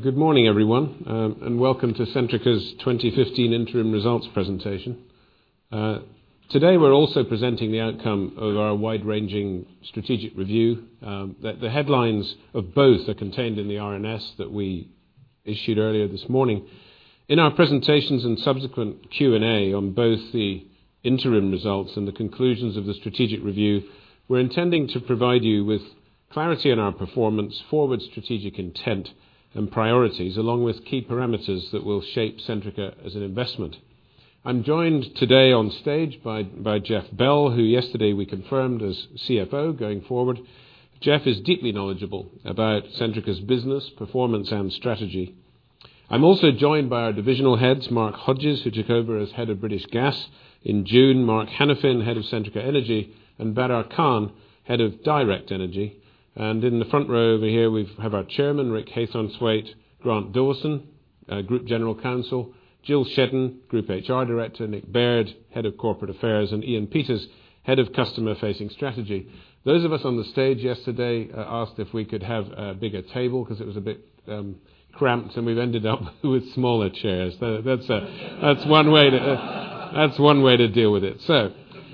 Good morning, everyone, and welcome to Centrica's 2015 interim results presentation. Today, we're also presenting the outcome of our wide-ranging strategic review, that the headlines of both are contained in the RNS that we issued earlier this morning. In our presentations and subsequent Q&A on both the interim results and the conclusions of the strategic review, we're intending to provide you with clarity on our performance, forward strategic intent, and priorities, along with key parameters that will shape Centrica as an investment. I'm joined today on stage by Jeff Bell, who yesterday we confirmed as CFO going forward. Jeff is deeply knowledgeable about Centrica's business, performance, and strategy. I'm also joined by our Divisional Heads, Mark Hodges, who took over as Head of British Gas in June, Mark Hanafin, Head of Centrica Energy, and Badar Khan, Head of Direct Energy. In the front row over here, we have our Chairman, Rick Haythornthwaite, Grant Dawson, our Group General Counsel, Jill Shedden, Group HR Director, Nick Baird, Head of Corporate Affairs, and Ian Peters, Head of Customer-Facing Strategy. Those of us on the stage yesterday asked if we could have a bigger table because it was a bit cramped, and we've ended up with smaller chairs. That's one way to deal with it.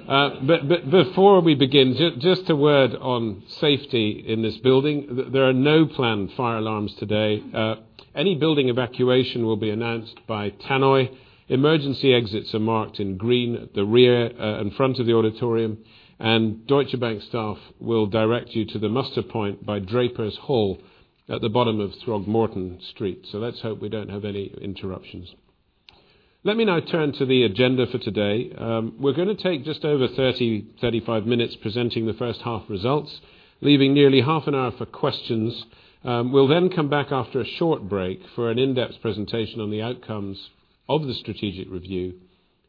Before we begin, just a word on safety in this building. There are no planned fire alarms today. Any building evacuation will be announced by tannoy. Emergency exits are marked in green at the rear and front of the auditorium, and Deutsche Bank staff will direct you to the muster point by Drapers' Hall at the bottom of Throgmorton Street. Let's hope we don't have any interruptions. Let me now turn to the agenda for today. We're going to take just over 30, 35 minutes presenting the first half results, leaving nearly half an hour for questions. We'll then come back after a short break for an in-depth presentation on the outcomes of the strategic review,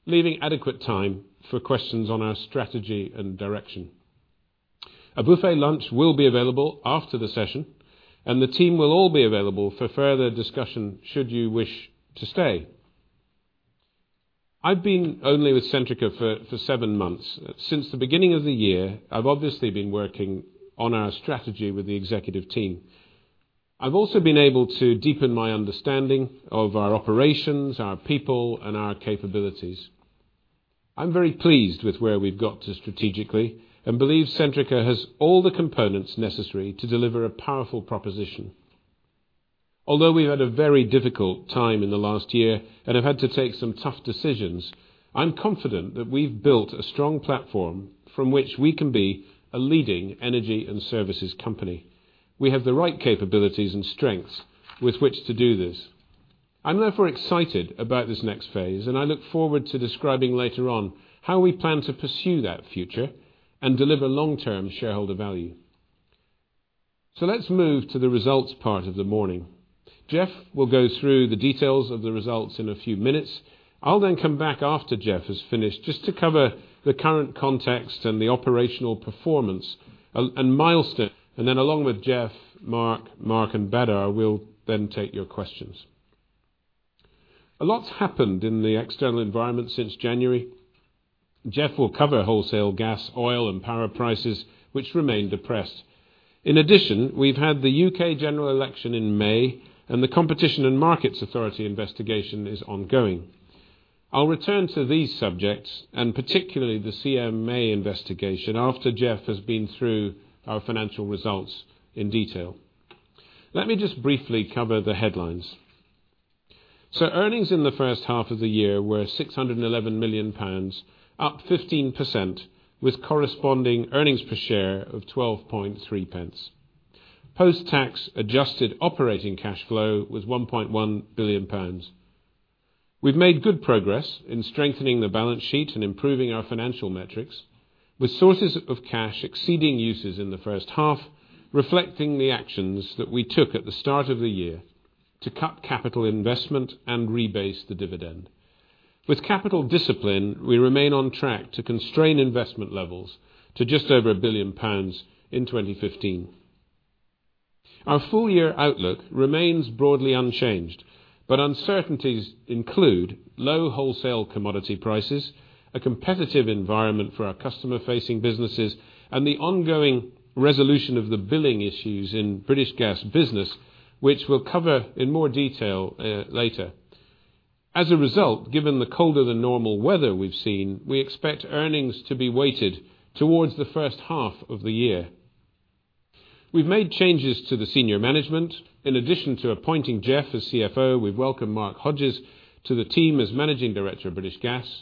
leaving adequate time for questions on our strategy and direction. A buffet lunch will be available after the session, and the team will all be available for further discussion should you wish to stay. I've been only with Centrica for seven months. Since the beginning of the year, I've obviously been working on our strategy with the executive team. I've also been able to deepen my understanding of our operations, our people, and our capabilities. I'm very pleased with where we've got to strategically and believe Centrica has all the components necessary to deliver a powerful proposition. Although we've had a very difficult time in the last year and have had to take some tough decisions, I'm confident that we've built a strong platform from which we can be a leading energy and services company. We have the right capabilities and strengths with which to do this. I'm therefore excited about this next phase, and I look forward to describing later on how we plan to pursue that future and deliver long-term shareholder value. Let's move to the results part of the morning. Jeff will go through the details of the results in a few minutes. I'll then come back after Jeff has finished just to cover the current context and the operational performance and milestone. Along with Jeff, Mark, and Badar, we'll then take your questions. A lot's happened in the external environment since January. Jeff will cover wholesale gas, oil, and power prices, which remain depressed. In addition, we've had the U.K. general election in May and the Competition and Markets Authority investigation is ongoing. I'll return to these subjects, and particularly the CMA investigation, after Jeff has been through our financial results in detail. Let me just briefly cover the headlines. Earnings in the first half of the year were 611 million pounds, up 15%, with corresponding earnings per share of 0.123. Post-tax adjusted operating cash flow was 1.1 billion pounds. We've made good progress in strengthening the balance sheet and improving our financial metrics, with sources of cash exceeding uses in the first half, reflecting the actions that we took at the start of the year to cut capital investment and rebase the dividend. With capital discipline, we remain on track to constrain investment levels to just over 1 billion pounds in 2015. Our full-year outlook remains broadly unchanged, but uncertainties include low wholesale commodity prices, a competitive environment for our customer-facing businesses, and the ongoing resolution of the billing issues in British Gas Business, which we'll cover in more detail later. As a result, given the colder-than-normal weather we've seen, we expect earnings to be weighted towards the first half of the year. We've made changes to the senior management. In addition to appointing Jeff as CFO, we welcome Mark Hodges to the team as Managing Director of British Gas.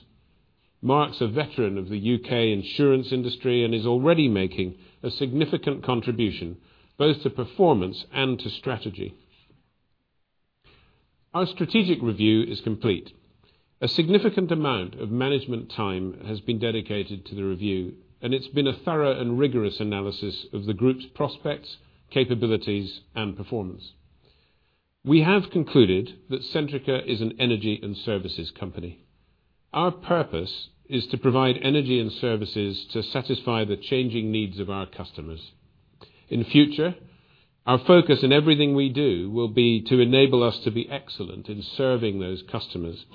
Mark's a veteran of the U.K. insurance industry and is already making a significant contribution, both to performance and to strategy. Our strategic review is complete. A significant amount of management time has been dedicated to the review, it's been a thorough and rigorous analysis of the group's prospects, capabilities, and performance. We have concluded that Centrica is an energy and services company. Our purpose is to provide energy and services to satisfy the changing needs of our customers. In future, our focus in everything we do will be to enable us to be excellent in serving those customers.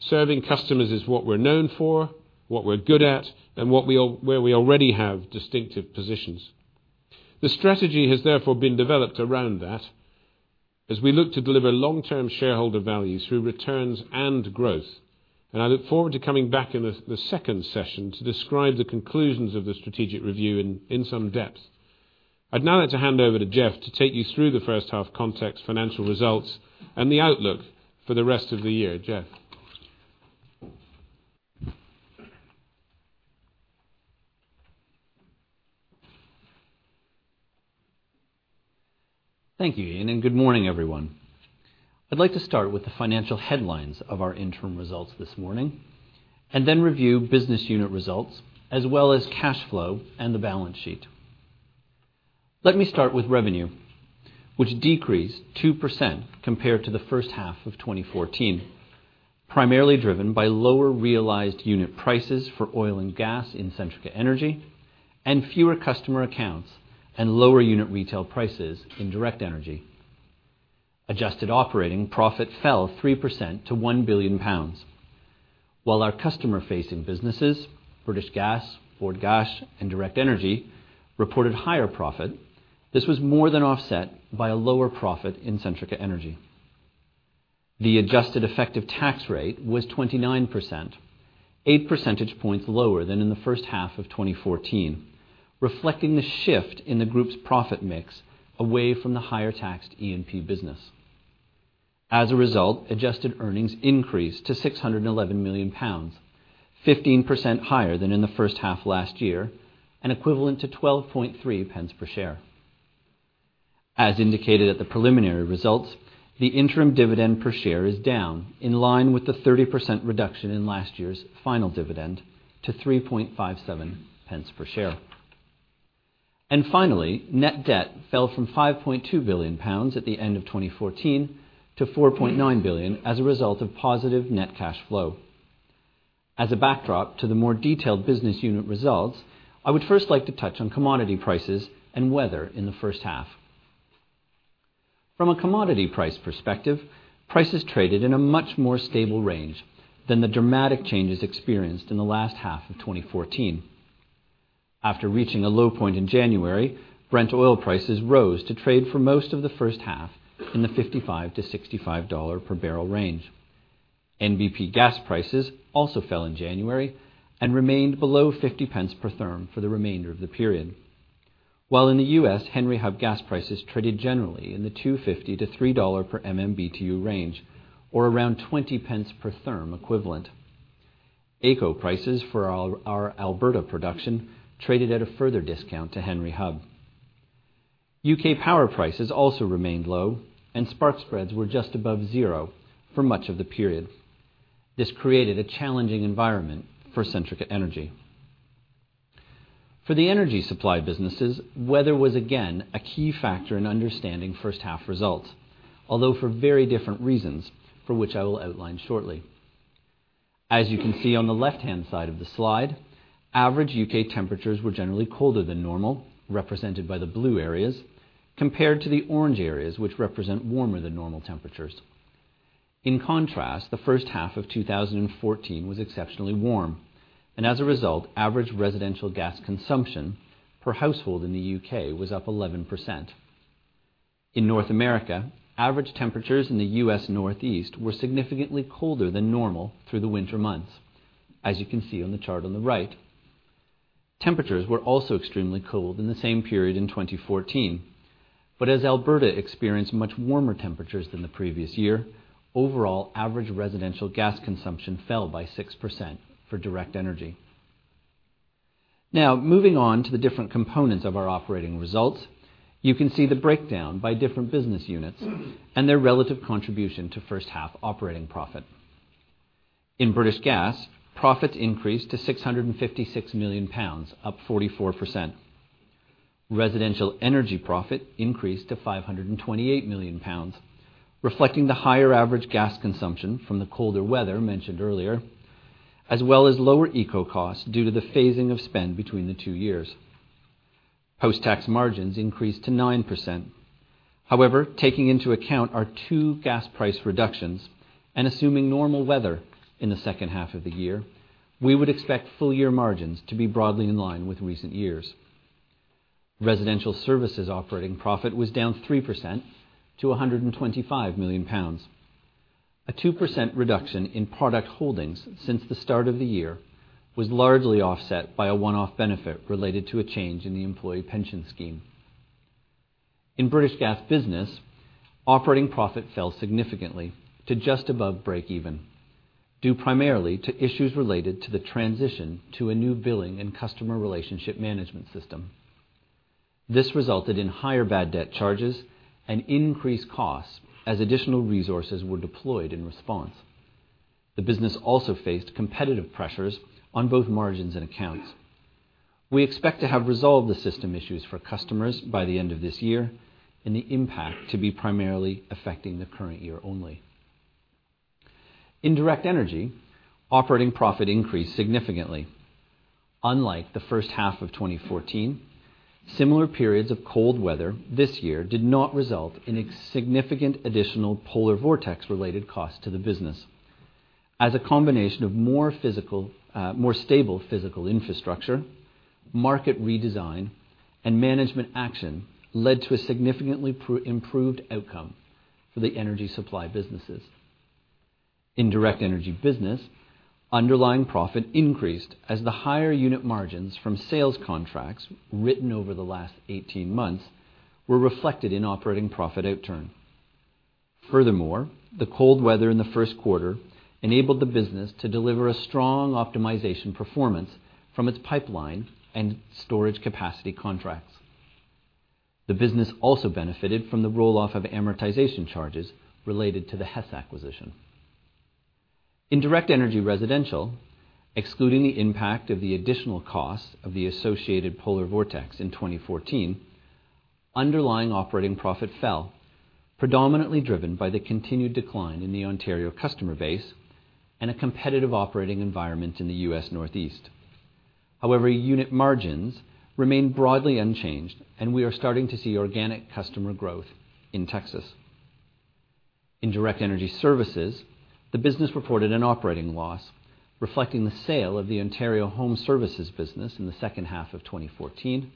Serving customers is what we're known for, what we're good at, and where we already have distinctive positions. The strategy has therefore been developed around that as we look to deliver long-term shareholder value through returns and growth. I look forward to coming back in the second session to describe the conclusions of the strategic review in some depth. I'd now like to hand over to Jeff to take you through the first-half context, financial results, and the outlook for the rest of the year. Jeff? Thank you, Iain, and good morning, everyone. I'd like to start with the financial headlines of our interim results this morning, then review business unit results, as well as cash flow and the balance sheet. Let me start with revenue, which decreased 2% compared to the first half of 2014, primarily driven by lower realized unit prices for oil and gas in Centrica Energy and fewer customer accounts and lower unit retail prices in Direct Energy. Adjusted operating profit fell 3% to 1 billion pounds. While our customer-facing businesses, British Gas, Bord Gáis, and Direct Energy, reported higher profit, this was more than offset by a lower profit in Centrica Energy. The adjusted effective tax rate was 29%, eight percentage points lower than in the first half of 2014, reflecting the shift in the group's profit mix away from the higher-taxed E&P business. As a result, adjusted earnings increased to 611 million pounds, 15% higher than in the first half last year, and equivalent to 0.123 per share. As indicated at the preliminary results, the interim dividend per share is down, in line with the 30% reduction in last year's final dividend to 0.0357 per share. Finally, net debt fell from 5.2 billion pounds at the end of 2014 to 4.9 billion as a result of positive net cash flow. As a backdrop to the more detailed business unit results, I would first like to touch on commodity prices and weather in the first half. From a commodity price perspective, prices traded in a much more stable range than the dramatic changes experienced in the last half of 2014. After reaching a low point in January, Brent oil prices rose to trade for most of the first half in the $55 to $65 per barrel range. NBP gas prices also fell in January and remained below 0.50 per therm for the remainder of the period. While in the U.S., Henry Hub gas prices traded generally in the $2.50 to $3 per MMBtu range, or around 0.20 per therm equivalent. AECO prices for our Alberta production traded at a further discount to Henry Hub. U.K. power prices also remained low, and spark spreads were just above zero for much of the period. This created a challenging environment for Centrica Energy. For the energy supply businesses, weather was again a key factor in understanding first half results, although for very different reasons, which I will outline shortly. As you can see on the left-hand side of the slide, average U.K. temperatures were generally colder than normal, represented by the blue areas, compared to the orange areas, which represent warmer than normal temperatures. In contrast, the first half of 2014 was exceptionally warm, as a result, average residential gas consumption per household in the U.K. was up 11%. In North America, average temperatures in the U.S. Northeast were significantly colder than normal through the winter months, as you can see on the chart on the right. Temperatures were also extremely cold in the same period in 2014. As Alberta experienced much warmer temperatures than the previous year, overall average residential gas consumption fell by 6% for Direct Energy. Moving on to the different components of our operating results, you can see the breakdown by different business units and their relative contribution to first-half operating profit. In British Gas, profits increased to 656 million pounds, up 44%. Residential energy profit increased to 528 million pounds, reflecting the higher average gas consumption from the colder weather mentioned earlier, as well as lower ECO costs due to the phasing of spend between the two years. Post-tax margins increased to 9%. However, taking into account our two gas price reductions and assuming normal weather in the second half of the year, we would expect full-year margins to be broadly in line with recent years. Residential services operating profit was down 3% to 125 million pounds. A 2% reduction in product holdings since the start of the year was largely offset by a one-off benefit related to a change in the employee pension scheme. In British Gas Business, operating profit fell significantly to just above break even, due primarily to issues related to the transition to a new billing and customer relationship management system. This resulted in higher bad debt charges and increased costs as additional resources were deployed in response. The business also faced competitive pressures on both margins and accounts. We expect to have resolved the system issues for customers by the end of this year and the impact to be primarily affecting the current year only. In Direct Energy, operating profit increased significantly. Unlike the first half of 2014, similar periods of cold weather this year did not result in a significant additional polar vortex-related cost to the business. A combination of more stable physical infrastructure, market redesign, and management action led to a significantly improved outcome for the energy supply businesses. In Direct Energy Business, underlying profit increased as the higher unit margins from sales contracts written over the last 18 months were reflected in operating profit outturn. Furthermore, the cold weather in the first quarter enabled the business to deliver a strong optimization performance from its pipeline and storage capacity contracts. The business also benefited from the roll-off of amortization charges related to the Hess acquisition. In Direct Energy Residential, excluding the impact of the additional cost of the associated polar vortex in 2014, underlying operating profit fell, predominantly driven by the continued decline in the Ontario customer base and a competitive operating environment in the U.S. Northeast. However, unit margins remain broadly unchanged, and we are starting to see organic customer growth in Texas. In Direct Energy Services, the business reported an operating loss, reflecting the sale of the Ontario Home Services business in the second half of 2014,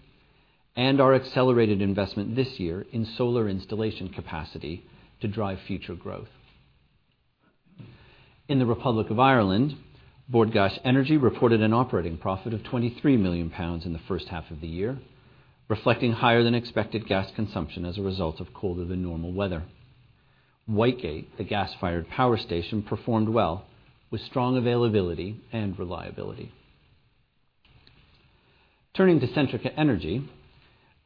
and our accelerated investment this year in solar installation capacity to drive future growth. In the Republic of Ireland, Bord Gáis Energy reported an operating profit of 23 million pounds in the first half of the year, reflecting higher-than-expected gas consumption as a result of colder-than-normal weather. Whitegate, the gas-fired power station, performed well, with strong availability and reliability. Turning to Centrica Energy,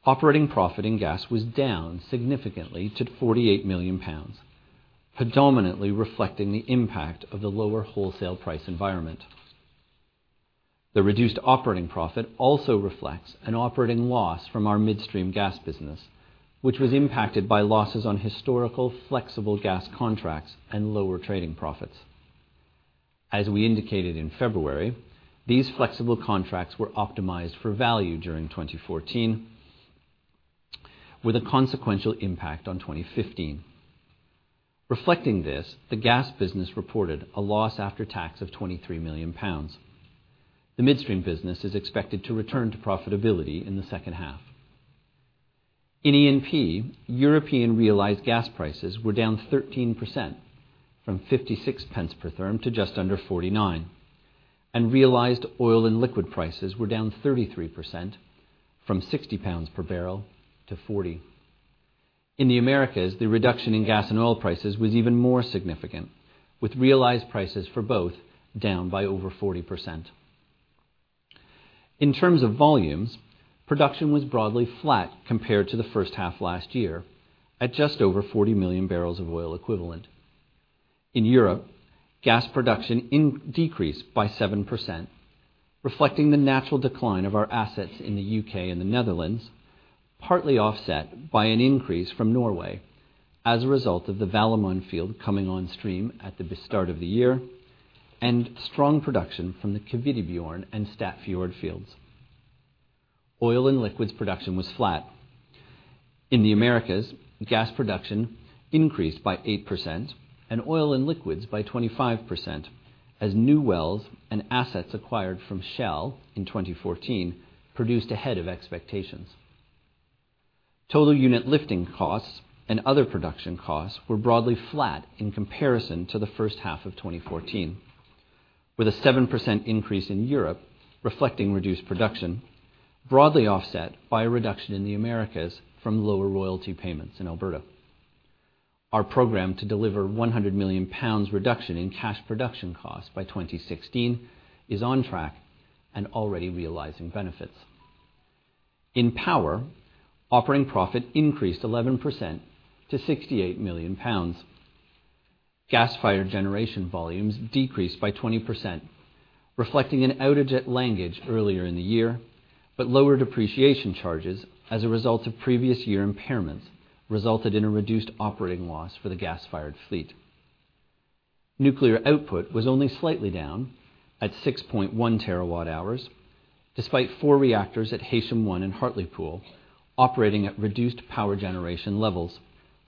operating profit in gas was down significantly to 48 million pounds, predominantly reflecting the impact of the lower wholesale price environment. The reduced operating profit also reflects an operating loss from our midstream gas business, which was impacted by losses on historical flexible gas contracts and lower trading profits. As we indicated in February, these flexible contracts were optimized for value during 2014, with a consequential impact on 2015. Reflecting this, the gas business reported a loss after tax of 23 million pounds. The midstream business is expected to return to profitability in the second half. In E&P, European realized gas prices were down 13%, from 0.66 per therm to just under 0.49, and realized oil and liquid prices were down 33%, from 60 pounds per barrel to 40. In the Americas, the reduction in gas and oil prices was even more significant, with realized prices for both down by over 40%. In terms of volumes, production was broadly flat compared to the first half last year at just over 40 million barrels of oil equivalent. In Europe, gas production decreased by 7%, reflecting the natural decline of our assets in the U.K. and the Netherlands, partly offset by an increase from Norway as a result of the Valemon field coming on stream at the start of the year and strong production from the Kvitebjørn and Statfjord fields. Oil and liquids production was flat. In the Americas, gas production increased by 8% and oil and liquids by 25%, as new wells and assets acquired from Shell in 2014 produced ahead of expectations. Total unit lifting costs and other production costs were broadly flat in comparison to the first half of 2014, with a 7% increase in Europe reflecting reduced production, broadly offset by a reduction in the Americas from lower royalty payments in Alberta. Our program to deliver 100 million pounds reduction in cash production costs by 2016 is on track and already realizing benefits. In power, operating profit increased 11% to 68 million pounds. Gas-fired generation volumes decreased by 20%, reflecting an outage at Langage earlier in the year, but lower depreciation charges as a result of previous year impairments resulted in a reduced operating loss for the gas-fired fleet. Nuclear output was only slightly down at 6.1 terawatt-hours, despite four reactors at Heysham 1 and Hartlepool operating at reduced power generation levels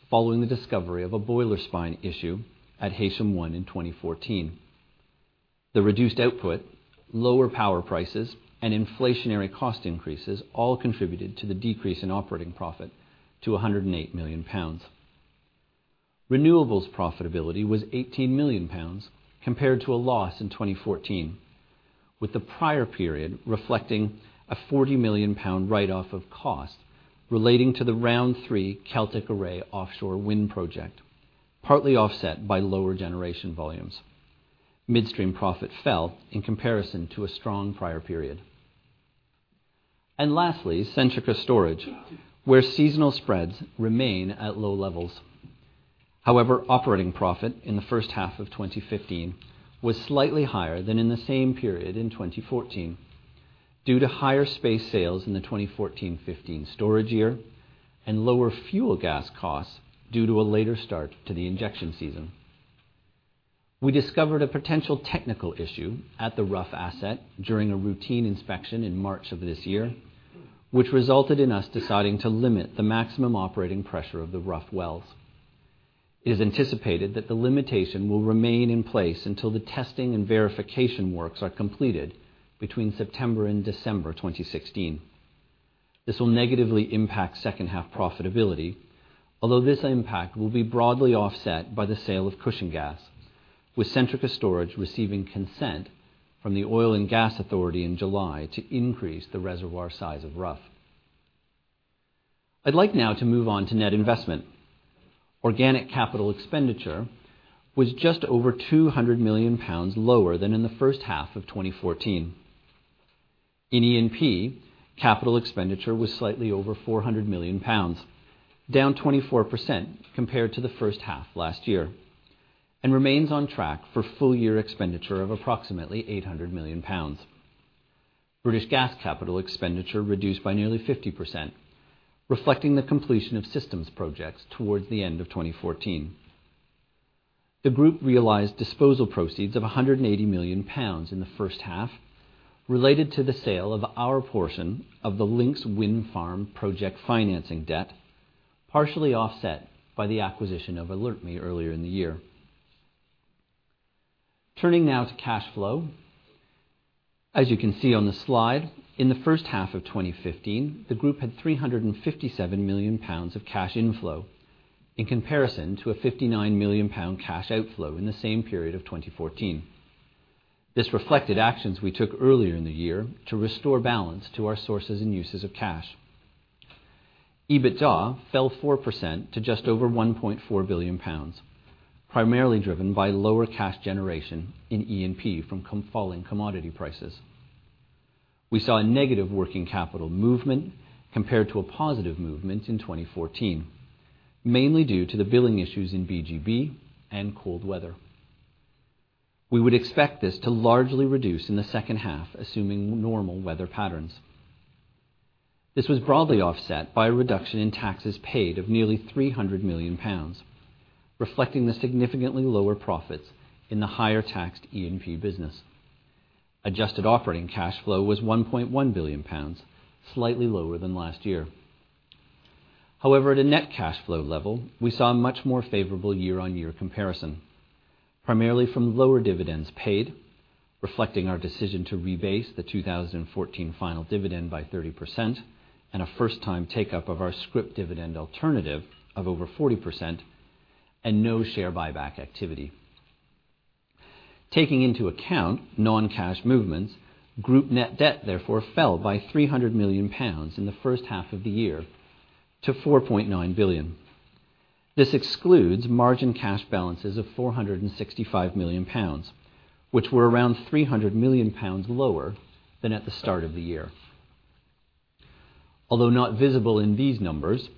following the discovery of a boiler spine issue at Heysham 1 in 2014. The reduced output, lower power prices, and inflationary cost increases all contributed to the decrease in operating profit to 108 million pounds. Renewables profitability was 18 million pounds, compared to a loss in 2014, with the prior period reflecting a 40 million pound write-off of cost relating to the Round 3 Celtic Array offshore wind project, partly offset by lower generation volumes. Midstream profit fell in comparison to a strong prior period. Lastly, Centrica Storage, where seasonal spreads remain at low levels. However, operating profit in the first half of 2015 was slightly higher than in the same period in 2014 due to higher space sales in the 2014-15 storage year and lower fuel gas costs due to a later start to the injection season. We discovered a potential technical issue at the Rough asset during a routine inspection in March of this year, which resulted in us deciding to limit the maximum operating pressure of the Rough wells. It is anticipated that the limitation will remain in place until the testing and verification works are completed between September and December 2016. This will negatively impact second half profitability, although this impact will be broadly offset by the sale of cushion gas, with Centrica Storage receiving consent from the Oil and Gas Authority in July to increase the reservoir size of Rough. I'd like now to move on to net investment. Organic capital expenditure was just over 200 million pounds lower than in the first half of 2014. In E&P, capital expenditure was slightly over 400 million pounds, down 24% compared to the first half last year, remains on track for full year expenditure of approximately 800 million pounds. British Gas capital expenditure reduced by nearly 50%, reflecting the completion of systems projects towards the end of 2014. The group realized disposal proceeds of 180 million pounds in the first half, related to the sale of our portion of the Lincs Wind Farm project financing debt, partially offset by the acquisition of AlertMe earlier in the year. Turning now to cash flow. As you can see on the slide, in the first half of 2015, the group had 357 million pounds of cash inflow in comparison to a 59 million pound cash outflow in the same period of 2014. This reflected actions we took earlier in the year to restore balance to our sources and uses of cash. EBITDA fell 4% to just over 1.4 billion pounds, primarily driven by lower cash generation in E&P from falling commodity prices. We saw a negative working capital movement compared to a positive movement in 2014, mainly due to the billing issues in BGB and cold weather. We would expect this to largely reduce in the second half, assuming normal weather patterns. This was broadly offset by a reduction in taxes paid of nearly 300 million pounds, reflecting the significantly lower profits in the higher-taxed E&P business. Adjusted operating cash flow was 1.1 billion pounds, slightly lower than last year. However, at a net cash flow level, we saw a much more favorable year-on-year comparison, primarily from lower dividends paid, reflecting our decision to rebase the 2014 final dividend by 30% and a first-time take-up of our scrip dividend alternative of over 40%, and no share buyback activity. Taking into account non-cash movements, group net debt therefore fell by 300 million pounds in the first half of the year to 4.9 billion. This excludes margin cash balances of 465 million pounds, which were around 300 million pounds lower than at the start of the year. Although not visible in these numbers,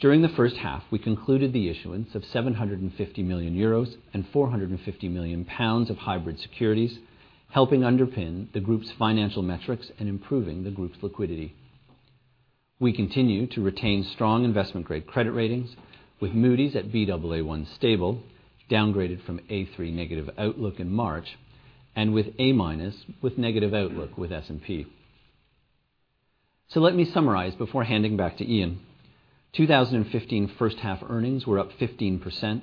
during the first half, we concluded the issuance of €750 million and 450 million pounds of hybrid securities, helping underpin the group's financial metrics and improving the group's liquidity. We continue to retain strong investment-grade credit ratings with Moody's at Baa1 stable, downgraded from A3 negative outlook in March, and with A- with negative outlook with S&P. Let me summarize before handing back to Iain. 2015 first-half earnings were up 15%,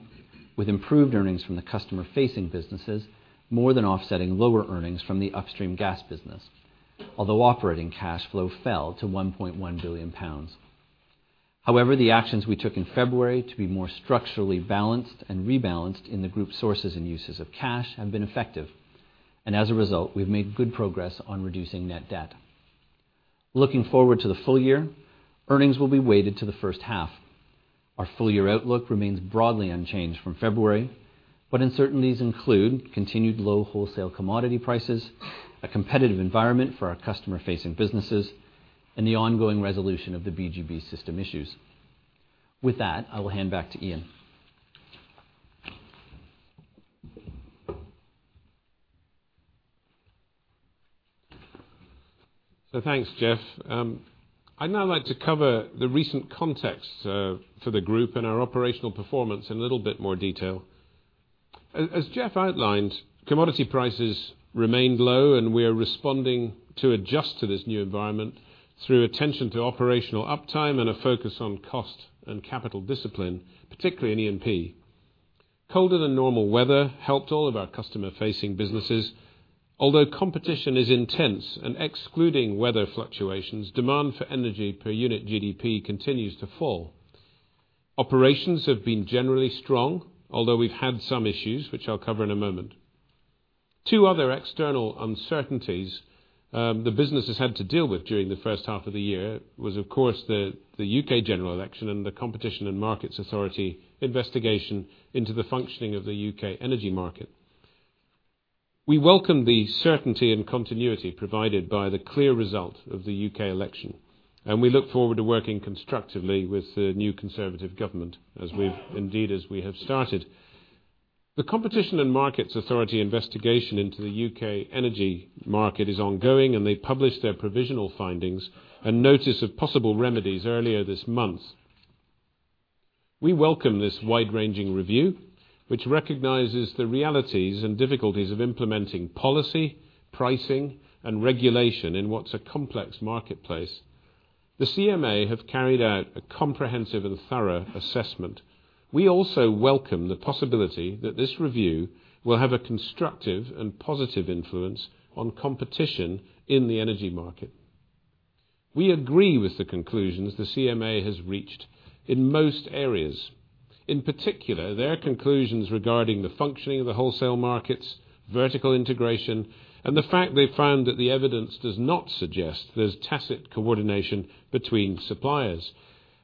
with improved earnings from the customer-facing businesses more than offsetting lower earnings from the upstream gas business. Although operating cash flow fell to 1.1 billion pounds. However, the actions we took in February to be more structurally balanced and rebalanced in the group's sources and uses of cash have been effective, and as a result, we've made good progress on reducing net debt. Looking forward to the full year, earnings will be weighted to the first half. Our full-year outlook remains broadly unchanged from February. Uncertainties include continued low wholesale commodity prices, a competitive environment for our customer-facing businesses, and the ongoing resolution of the BGB system issues. With that, I will hand back to Iain. Thanks, Jeff. I'd now like to cover the recent context for the group and our operational performance in a little bit more detail. As Jeff outlined, commodity prices remained low, and we are responding to adjust to this new environment through attention to operational uptime and a focus on cost and capital discipline, particularly in E&P. Colder-than-normal weather helped all of our customer-facing businesses, although competition is intense and excluding weather fluctuations, demand for energy per unit GDP continues to fall. Operations have been generally strong, although we've had some issues, which I'll cover in a moment. Two other external uncertainties the business has had to deal with during the first half of the year was, of course, the U.K. general election and the Competition and Markets Authority investigation into the functioning of the U.K. energy market. We welcome the certainty and continuity provided by the clear result of the U.K. election. We look forward to working constructively with the new Conservative government as we have started. The Competition and Markets Authority investigation into the U.K. energy market is ongoing. They published their provisional findings and notice of possible remedies earlier this month. We welcome this wide-ranging review, which recognizes the realities and difficulties of implementing policy, pricing, and regulation in what's a complex marketplace. The CMA have carried out a comprehensive and thorough assessment. We also welcome the possibility that this review will have a constructive and positive influence on competition in the energy market. We agree with the conclusions the CMA has reached in most areas, in particular, their conclusions regarding the functioning of the wholesale markets, vertical integration. The fact they found that the evidence does not suggest there's tacit coordination between suppliers.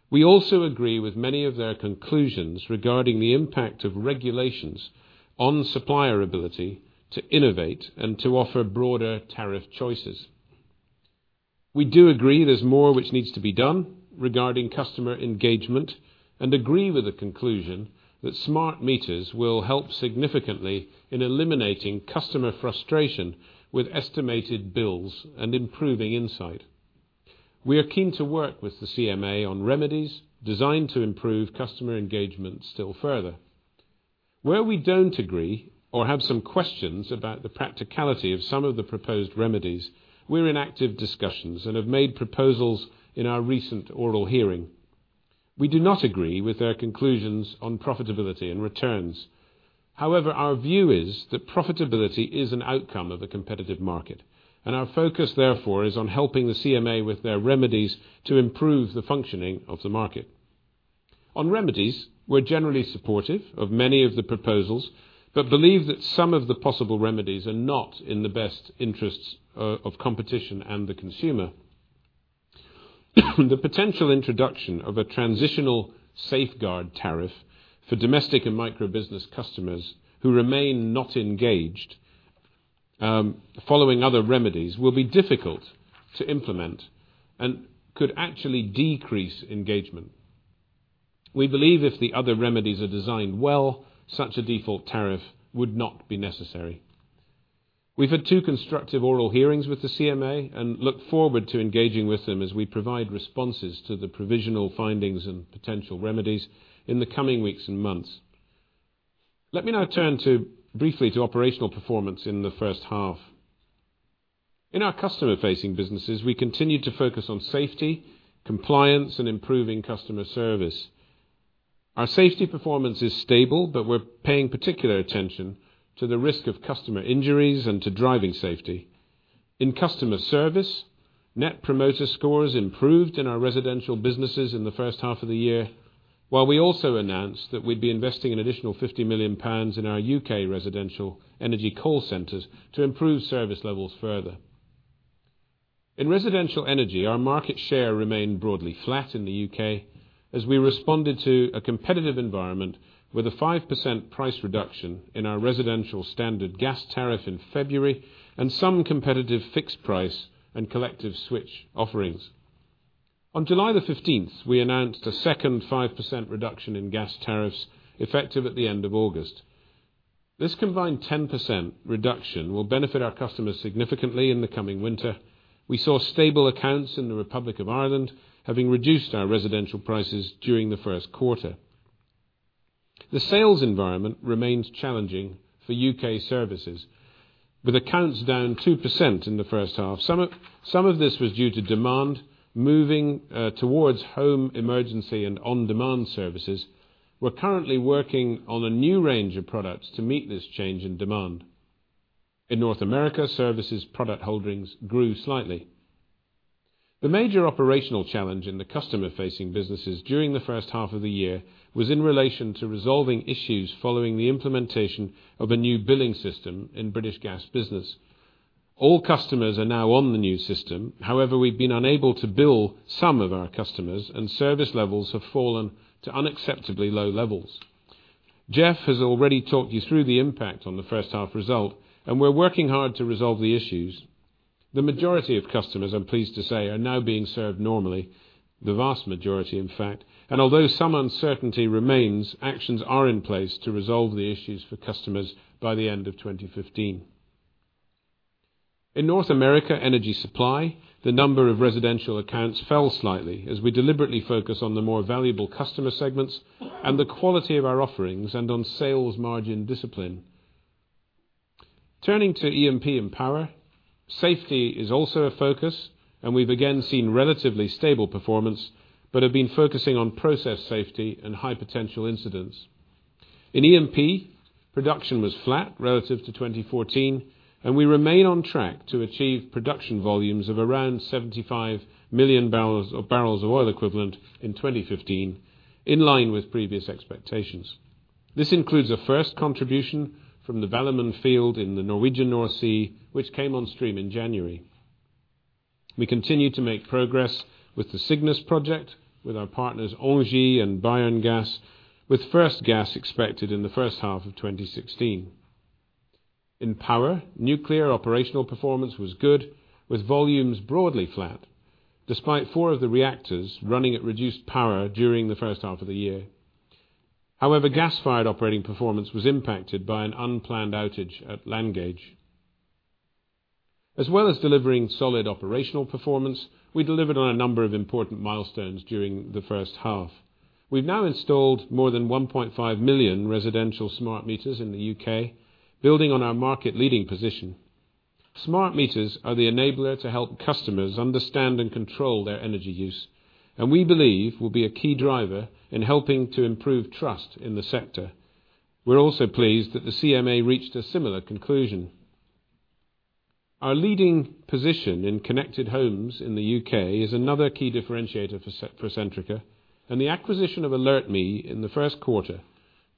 We also agree with many of their conclusions regarding the impact of regulations on supplier ability to innovate and to offer broader tariff choices. We do agree there's more which needs to be done regarding customer engagement. Agree with the conclusion that smart meters will help significantly in eliminating customer frustration with estimated bills and improving insight. We are keen to work with the CMA on remedies designed to improve customer engagement still further. Where we don't agree or have some questions about the practicality of some of the proposed remedies, we're in active discussions and have made proposals in our recent oral hearing. We do not agree with their conclusions on profitability and returns. Our view is that profitability is an outcome of a competitive market, and our focus, therefore, is on helping the CMA with their remedies to improve the functioning of the market. We're generally supportive of many of the proposals but believe that some of the possible remedies are not in the best interests of competition and the consumer. The potential introduction of a transitional safeguard tariff for domestic and micro business customers who remain not engaged, following other remedies, will be difficult to implement and could actually decrease engagement. We believe if the other remedies are designed well, such a default tariff would not be necessary. We've had two constructive oral hearings with the CMA and look forward to engaging with them as we provide responses to the provisional findings and potential remedies in the coming weeks and months. Let me now turn briefly to operational performance in the first half. In our customer-facing businesses, we continued to focus on safety, compliance, and improving customer service. Our safety performance is stable, but we're paying particular attention to the risk of customer injuries and to driving safety. In customer service, Net Promoter Scores improved in our residential businesses in the first half of the year, while we also announced that we'd be investing an additional 50 million pounds in our U.K. residential energy call centers to improve service levels further. In residential energy, our market share remained broadly flat in the U.K. as we responded to a competitive environment with a 5% price reduction in our residential standard gas tariff in February and some competitive fixed price and collective switch offerings. On July the 15th, we announced a second 5% reduction in gas tariffs, effective at the end of August. This combined 10% reduction will benefit our customers significantly in the coming winter. We saw stable accounts in the Republic of Ireland, having reduced our residential prices during the first quarter. The sales environment remains challenging for U.K. services, with accounts down 2% in the first half. Some of this was due to demand moving towards home emergency and on-demand services. We're currently working on a new range of products to meet this change in demand. In North America, services product holdings grew slightly. The major operational challenge in the customer-facing businesses during the first half of the year was in relation to resolving issues following the implementation of a new billing system in British Gas Business. All customers are now on the new system. We've been unable to bill some of our customers, and service levels have fallen to unacceptably low levels. Jeff has already talked you through the impact on the first half result, and we're working hard to resolve the issues. The majority of customers, I'm pleased to say, are now being served normally, the vast majority, in fact, and although some uncertainty remains, actions are in place to resolve the issues for customers by the end of 2015. In North America Energy Supply, the number of residential accounts fell slightly as we deliberately focus on the more valuable customer segments and the quality of our offerings and on sales margin discipline. Turning to E&P and Power, safety is also a focus, and we've again seen relatively stable performance but have been focusing on process safety and high-potential incidents. In E&P, production was flat relative to 2014, and we remain on track to achieve production volumes of around 75 million barrels of oil equivalent in 2015, in line with previous expectations. This includes a first contribution from the Valemon field in the Norwegian North Sea, which came on stream in January. We continue to make progress with the Cygnus project with our partners, Engie and Bayerngas, with first gas expected in the first half of 2016. In Power, nuclear operational performance was good, with volumes broadly flat despite four of the reactors running at reduced power during the first half of the year. However, gas-fired operating performance was impacted by an unplanned outage at Langage. As well as delivering solid operational performance, we delivered on a number of important milestones during the first half. We've now installed more than 1.5 million residential smart meters in the U.K., building on our market-leading position. Smart meters are the enabler to help customers understand and control their energy use, and we believe will be a key driver in helping to improve trust in the sector. We're also pleased that the CMA reached a similar conclusion. Our leading position in connected homes in the U.K. is another key differentiator for Centrica, and the acquisition of AlertMe in the first quarter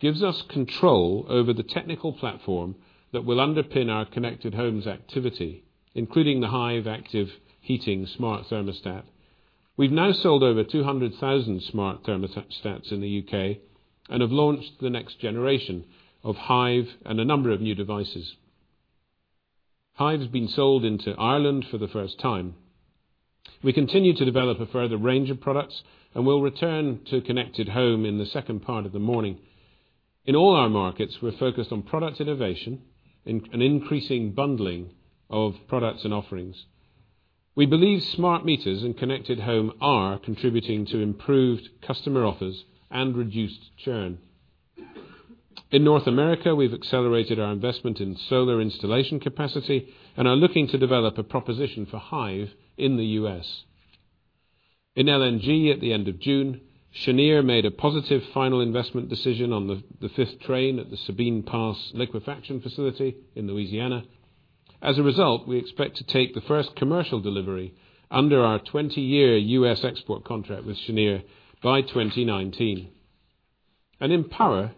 gives us control over the technical platform that will underpin our connected homes activity, including the Hive Active Heating smart thermostat. We've now sold over 200,000 smart thermostats in the U.K., and have launched the next generation of Hive and a number of new devices. Hive has been sold into Ireland for the first time. We continue to develop a further range of products, and we'll return to connected home in the second part of the morning. In all our markets, we're focused on product innovation and increasing bundling of products and offerings. We believe smart meters and connected home are contributing to improved customer offers and reduced churn. In North America, we've accelerated our investment in solar installation capacity and are looking to develop a proposition for Hive in the U.S. In LNG at the end of June, Cheniere made a positive final investment decision on the fifth train at the Sabine Pass liquefaction facility in Louisiana. As a result, we expect to take the first commercial delivery under our 20-year U.S. export contract with Cheniere by 2019. In power,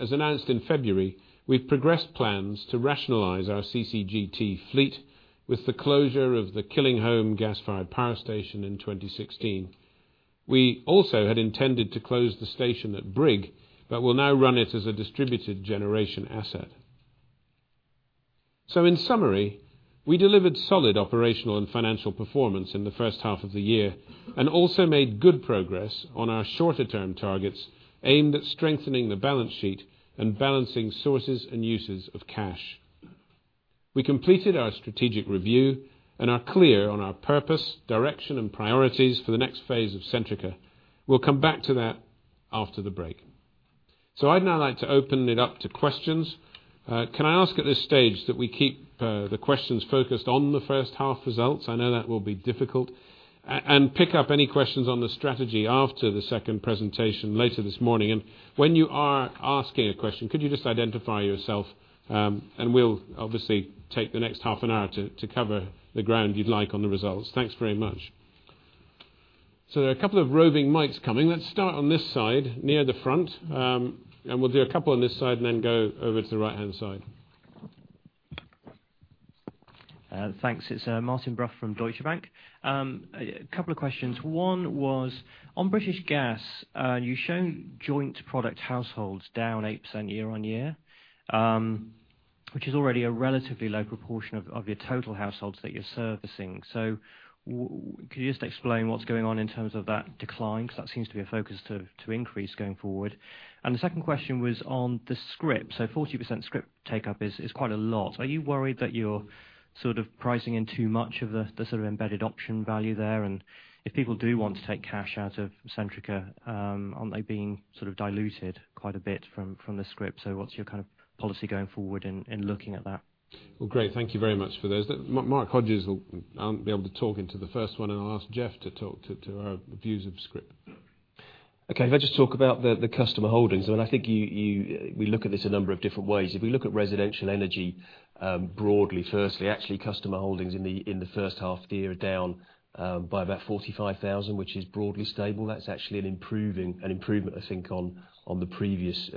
as announced in February, we've progressed plans to rationalize our CCGT fleet with the closure of the Killingholme gas-fired power station in 2016. We also had intended to close the station at Brigg, but will now run it as a distributed generation asset. In summary, we delivered solid operational and financial performance in the first half of the year and also made good progress on our shorter-term targets aimed at strengthening the balance sheet and balancing sources and uses of cash. We completed our strategic review and are clear on our purpose, direction, and priorities for the next phase of Centrica. We'll come back to that after the break. I'd now like to open it up to questions. Can I ask at this stage that we keep the questions focused on the first half results? I know that will be difficult. Pick up any questions on the strategy after the second presentation later this morning. When you are asking a question, could you just identify yourself? We'll obviously take the next half an hour to cover the ground you'd like on the results. Thanks very much. There are a couple of roving mics coming. Let's start on this side, near the front, and we'll do a couple on this side and then go over to the right-hand side. Thanks. It's Martin Brough from Deutsche Bank. Couple of questions. One was on British Gas. You show joint product households down 8% year-on-year, which is already a relatively low proportion of your total households that you're servicing. Could you just explain what's going on in terms of that decline, because that seems to be a focus to increase going forward. The second question was on the scrip. 40% scrip take-up is quite a lot. Are you worried that you're pricing in too much of the embedded option value there? If people do want to take cash out of Centrica, aren't they being diluted quite a bit from the scrip? What's your policy going forward in looking at that? Well, great. Thank you very much for those. Mark Hodges will be able to talk into the first one, and I'll ask Jeff to talk to our views of scrip. Okay. If I just talk about the customer holdings, I think we look at this a number of different ways. If we look at residential energy broadly, firstly, actually customer holdings in the first half of the year are down by about 45,000, which is broadly stable. That's actually an improvement I think on the previous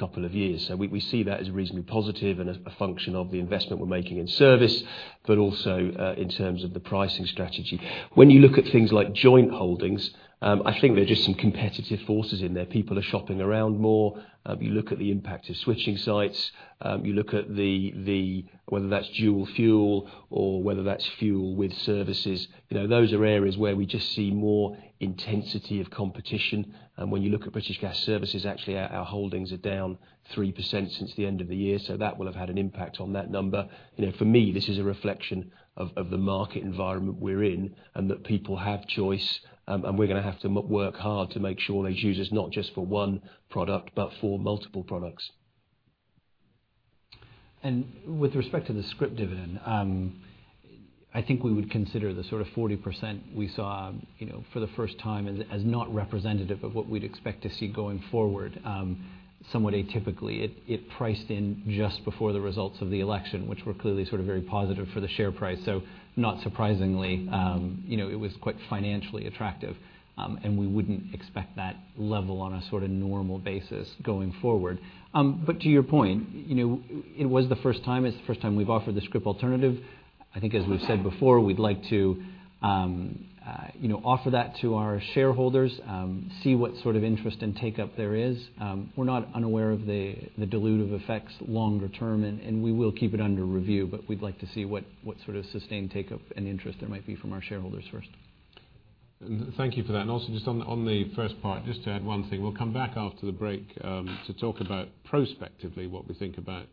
couple of years. We see that as reasonably positive and a function of the investment we're making in service, but also in terms of the pricing strategy. When you look at things like joint holdings, I think there are just some competitive forces in there. People are shopping around more. You look at the impact of switching sites. You look at whether that's dual fuel or whether that's fuel with services. Those are areas where we just see more intensity of competition. When you look at British Gas Services, actually our holdings are down 3% since the end of the year, so that will have had an impact on that number. For me, this is a reflection of the market environment we're in, and that people have choice, and we're going to have to work hard to make sure they choose us not just for one product, but for multiple products. With respect to the scrip dividend, I think we would consider the 40% we saw for the first time as not representative of what we'd expect to see going forward. Somewhat atypically, it priced in just before the results of the election, which were clearly very positive for the share price. Not surprisingly, it was quite financially attractive. We wouldn't expect that level on a normal basis going forward. To your point, it was the first time. It's the first time we've offered the scrip alternative. I think as we've said before, we'd like to offer that to our shareholders, see what sort of interest and take-up there is. We're not unaware of the dilutive effects longer term, and we will keep it under review, but we'd like to see what sort of sustained take-up and interest there might be from our shareholders first. Thank you for that. Also just on the first part, just to add one thing. We'll come back after the break to talk about prospectively what we think about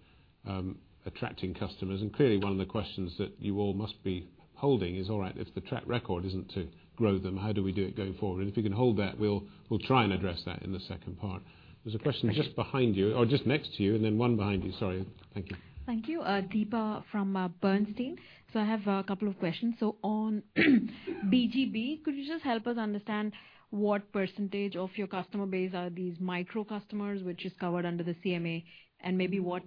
attracting customers. Clearly one of the questions that you all must be holding is, all right, if the track record isn't to grow them, how do we do it going forward? If you can hold that, we'll try and address that in the second part. There's a question just behind you or just next to you, and then one behind you. Sorry. Thank you. Thank you. Deepa from Bernstein. I have a couple of questions. On BGB, could you just help us understand what percentage of your customer base are these micro customers, which is covered under the CMA, and maybe what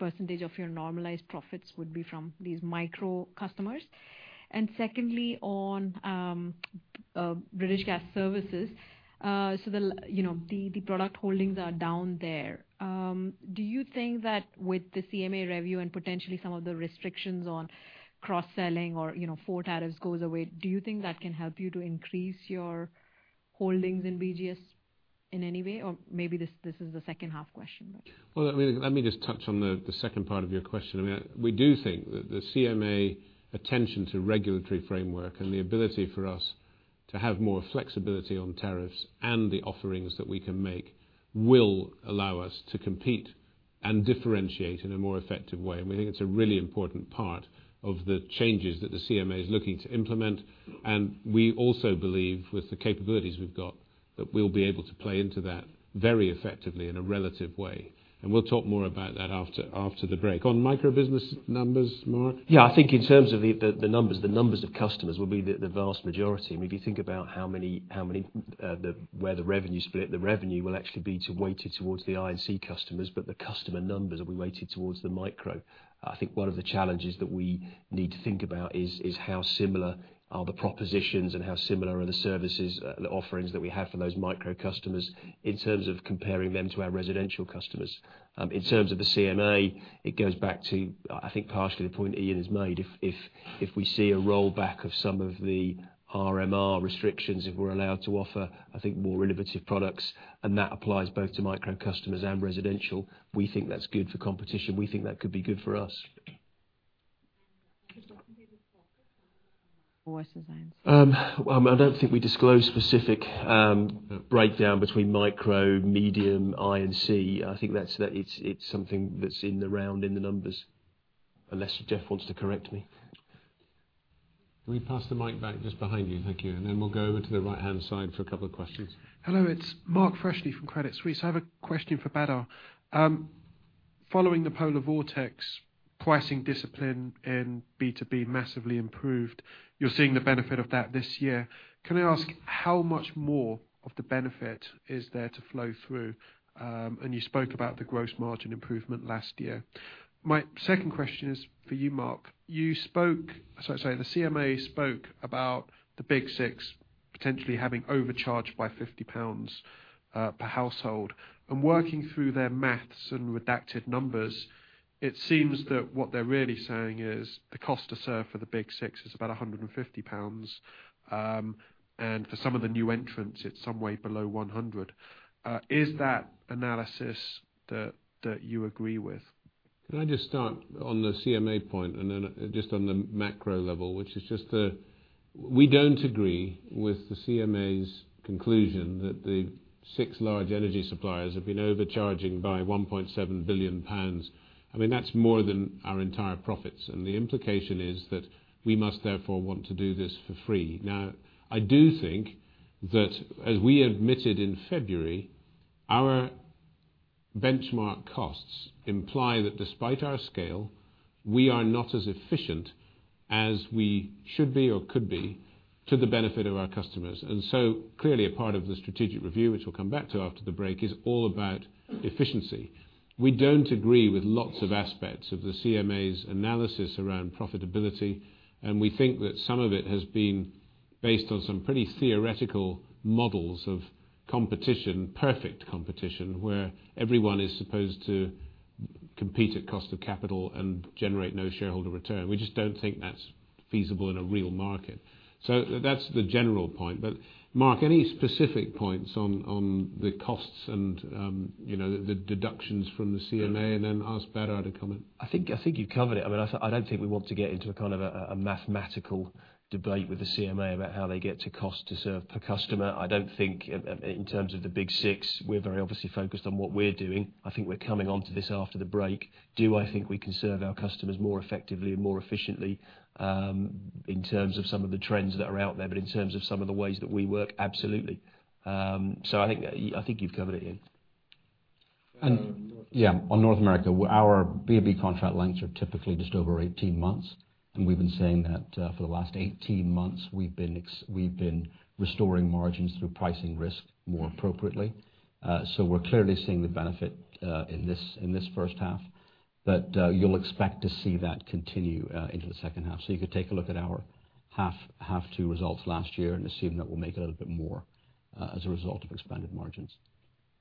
percentage of your normalized profits would be from these micro customers? Secondly, on British Gas Services, the product holdings are down there. Do you think that with the CMA review and potentially some of the restrictions on cross-selling or four tariffs goes away, do you think that can help you to increase your holdings in BGS in any way? Maybe this is the second half question, but Well, let me just touch on the second part of your question. We do think that the CMA attention to regulatory framework and the ability for us to have more flexibility on tariffs and the offerings that we can make will allow us to compete and differentiate in a more effective way. We think it's a really important part of the changes that the CMA is looking to implement. We also believe, with the capabilities we've got, that we'll be able to play into that very effectively in a relative way. We'll talk more about that after the break. On micro business numbers, Mark? Yeah, I think in terms of the numbers, the numbers of customers will be the vast majority. If you think about where the revenue split, the revenue will actually be weighted towards the I&C customers, but the customer numbers will be weighted towards the micro. I think one of the challenges that we need to think about is how similar are the propositions and how similar are the services, the offerings that we have for those micro customers in terms of comparing them to our residential customers. In terms of the CMA, it goes back to, I think, partially the point Iain has made. If we see a rollback of some of the RMR restrictions, if we're allowed to offer, I think, more innovative products, and that applies both to micro customers and residential, we think that's good for competition. We think that could be good for us. Could you tell me the focus on micro versus I&C? I don't think we disclose specific breakdown between micro, medium, I&C. I think that it's something that's in the round in the numbers, unless Jeff wants to correct me. Can we pass the mic back just behind you? Thank you. Then we'll go over to the right-hand side for a couple of questions. Hello, it's Mark Freshney from Credit Suisse. I have a question for Badar. Following the polar vortex pricing discipline in B2B massively improved. You're seeing the benefit of that this year. Can I ask how much more of the benefit is there to flow through? You spoke about the gross margin improvement last year. My second question is for you, Mark. The CMA spoke about the Big Six potentially having overcharged by 50 pounds per household. Working through their math and redacted numbers, it seems that what they're really saying is the cost to serve for the Big Six is about 150 pounds, and for some of the new entrants, it's some way below 100. Is that analysis that you agree with? Can I just start on the CMA point and then just on the macro level, which is just that we don't agree with the CMA's conclusion that the six large energy suppliers have been overcharging by 1.7 billion pounds. I mean, that's more than our entire profits. The implication is that we must therefore want to do this for free. Now, I do think that, as we admitted in February, our benchmark costs imply that despite our scale, we are not as efficient as we should be or could be to the benefit of our customers. So clearly a part of the strategic review, which we'll come back to after the break, is all about efficiency. We don't agree with lots of aspects of the CMA's analysis around profitability. We think that some of it has been based on some pretty theoretical models of competition, perfect competition, where everyone is supposed to compete at cost of capital and generate no shareholder return. We just don't think that's feasible in a real market. That's the general point. Mark, any specific points on the costs and the deductions from the CMA, and then ask Badar to comment. I think you've covered it. I don't think we want to get into a kind of a mathematical debate with the CMA about how they get to cost to serve per customer. I don't think in terms of the Big Six, we're very obviously focused on what we're doing. I think we're coming onto this after the break. Do I think we can serve our customers more effectively and more efficiently? In terms of some of the trends that are out there, but in terms of some of the ways that we work, absolutely. I think you've covered it, Ian. And- On North America, our B2B contract lengths are typically just over 18 months. We've been saying that for the last 18 months. We've been restoring margins through pricing risk more appropriately. We're clearly seeing the benefit, in this first half, but you'll expect to see that continue into the second half. You could take a look at our half two results last year and assume that we'll make a little bit more as a result of expanded margins.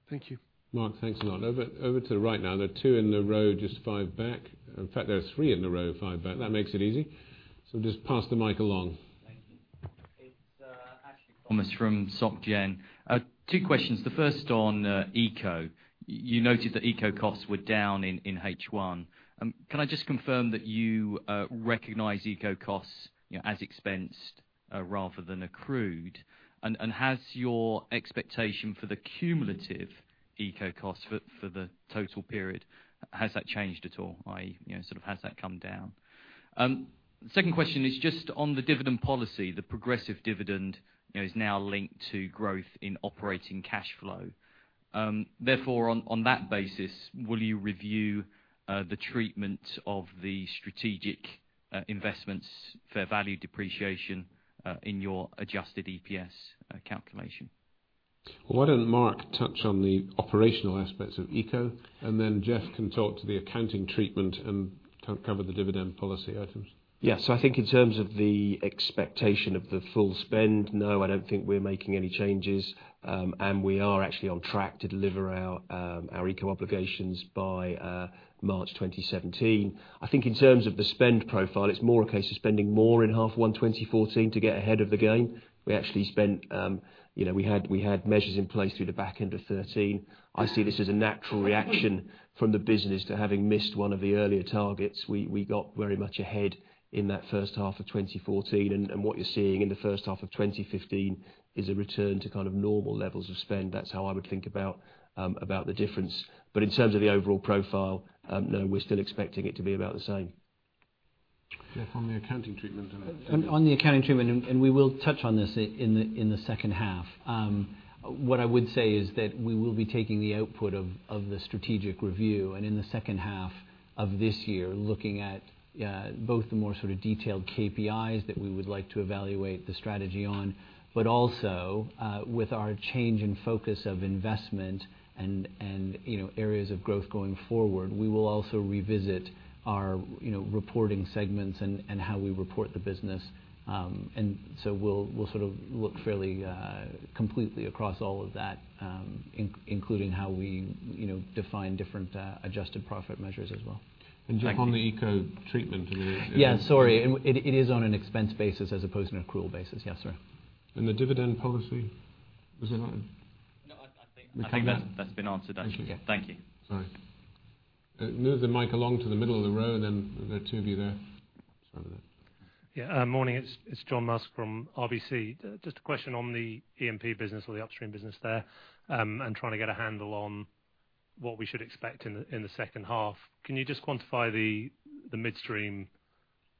Thank you. Mark, thanks a lot. Over to the right now. There are two in the row, just five back. In fact, there are three in the row, five back. That makes it easy. We'll just pass the mic along. Thank you. It's Ashley Thomas from SocGen. Two questions. The first on ECO. You noted that ECO costs were down in H1. Can I just confirm that you recognize ECO costs as expensed rather than accrued? Has your expectation for the cumulative ECO costs for the total period, has that changed at all? i.e., has that come down? Second question is just on the dividend policy. The progressive dividend is now linked to growth in operating cash flow. On that basis, will you review the treatment of the strategic investments fair value depreciation in your adjusted EPS calculation? Why don't Mark touch on the operational aspects of ECO, then Jeff can talk to the accounting treatment and cover the dividend policy items. Yes. I think in terms of the expectation of the full spend, no, I don't think we're making any changes. We are actually on track to deliver our ECO obligations by March 2017. I think in terms of the spend profile, it's more a case of spending more in half one 2014 to get ahead of the game. We had measures in place through the back end of 2013. I see this as a natural reaction from the business to having missed one of the earlier targets. We got very much ahead in that first half of 2014. What you're seeing in the first half of 2015 is a return to normal levels of spend. That's how I would think about the difference. In terms of the overall profile, no, we're still expecting it to be about the same. Jeff, on the accounting treatment. On the accounting treatment. We will touch on this in the second half. What I would say is that we will be taking the output of the strategic review, in the second half of this year, looking at both the more detailed KPIs that we would like to evaluate the strategy on, but also with our change in focus of investment and areas of growth going forward. We will also revisit our reporting segments and how we report the business. So we'll look fairly completely across all of that, including how we define different adjusted profit measures as well. Jeff, on the ECO treatment. Yeah, sorry. It is on an expense basis as opposed to an accrual basis. Yes, sir. The dividend policy? Was there not No, I think that's been answered actually. Thank you. Thank you. Sorry. Move the mic along to the middle of the row, and then the two of you there. Sorry about that. Yeah. Morning. It's John Musk from RBC. Just a question on the E&P business or the upstream business there, trying to get a handle on what we should expect in the second half. Can you just quantify the midstream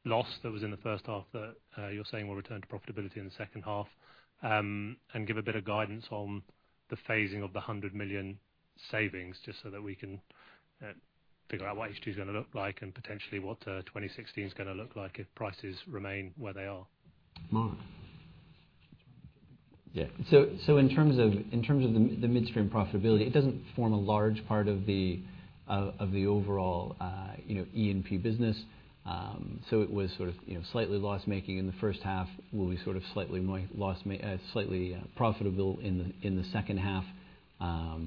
loss that was in the first half that you're saying will return to profitability in the second half? Give a bit of guidance on the phasing of the 100 million savings, just so that we can figure out what H2's going to look like, and potentially what 2016's going to look like if prices remain where they are. Mark. Yeah. In terms of the midstream profitability, it doesn't form a large part of the overall E&P business. It was sort of slightly loss-making in the first half. We'll be sort of slightly profitable in the second half,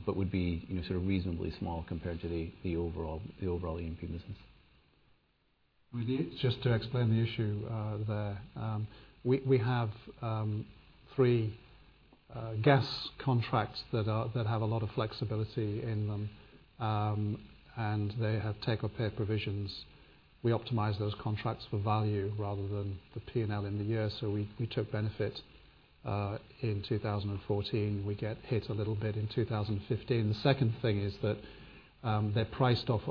but would be reasonably small compared to the overall E&P business. Just to explain the issue there. We have three gas contracts that have a lot of flexibility in them, and they have take or pay provisions. We optimize those contracts for value rather than the P&L in the year. We took benefit in 2014. We get hit a little bit in 2015. The second thing is that they're priced off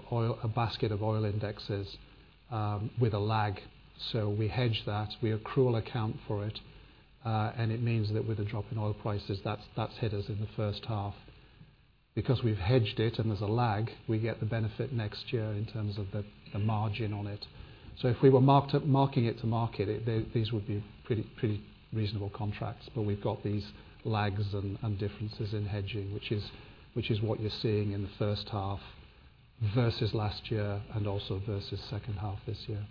a basket of oil indexes with a lag. We hedge that, we accrual account for it, and it means that with a drop in oil prices, that's hit us in the first half. Because we've hedged it and there's a lag, we get the benefit next year in terms of the margin on it. If we were marking it to market, these would be pretty reasonable contracts. We've got these lags and differences in hedging, which is what you're seeing in the first half versus last year and also versus second half this year.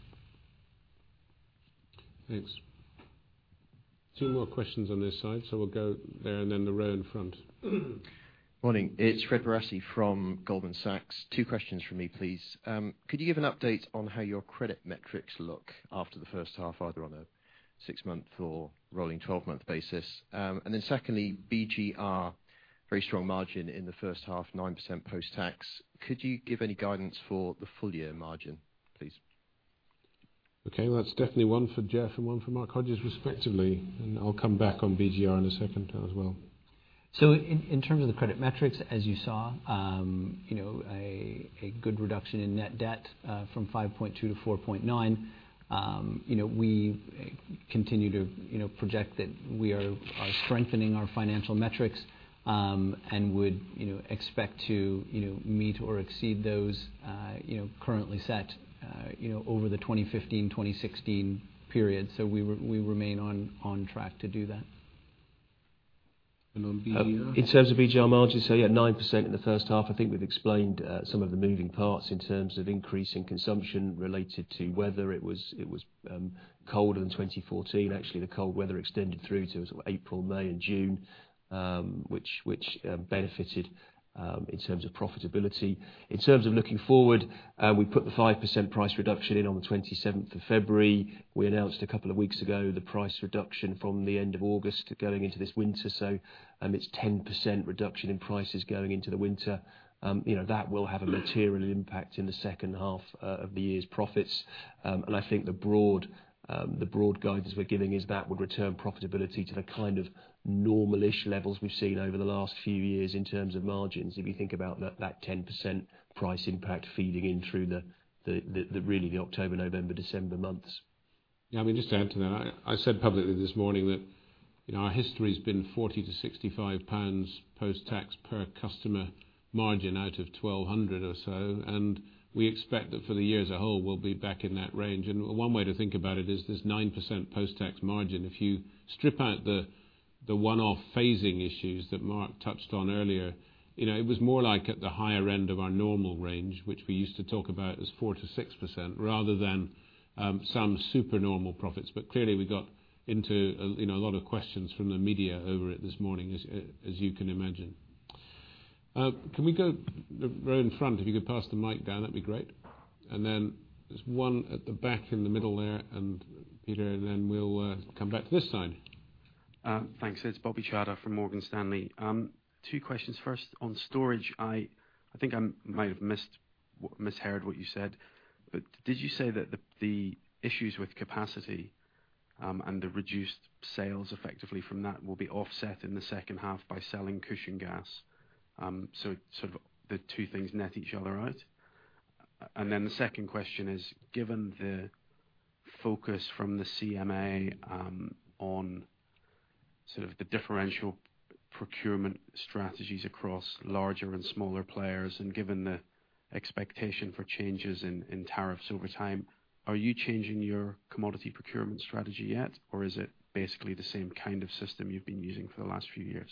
Thanks. Two more questions on this side. We'll go there and then the row in front. Morning. It's Fred Barasi from Goldman Sachs. Two questions from me, please. Could you give an update on how your credit metrics look after the first half, either on a six-month or rolling 12-month basis? Secondly, BGR, very strong margin in the first half, 9% post-tax. Could you give any guidance for the full year margin, please? Okay. Well, that's definitely one for Jeff and one for Mark Hodges, respectively. I'll come back on BGR in a second as well. In terms of the credit metrics, as you saw, a good reduction in net debt from 5.2 to 4.9. We continue to project that we are strengthening our financial metrics, and would expect to meet or exceed those currently set over the 2015-2016 period. We remain on track to do that. On BGR? In terms of BGR margins, yeah, 9% in the first half. I think we've explained some of the moving parts in terms of increase in consumption related to weather. It was colder in 2014. Actually, the cold weather extended through to April, May, and June, which benefited in terms of profitability. In terms of looking forward, we put the 5% price reduction in on the 27th of February. We announced a couple of weeks ago the price reduction from the end of August going into this winter. It's 10% reduction in prices going into the winter. That will have a material impact in the second half of the year's profits. And I think the broad guidance we're giving is that would return profitability to the kind of normal-ish levels we've seen over the last few years in terms of margins. If you think about that 10% price impact feeding in through the, really, the October, November, December months. Yeah. Just to add to that, I said publicly this morning that our history's been 40-65 pounds post-tax per customer margin out of 1,200 or so, and we expect that for the year as a whole, we'll be back in that range. One way to think about it is this 9% post-tax margin. If you strip out the one-off phasing issues that Mark touched on earlier, it was more like at the higher end of our normal range, which we used to talk about as 4%-6%, rather than some super normal profits. Clearly, we got into a lot of questions from the media over it this morning, as you can imagine. Can we go row in front? If you could pass the mic down, that'd be great. There's one at the back in the middle there, and Peter, then we'll come back to this side. Thanks. It's Bobby Chadha from Morgan Stanley. Two questions. First, on storage, I think I might have misheard what you said, did you say that the issues with capacity, and the reduced sales effectively from that, will be offset in the second half by selling cushion gas, so the two things net each other out? The second question is, given the focus from the CMA on sort of the differential procurement strategies across larger and smaller players, and given the expectation for changes in tariffs over time, are you changing your commodity procurement strategy yet, or is it basically the same kind of system you've been using for the last few years?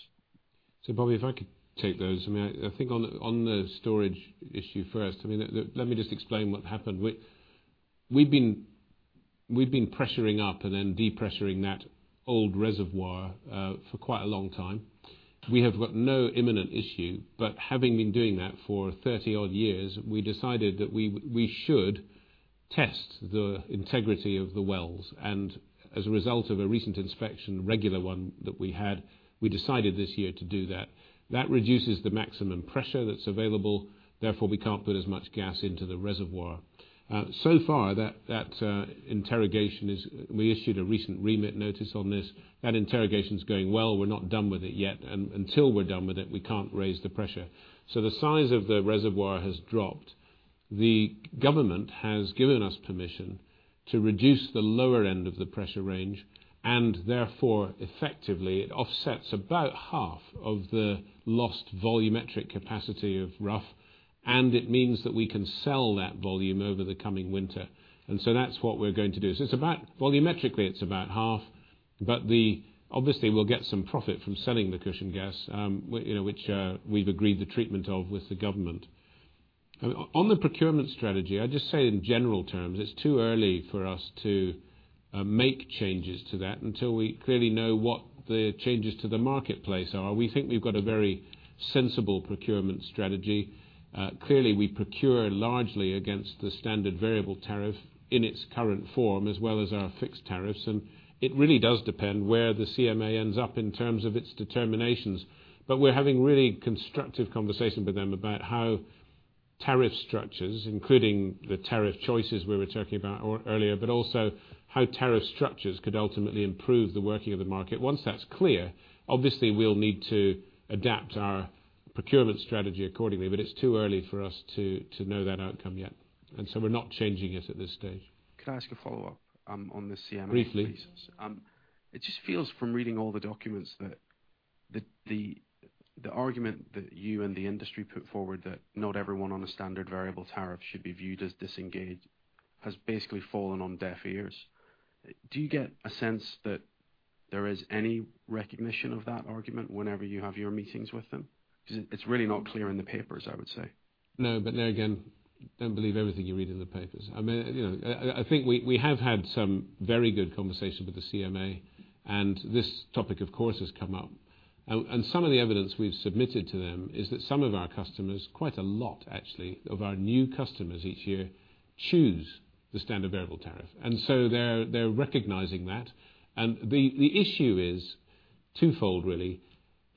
Bobby, if I could take those. I think on the storage issue first, let me just explain what happened. We've been pressuring up and then depressuring that old reservoir for quite a long time. We have got no imminent issue, having been doing that for 30-odd years, we decided that we should test the integrity of the wells. As a result of a recent inspection, regular one that we had, we decided this year to do that. That reduces the maximum pressure that's available, therefore, we can't put as much gas into the reservoir. So far, that interrogation is. We issued a recent REMIT notice on this. That interrogation's going well. We're not done with it yet. Until we're done with it, we can't raise the pressure. The size of the reservoir has dropped. The government has given us permission to reduce the lower end of the pressure range. Therefore, effectively, it offsets about half of the lost volumetric capacity of Rough, and it means that we can sell that volume over the coming winter. That's what we're going to do. Volumetrically, it's about half. Obviously, we'll get some profit from selling the cushion gas, which we've agreed the treatment of with the government. On the procurement strategy, I'd just say in general terms, it's too early for us to make changes to that until we clearly know what the changes to the marketplace are. We think we've got a very sensible procurement strategy. Clearly, we procure largely against the standard variable tariff in its current form, as well as our fixed tariffs. It really does depend where the CMA ends up in terms of its determinations. We're having really constructive conversation with them about how tariff structures, including the tariff choices we were talking about earlier. Also how tariff structures could ultimately improve the working of the market. Once that's clear, obviously, we'll need to adapt our procurement strategy accordingly. It's too early for us to know that outcome yet. We're not changing it at this stage. Can I ask a follow-up on the CMA piece? Briefly. It just feels, from reading all the documents, that the argument that you and the industry put forward, that not everyone on a standard variable tariff should be viewed as disengaged, has basically fallen on deaf ears. Do you get a sense that there is any recognition of that argument whenever you have your meetings with them? It's really not clear in the papers, I would say. No. There again, don't believe everything you read in the papers. I think we have had some very good conversation with the CMA. This topic, of course, has come up. Some of the evidence we've submitted to them is that some of our customers, quite a lot actually, of our new customers each year, choose the standard variable tariff. They're recognizing that. The issue is twofold, really.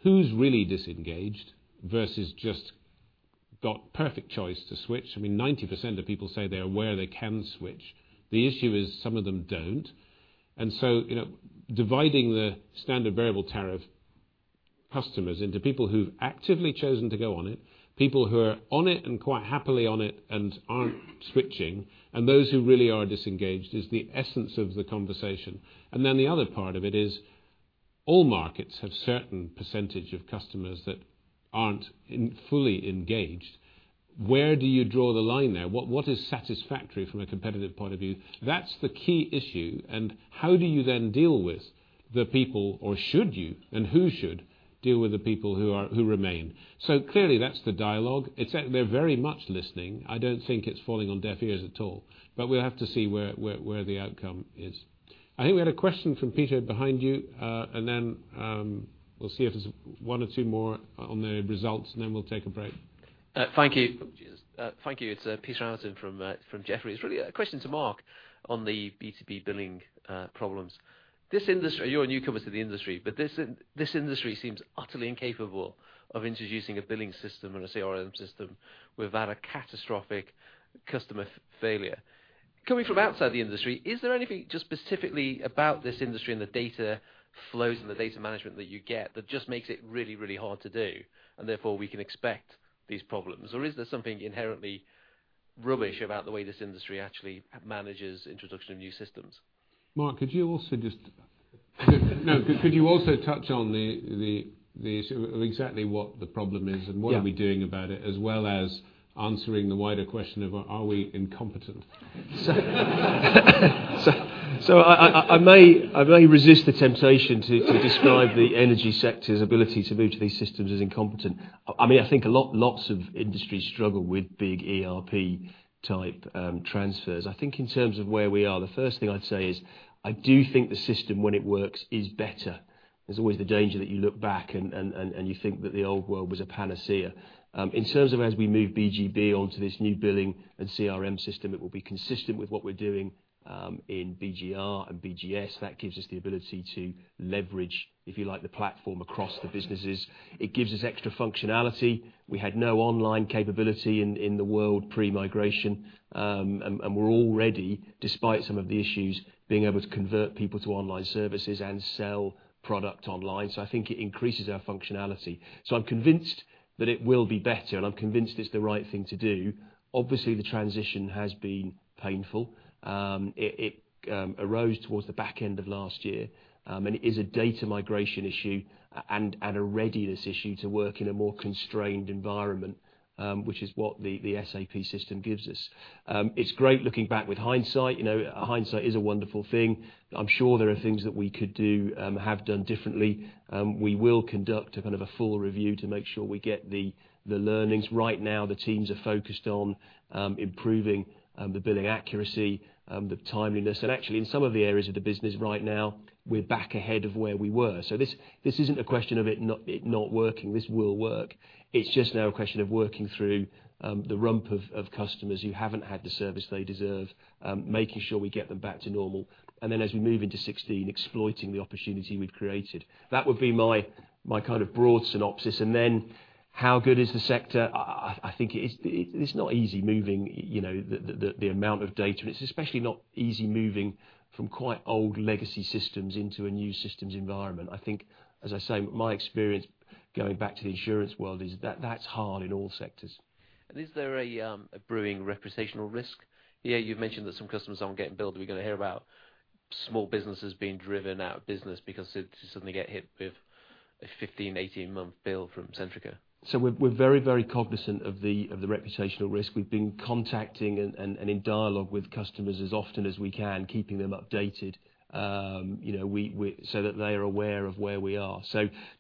Who's really disengaged versus just got perfect choice to switch? 90% of people say they are aware they can switch. The issue is some of them don't. Dividing the standard variable tariff customers into people who've actively chosen to go on it, people who are on it and quite happily on it and aren't switching, and those who really are disengaged is the essence of the conversation. The other part of it is all markets have certain percentage of customers that aren't fully engaged. Where do you draw the line there? What is satisfactory from a competitive point of view? That's the key issue. How do you then deal with the people, or should you, and who should deal with the people who remain? Clearly, that's the dialogue. They're very much listening. I don't think it's falling on deaf ears at all. We'll have to see where the outcome is. I think we had a question from Peter behind you. We'll see if there's one or two more on the results. We'll take a break. Thank you. It's Peter Atherton from Jefferies. Really a question to Mark on the B2B billing problems. You're a newcomer to the industry. This industry seems utterly incapable of introducing a billing system and a CRM system without a catastrophic customer failure. Coming from outside the industry, is there anything just specifically about this industry and the data flows and the data management that you get that just makes it really, really hard to do? Therefore we can expect these problems? Is there something inherently rubbish about the way this industry actually manages introduction of new systems? Mark, could you also touch on the issue of exactly what the problem is? What are we doing about it, as well as answering the wider question of are we incompetent? I may resist the temptation to describe the energy sector's ability to move to these systems as incompetent. I think lots of industries struggle with big ERP-type transfers. I think in terms of where we are, the first thing I'd say is, I do think the system, when it works, is better. There's always the danger that you look back and you think that the old world was a panacea. In terms of as we move BGB onto this new billing and CRM system, it will be consistent with what we're doing in BGR and BGS. That gives us the ability to leverage, if you like, the platform across the businesses. It gives us extra functionality. We had no online capability in the world pre-migration, and we're already, despite some of the issues, being able to convert people to online services and sell product online. I think it increases our functionality. I'm convinced that it will be better, and I'm convinced it's the right thing to do. Obviously, the transition has been painful. It arose towards the back end of last year, and it is a data migration issue and a readiness issue to work in a more constrained environment, which is what the SAP system gives us. It's great looking back with hindsight. Hindsight is a wonderful thing. I'm sure there are things that we could have done differently. We will conduct a kind of a full review to make sure we get the learnings. Right now, the teams are focused on improving the billing accuracy, the timeliness, and actually in some of the areas of the business right now, we're back ahead of where we were. This isn't a question of it not working. This will work. It's just now a question of working through the rump of customers who haven't had the service they deserve, making sure we get them back to normal, and then as we move into 2016, exploiting the opportunity we've created. That would be my kind of broad synopsis. How good is the sector? I think it's not easy moving the amount of data, and it's especially not easy moving from quite old legacy systems into a new systems environment. I think, as I say, my experience going back to the insurance world is that's hard in all sectors. Is there a brewing reputational risk? You've mentioned that some customers aren't getting billed. Are we going to hear about small businesses being driven out of business because they suddenly get hit with a 15-18-month bill from Centrica? We're very, very cognizant of the reputational risk. We've been contacting and in dialogue with customers as often as we can, keeping them updated so that they are aware of where we are.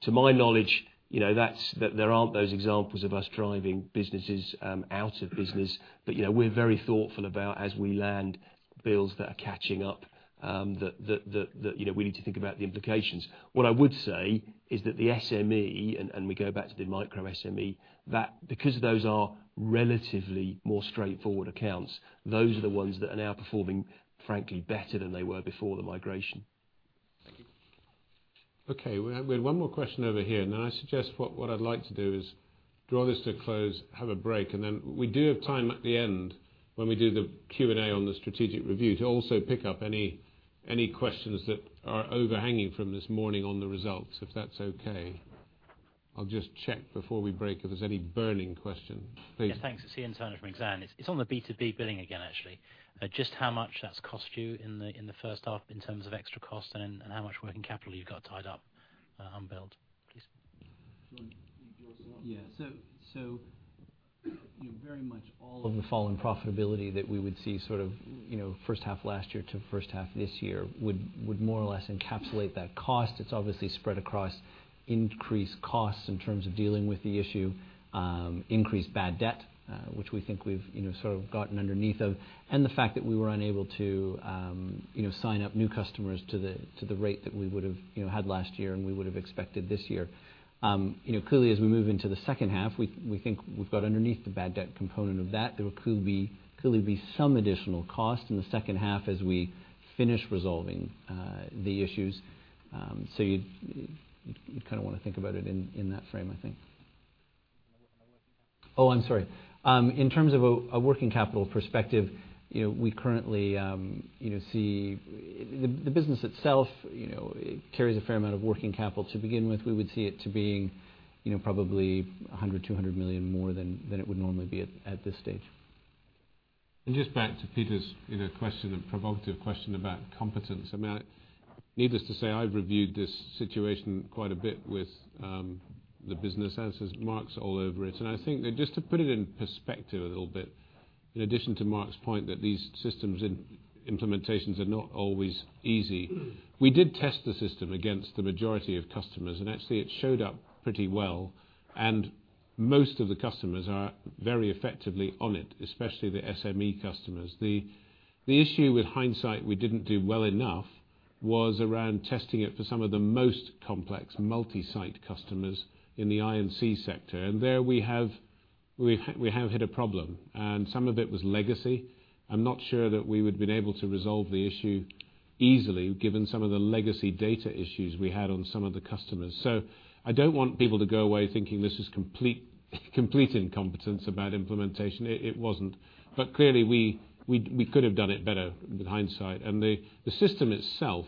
To my knowledge, there aren't those examples of us driving businesses out of business. We're very thoughtful about as we land bills that are catching up, that we need to think about the implications. What I would say is that the SME, and we go back to the micro SME, that because those are relatively more straightforward accounts, those are the ones that are now performing, frankly, better than they were before the migration. Thank you. We had one more question over here. I suggest what I'd like to do is draw this to a close, have a break. We do have time at the end when we do the Q&A on the strategic review to also pick up any questions that are overhanging from this morning on the results, if that's okay. I'll just check before we break if there's any burning question. Please. Thanks. It's Ian Turner from Exane. It's on the B2B billing again, actually. Just how much that's cost you in the first half in terms of extra cost and how much working capital you've got tied up unbilled. Please. Jeff, you go start. Yeah. Very much all of the fallen profitability that we would see sort of first half last year to first half this year would more or less encapsulate that cost. It's obviously spread across increased costs in terms of dealing with the issue, increased bad debt, which we think we've sort of gotten underneath of, and the fact that we were unable to sign up new customers to the rate that we would have had last year and we would have expected this year. Clearly as we move into the second half, we think we've got underneath the bad debt component of that. There could clearly be some additional cost in the second half as we finish resolving the issues. You'd kind of want to think about it in that frame, I think. The working capital? Oh, I'm sorry. In terms of a working capital perspective, we currently see the business itself, it carries a fair amount of working capital to begin with. We would see it to being probably 100 million-200 million more than it would normally be at this stage. Just back to Peter's question, a provocative question about competence. Needless to say, I've reviewed this situation quite a bit with the business, as has Mark, all over it. I think just to put it in perspective a little bit, in addition to Mark's point that these systems implementations are not always easy, we did test the system against the majority of customers, and actually it showed up pretty well, and most of the customers are very effectively on it, especially the SME customers. The issue with hindsight, we didn't do well enough was around testing it for some of the most complex multi-site customers in the I&C sector, there we have hit a problem, and some of it was legacy. I'm not sure that we would've been able to resolve the issue easily given some of the legacy data issues we had on some of the customers. I don't want people to go away thinking this is complete incompetence about implementation. It wasn't. Clearly we could have done it better with hindsight. The system itself,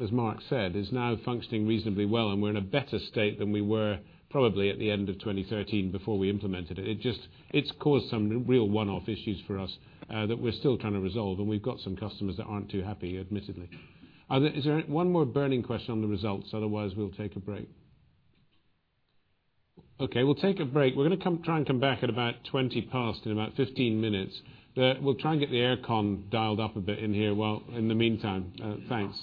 as Mark said, is now functioning reasonably well, and we're in a better state than we were probably at the end of 2013 before we implemented it. It's caused some real one-off issues for us that we're still trying to resolve, and we've got some customers that aren't too happy, admittedly. Is there one more burning question on the results? Otherwise, we'll take a break. Okay. We'll take a break. We're going to try and come back at about 20 past, in about 15 minutes. We'll try and get the air con dialed up a bit in here in the meantime. Thanks.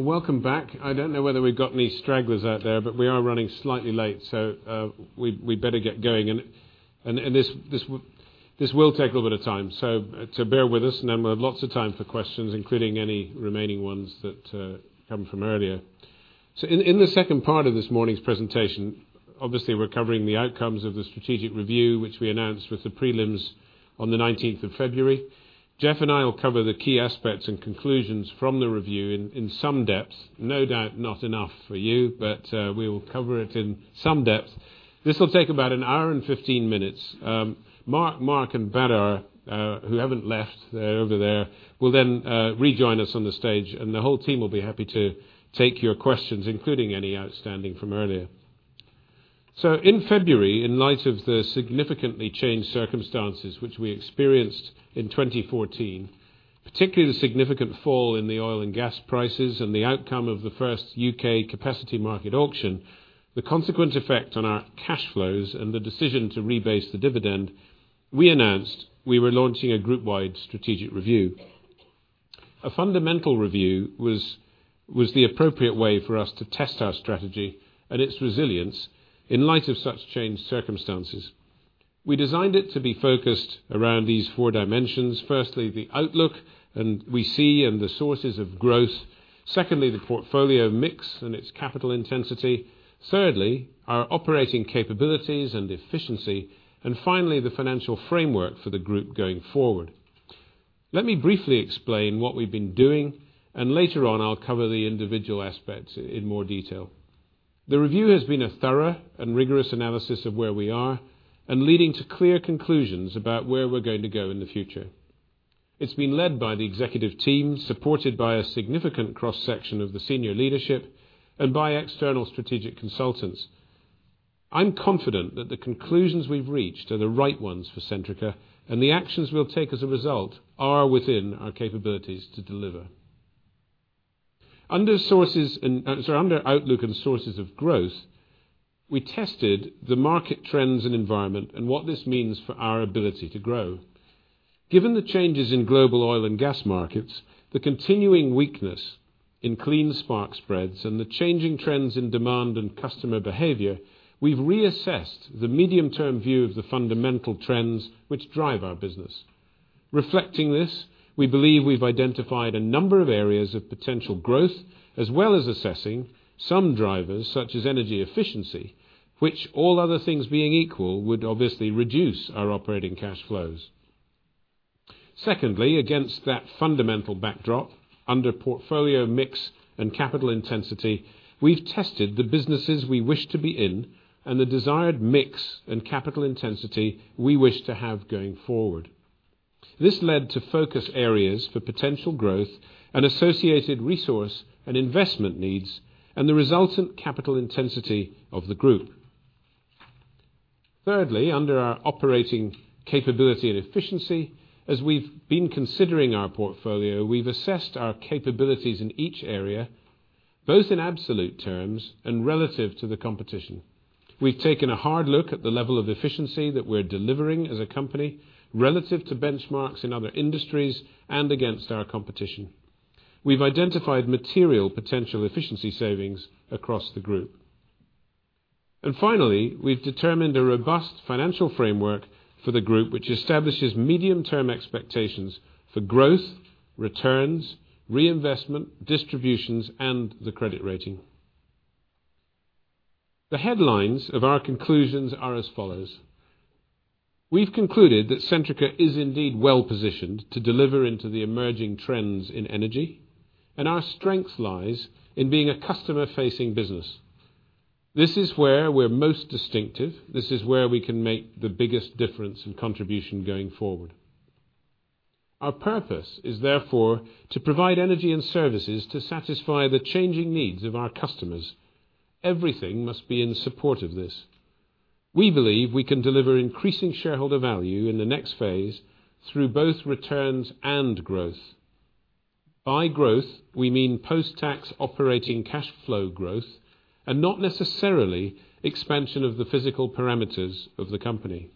Welcome back. I don't know whether we've got any stragglers out there, we are running slightly late, we'd better get going. This will take a little bit of time, bear with us, and then we'll have lots of time for questions, including any remaining ones that come from earlier. In the second part of this morning's presentation, obviously, we're covering the outcomes of the strategic review, which we announced with the prelims on the 19th of February. Jeff and I will cover the key aspects and conclusions from the review in some depth. No doubt not enough for you, but we will cover it in some depth. This will take about an hour and 15 minutes. Mark and Badar, who haven't left, they're over there, will rejoin us on the stage, and the whole team will be happy to take your questions, including any outstanding from earlier. In February, in light of the significantly changed circumstances which we experienced in 2014, particularly the significant fall in the oil and gas prices and the outcome of the first U.K. capacity market auction, the consequent effect on our cash flows and the decision to rebase the dividend, we announced we were launching a group-wide strategic review. A fundamental review was the appropriate way for us to test our strategy and its resilience in light of such changed circumstances. We designed it to be focused around these four dimensions. Firstly, the outlook and we see the sources of growth. Secondly, the portfolio mix and its capital intensity. Thirdly, our operating capabilities and efficiency. The financial framework for the group going forward. Let me briefly explain what we've been doing, and later on, I'll cover the individual aspects in more detail. The review has been a thorough and rigorous analysis of where we are and leading to clear conclusions about where we're going to go in the future. It's been led by the executive team, supported by a significant cross-section of the senior leadership and by external strategic consultants. I'm confident that the conclusions we've reached are the right ones for Centrica, and the actions we'll take as a result are within our capabilities to deliver. Under outlook and sources of growth, we tested the market trends and environment and what this means for our ability to grow. Given the changes in global oil and gas markets, the continuing weakness in clean spark spreads, and the changing trends in demand and customer behavior, we've reassessed the medium-term view of the fundamental trends which drive our business. Reflecting this, we believe we've identified a number of areas of potential growth, as well as assessing some drivers, such as energy efficiency, which all other things being equal, would obviously reduce our operating cash flows. Secondly, against that fundamental backdrop, under portfolio mix and capital intensity, we've tested the businesses we wish to be in and the desired mix and capital intensity we wish to have going forward. This led to focus areas for potential growth and associated resource and investment needs, and the resultant capital intensity of the group. Thirdly, under our operating capability and efficiency, as we've been considering our portfolio, we've assessed our capabilities in each area, both in absolute terms and relative to the competition. We've taken a hard look at the level of efficiency that we're delivering as a company relative to benchmarks in other industries and against our competition. We've identified material potential efficiency savings across the group. Finally, we've determined a robust financial framework for the group, which establishes medium-term expectations for growth, returns, reinvestment, distributions, and the credit rating. The headlines of our conclusions are as follows. We've concluded that Centrica is indeed well-positioned to deliver into the emerging trends in energy, and our strength lies in being a customer-facing business. This is where we're most distinctive. This is where we can make the biggest difference in contribution going forward. Our purpose is therefore to provide energy and services to satisfy the changing needs of our customers. Everything must be in support of this. We believe we can deliver increasing shareholder value in the next phase through both returns and growth. By growth, we mean post-tax operating cash flow growth and not necessarily expansion of the physical parameters of the company.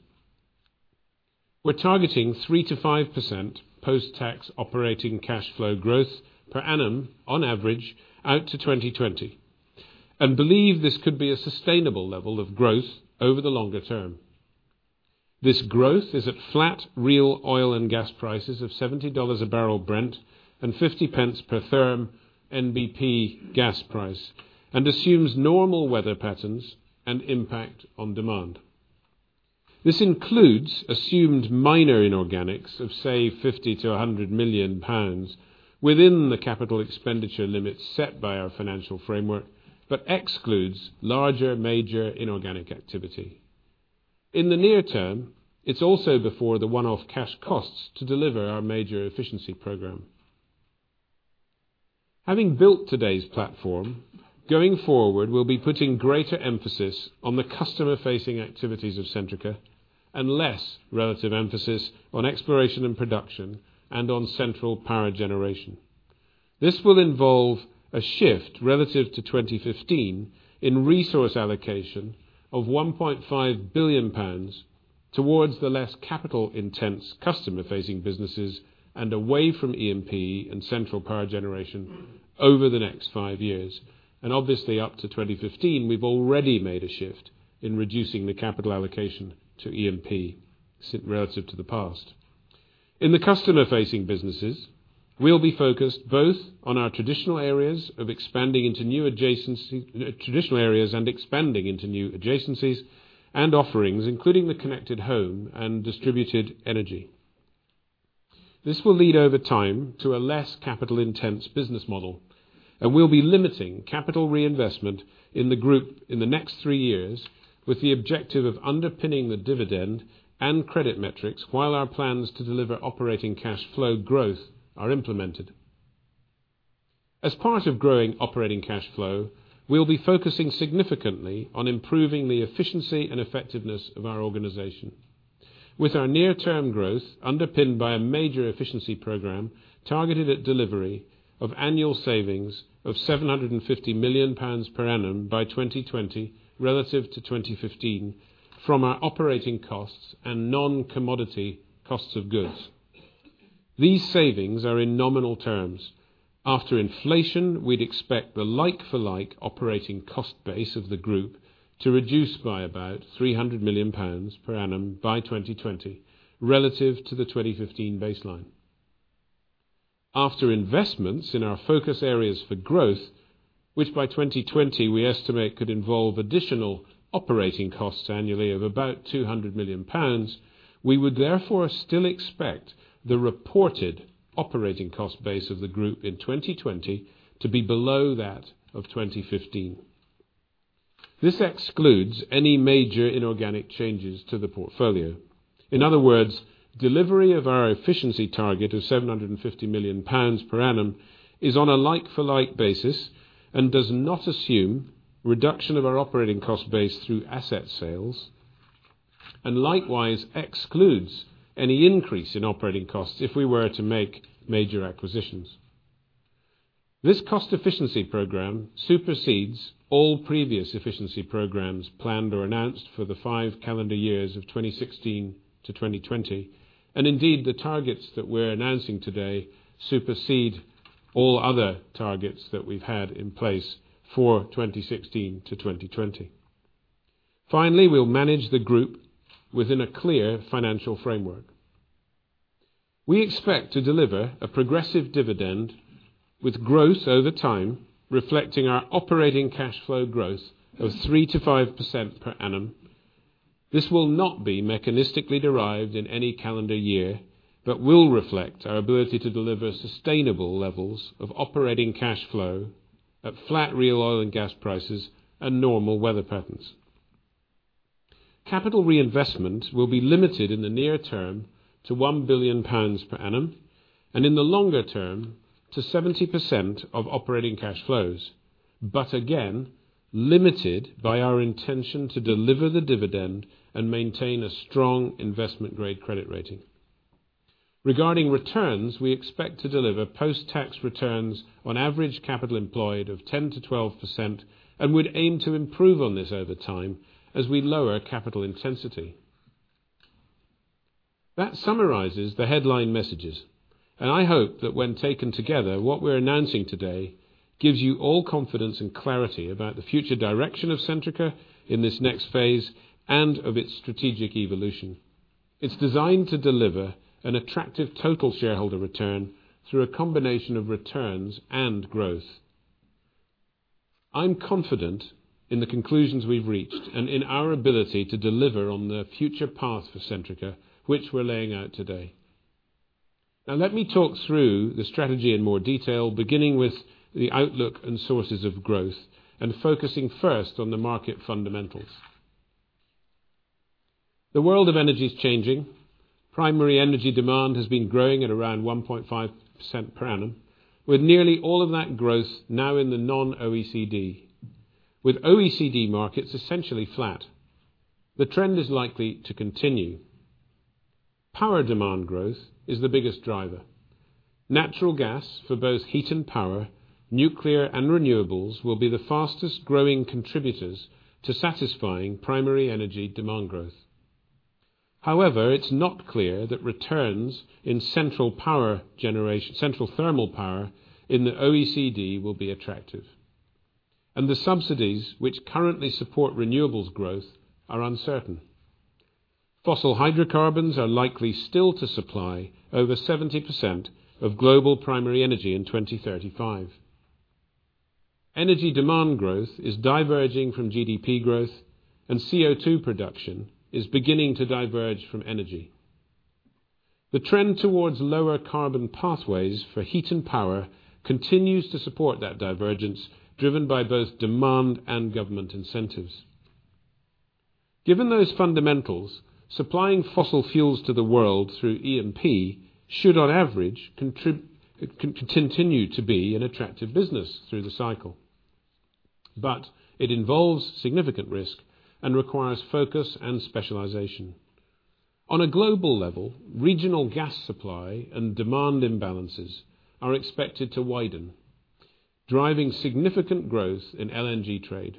We're targeting 3%-5% post-tax operating cash flow growth per annum on average out to 2020. Believe this could be a sustainable level of growth over the longer term. This growth is at flat real oil and gas prices of $70 a barrel Brent and 0.50 per therm NBP gas price, and assumes normal weather patterns and impact on demand. This includes assumed minor inorganics of, say, 50 million-100 million pounds within the capital expenditure limits set by our financial framework, but excludes larger major inorganic activity. In the near term, it's also before the one-off cash costs to deliver our major efficiency program. Having built today's platform, going forward, we'll be putting greater emphasis on the customer-facing activities of Centrica and less relative emphasis on exploration and production and on central power generation. This will involve a shift relative to 2015 in resource allocation of 1.5 billion pounds towards the less capital-intense customer-facing businesses and away from E&P and central power generation over the next 5 years. Obviously up to 2015, we've already made a shift in reducing the capital allocation to E&P relative to the past. In the customer-facing businesses, we'll be focused both on our traditional areas and expanding into new adjacencies and offerings, including the connected home and distributed energy. This will lead over time to a less capital-intense business model, and we'll be limiting capital reinvestment in the group in the next three years with the objective of underpinning the dividend and credit metrics while our plans to deliver operating cash flow growth are implemented. As part of growing operating cash flow, we'll be focusing significantly on improving the efficiency and effectiveness of our organization. With our near-term growth underpinned by a major efficiency program targeted at delivery of annual savings of 750 million pounds per annum by 2020 relative to 2015 from our operating costs and non-commodity costs of goods. These savings are in nominal terms. After inflation, we'd expect the like-for-like operating cost base of the group to reduce by about 300 million pounds per annum by 2020 relative to the 2015 baseline. After investments in our focus areas for growth, which by 2020 we estimate could involve additional operating costs annually of about 200 million pounds, we would therefore still expect the reported operating cost base of the group in 2020 to be below that of 2015. This excludes any major inorganic changes to the portfolio. In other words, delivery of our efficiency target of 750 million pounds per annum is on a like-for-like basis and does not assume reduction of our operating cost base through asset sales, and likewise excludes any increase in operating costs if we were to make major acquisitions. This cost-efficiency program supersedes all previous efficiency programs planned or announced for the 5 calendar years of 2016-2020. Indeed, the targets that we're announcing today supersede all other targets that we've had in place for 2016-2020. Finally, we'll manage the group within a clear financial framework. We expect to deliver a progressive dividend with growth over time, reflecting our operating cash flow growth of 3%-5% per annum. This will not be mechanistically derived in any calendar year but will reflect our ability to deliver sustainable levels of operating cash flow at flat real oil and gas prices and normal weather patterns. Capital reinvestment will be limited in the near term to 1 billion pounds per annum, and in the longer term to 70% of operating cash flows, but again, limited by our intention to deliver the dividend and maintain a strong investment-grade credit rating. Regarding returns, we expect to deliver post-tax returns on average capital employed of 10%-12%, would aim to improve on this over time as we lower capital intensity. That summarizes the headline messages, I hope that when taken together, what we are announcing today gives you all confidence and clarity about the future direction of Centrica in this next phase and of its strategic evolution. It is designed to deliver an attractive total shareholder return through a combination of returns and growth. I am confident in the conclusions we have reached and in our ability to deliver on the future path for Centrica, which we are laying out today. Let me talk through the strategy in more detail, beginning with the outlook and sources of growth and focusing first on the market fundamentals. The world of energy is changing. Primary energy demand has been growing at around 1.5% per annum, with nearly all of that growth now in the non-OECD, with OECD markets essentially flat. The trend is likely to continue. Power demand growth is the biggest driver. Natural gas for both heat and power, nuclear, and renewables will be the fastest-growing contributors to satisfying primary energy demand growth. However, it is not clear that returns in central thermal power in the OECD will be attractive, the subsidies which currently support renewables growth are uncertain. Fossil hydrocarbons are likely still to supply over 70% of global primary energy in 2035. Energy demand growth is diverging from GDP growth, CO2 production is beginning to diverge from energy. The trend towards lower carbon pathways for heat and power continues to support that divergence, driven by both demand and government incentives. Given those fundamentals, supplying fossil fuels to the world through E&P should, on average, continue to be an attractive business through the cycle. It involves significant risk and requires focus and specialization. On a global level, regional gas supply and demand imbalances are expected to widen, driving significant growth in LNG trade.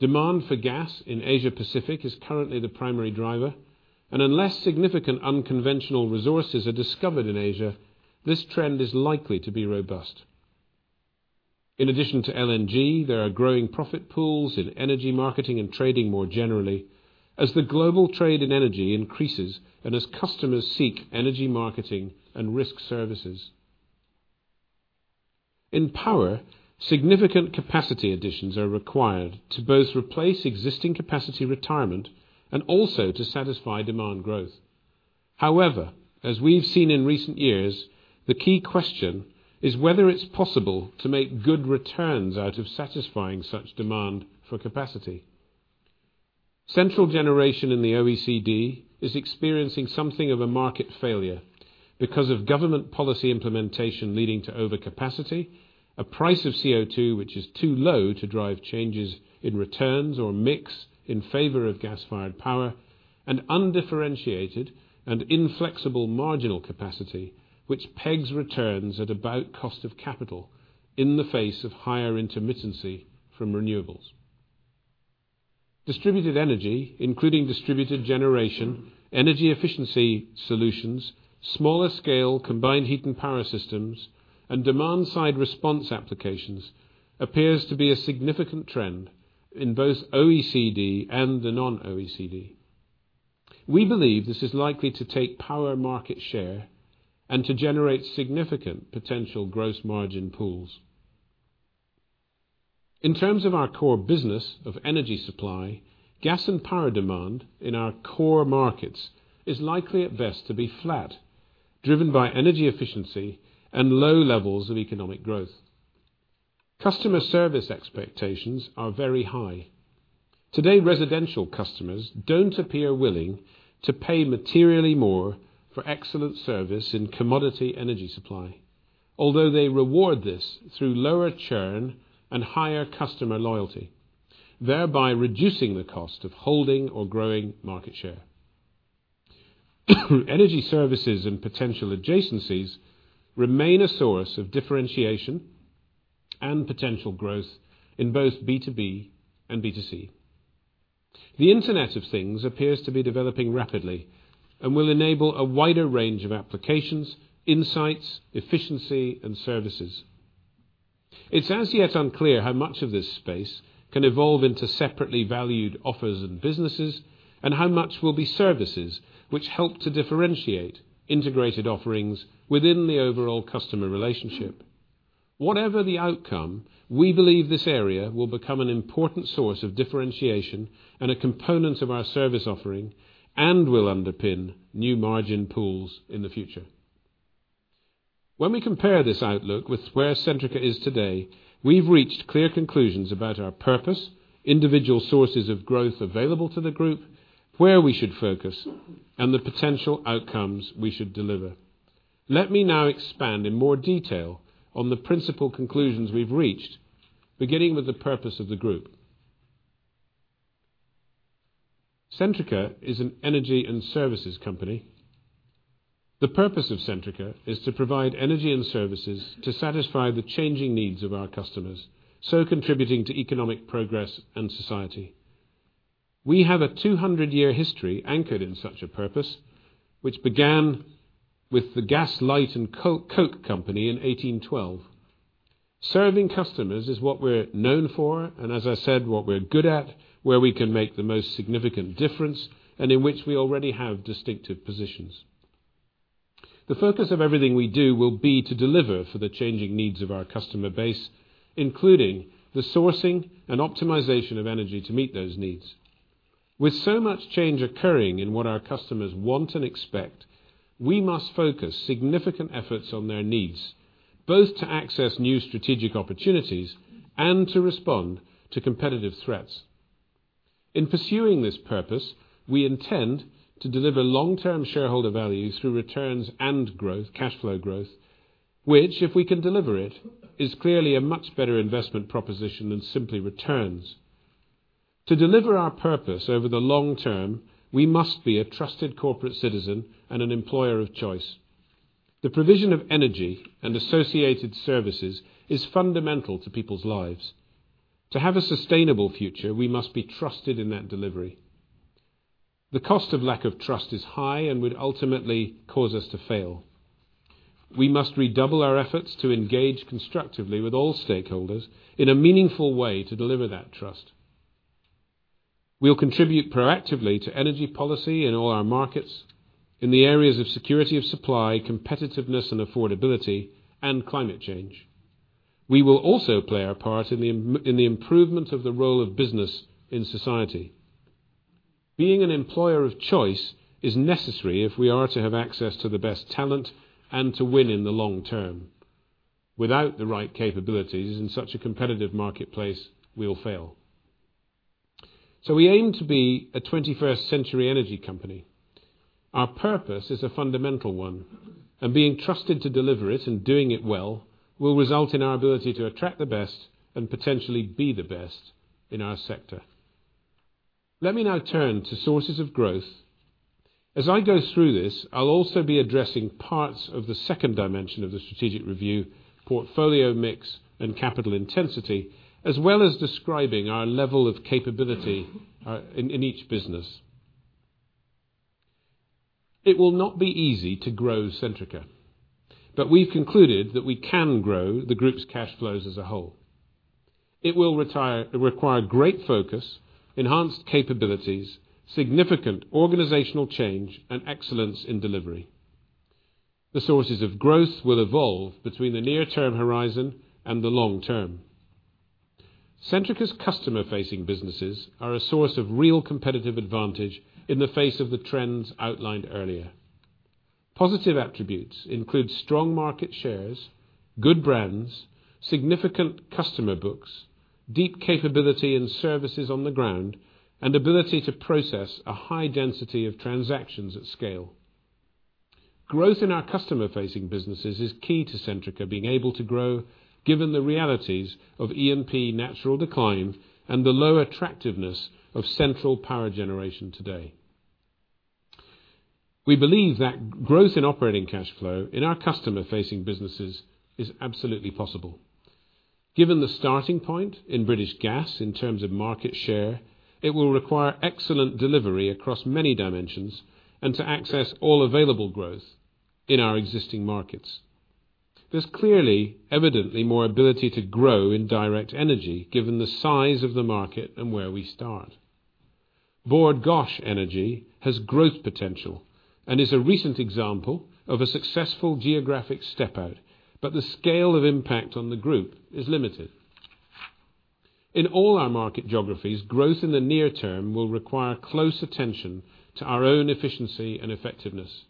Demand for gas in Asia Pacific is currently the primary driver, unless significant unconventional resources are discovered in Asia, this trend is likely to be robust. In addition to LNG, there are growing profit pools in energy marketing and trading more generally, as the global trade in energy increases as customers seek energy marketing and risk services. In power, significant capacity additions are required to both replace existing capacity retirement and also to satisfy demand growth. As we have seen in recent years, the key question is whether it is possible to make good returns out of satisfying such demand for capacity. Central generation in the OECD is experiencing something of a market failure because of government policy implementation leading to overcapacity, a price of CO2 which is too low to drive changes in returns or mix in favor of gas-fired power, undifferentiated and inflexible marginal capacity, which pegs returns at about cost of capital in the face of higher intermittency from renewables. Distributed energy, including distributed generation, energy efficiency solutions, smaller scale combined heat and power systems, and demand-side response applications appears to be a significant trend in both OECD and the non-OECD. We believe this is likely to take power market share and to generate significant potential gross margin pools. In terms of our core business of energy supply, gas and power demand in our core markets is likely, at best, to be flat, driven by energy efficiency and low levels of economic growth. Customer service expectations are very high. Today, residential customers don't appear willing to pay materially more for excellent service in commodity energy supply, although they reward this through lower churn and higher customer loyalty, thereby reducing the cost of holding or growing market share. Energy services and potential adjacencies remain a source of differentiation and potential growth in both B2B and B2C. The Internet of Things appears to be developing rapidly and will enable a wider range of applications, insights, efficiency, and services. It's as yet unclear how much of this space can evolve into separately valued offers and businesses, and how much will be services which help to differentiate integrated offerings within the overall customer relationship. Whatever the outcome, we believe this area will become an important source of differentiation and a component of our service offering, and will underpin new margin pools in the future. When we compare this outlook with where Centrica is today, we've reached clear conclusions about our purpose, individual sources of growth available to the group, where we should focus, and the potential outcomes we should deliver. Let me now expand in more detail on the principal conclusions we've reached, beginning with the purpose of the group. Centrica is an energy and services company. The purpose of Centrica is to provide energy and services to satisfy the changing needs of our customers, so contributing to economic progress and society. We have a 200-year history anchored in such a purpose, which began with the Gas Light and Coke Company in 1812. Serving customers is what we're known for and, as I said, what we're good at, where we can make the most significant difference, and in which we already have distinctive positions. The focus of everything we do will be to deliver for the changing needs of our customer base, including the sourcing and optimization of energy to meet those needs. With so much change occurring in what our customers want and expect, we must focus significant efforts on their needs, both to access new strategic opportunities and to respond to competitive threats. In pursuing this purpose, we intend to deliver long-term shareholder value through returns and growth, cash flow growth, which, if we can deliver it, is clearly a much better investment proposition than simply returns. To deliver our purpose over the long term, we must be a trusted corporate citizen and an employer of choice. The provision of energy and associated services is fundamental to people's lives. To have a sustainable future, we must be trusted in that delivery. The cost of lack of trust is high and would ultimately cause us to fail. We must redouble our efforts to engage constructively with all stakeholders in a meaningful way to deliver that trust. We'll contribute proactively to energy policy in all our markets in the areas of security of supply, competitiveness and affordability, and climate change. We will also play our part in the improvement of the role of business in society. Being an employer of choice is necessary if we are to have access to the best talent and to win in the long term. Without the right capabilities in such a competitive marketplace, we will fail. We aim to be a 21st century energy company. Our purpose is a fundamental one, and being trusted to deliver it and doing it well will result in our ability to attract the best and potentially be the best in our sector. Let me now turn to sources of growth. As I go through this, I'll also be addressing parts of the second dimension of the strategic review, portfolio mix and capital intensity, as well as describing our level of capability in each business. It will not be easy to grow Centrica, but we've concluded that we can grow the group's cash flows as a whole. It will require great focus, enhanced capabilities, significant organizational change, and excellence in delivery. The sources of growth will evolve between the near-term horizon and the long term. Centrica's customer-facing businesses are a source of real competitive advantage in the face of the trends outlined earlier. Positive attributes include strong market shares, good brands, significant customer books, deep capability and services on the ground, and ability to process a high density of transactions at scale. Growth in our customer-facing businesses is key to Centrica being able to grow given the realities of E&P natural decline and the low attractiveness of central power generation today. We believe that growth in operating cash flow in our customer-facing businesses is absolutely possible. Given the starting point in British Gas in terms of market share, it will require excellent delivery across many dimensions and to access all available growth in our existing markets. There's clearly evidently more ability to grow in Direct Energy given the size of the market and where we start. Bord Gáis Energy has growth potential and is a recent example of a successful geographic step-out, but the scale of impact on the group is limited. In all our market geographies, growth in the near term will require close attention to our own efficiency and effectiveness.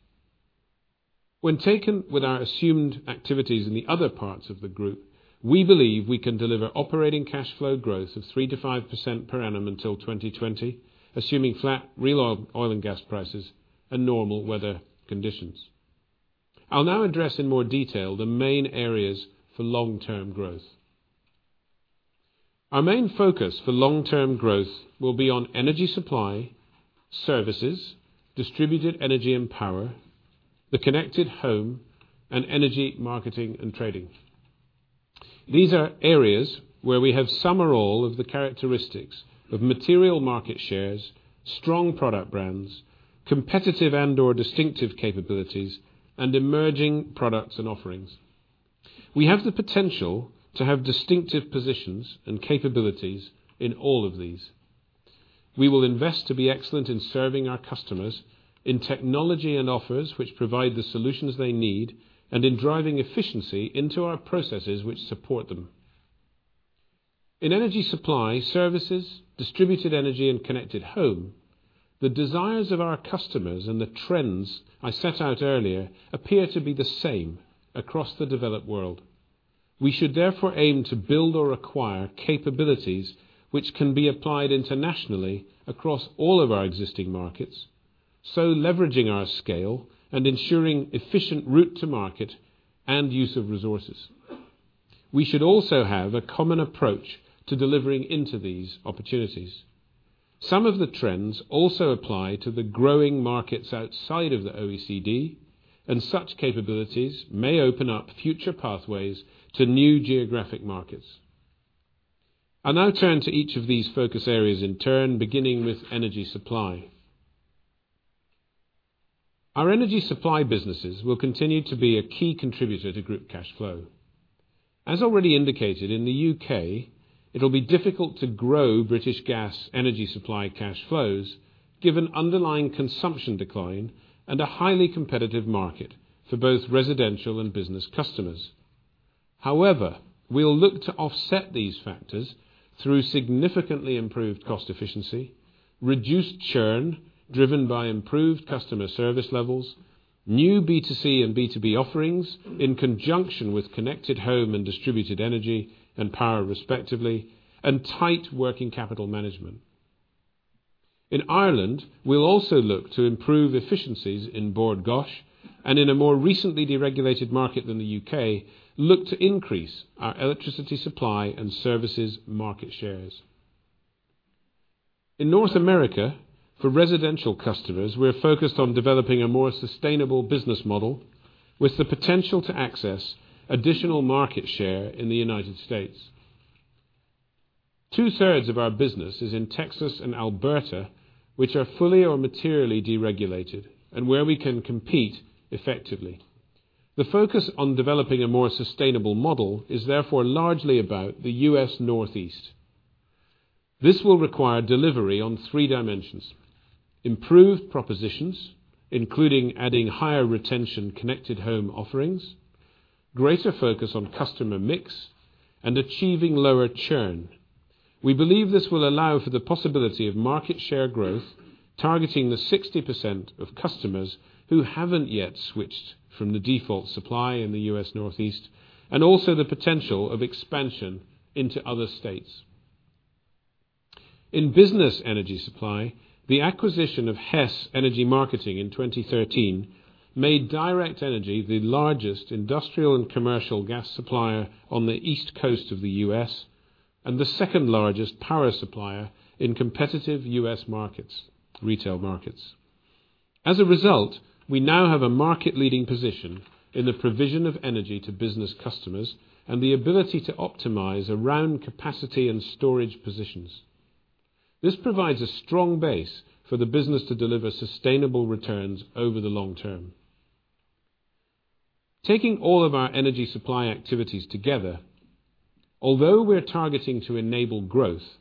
When taken with our assumed activities in the other parts of the group, we believe we can deliver operating cash flow growth of 3%-5% per annum until 2020, assuming flat real oil and gas prices and normal weather conditions. I'll now address in more detail the main areas for long-term growth. Our main focus for long-term growth will be on energy supply, services, distributed energy and power, the connected home, and energy marketing and trading. These are areas where we have some or all of the characteristics of material market shares, strong product brands, competitive and/or distinctive capabilities, and emerging products and offerings. We have the potential to have distinctive positions and capabilities in all of these. We will invest to be excellent in serving our customers in technology and offers which provide the solutions they need and in driving efficiency into our processes which support them. In energy supply, services, distributed energy, and connected home, the desires of our customers and the trends I set out earlier appear to be the same across the developed world. We should therefore aim to build or acquire capabilities which can be applied internationally across all of our existing markets, so leveraging our scale and ensuring efficient route to market and use of resources. We should also have a common approach to delivering into these opportunities. Some of the trends also apply to the growing markets outside of the OECD, and such capabilities may open up future pathways to new geographic markets. I'll now turn to each of these focus areas in turn, beginning with energy supply. Our energy supply businesses will continue to be a key contributor to group cash flow. As already indicated in the U.K., it'll be difficult to grow British Gas energy supply cash flows given underlying consumption decline and a highly competitive market for both residential and business customers. However, we'll look to offset these factors through significantly improved cost efficiency; reduced churn driven by improved customer service levels; new B2C and B2B offerings in conjunction with connected home and distributed energy and power, respectively; and tight working capital management. In Ireland, we'll also look to improve efficiencies in Bord Gáis, and in a more recently deregulated market than the U.K., look to increase our electricity supply and services market shares. In North America, for residential customers, we're focused on developing a more sustainable business model with the potential to access additional market share in the United States. Two-thirds of our business is in Texas and Alberta, which are fully or materially deregulated and where we can compete effectively. The focus on developing a more sustainable model is therefore largely about the U.S. Northeast. This will require delivery on three dimensions: improved propositions, including adding higher retention connected home offerings, greater focus on customer mix, and achieving lower churn. We believe this will allow for the possibility of market share growth, targeting the 60% of customers who haven't yet switched from the default supply in the U.S. Northeast, and also the potential of expansion into other states. In business energy supply, the acquisition of Hess Energy Marketing in 2013 made Direct Energy the largest industrial and commercial gas supplier on the East Coast of the U.S. and the second-largest power supplier in competitive U.S. retail markets. As a result, we now have a market-leading position in the provision of energy to business customers and the ability to optimize around capacity and storage positions. This provides a strong base for the business to deliver sustainable returns over the long term. Taking all of our energy supply activities together, although we're targeting to enable growth,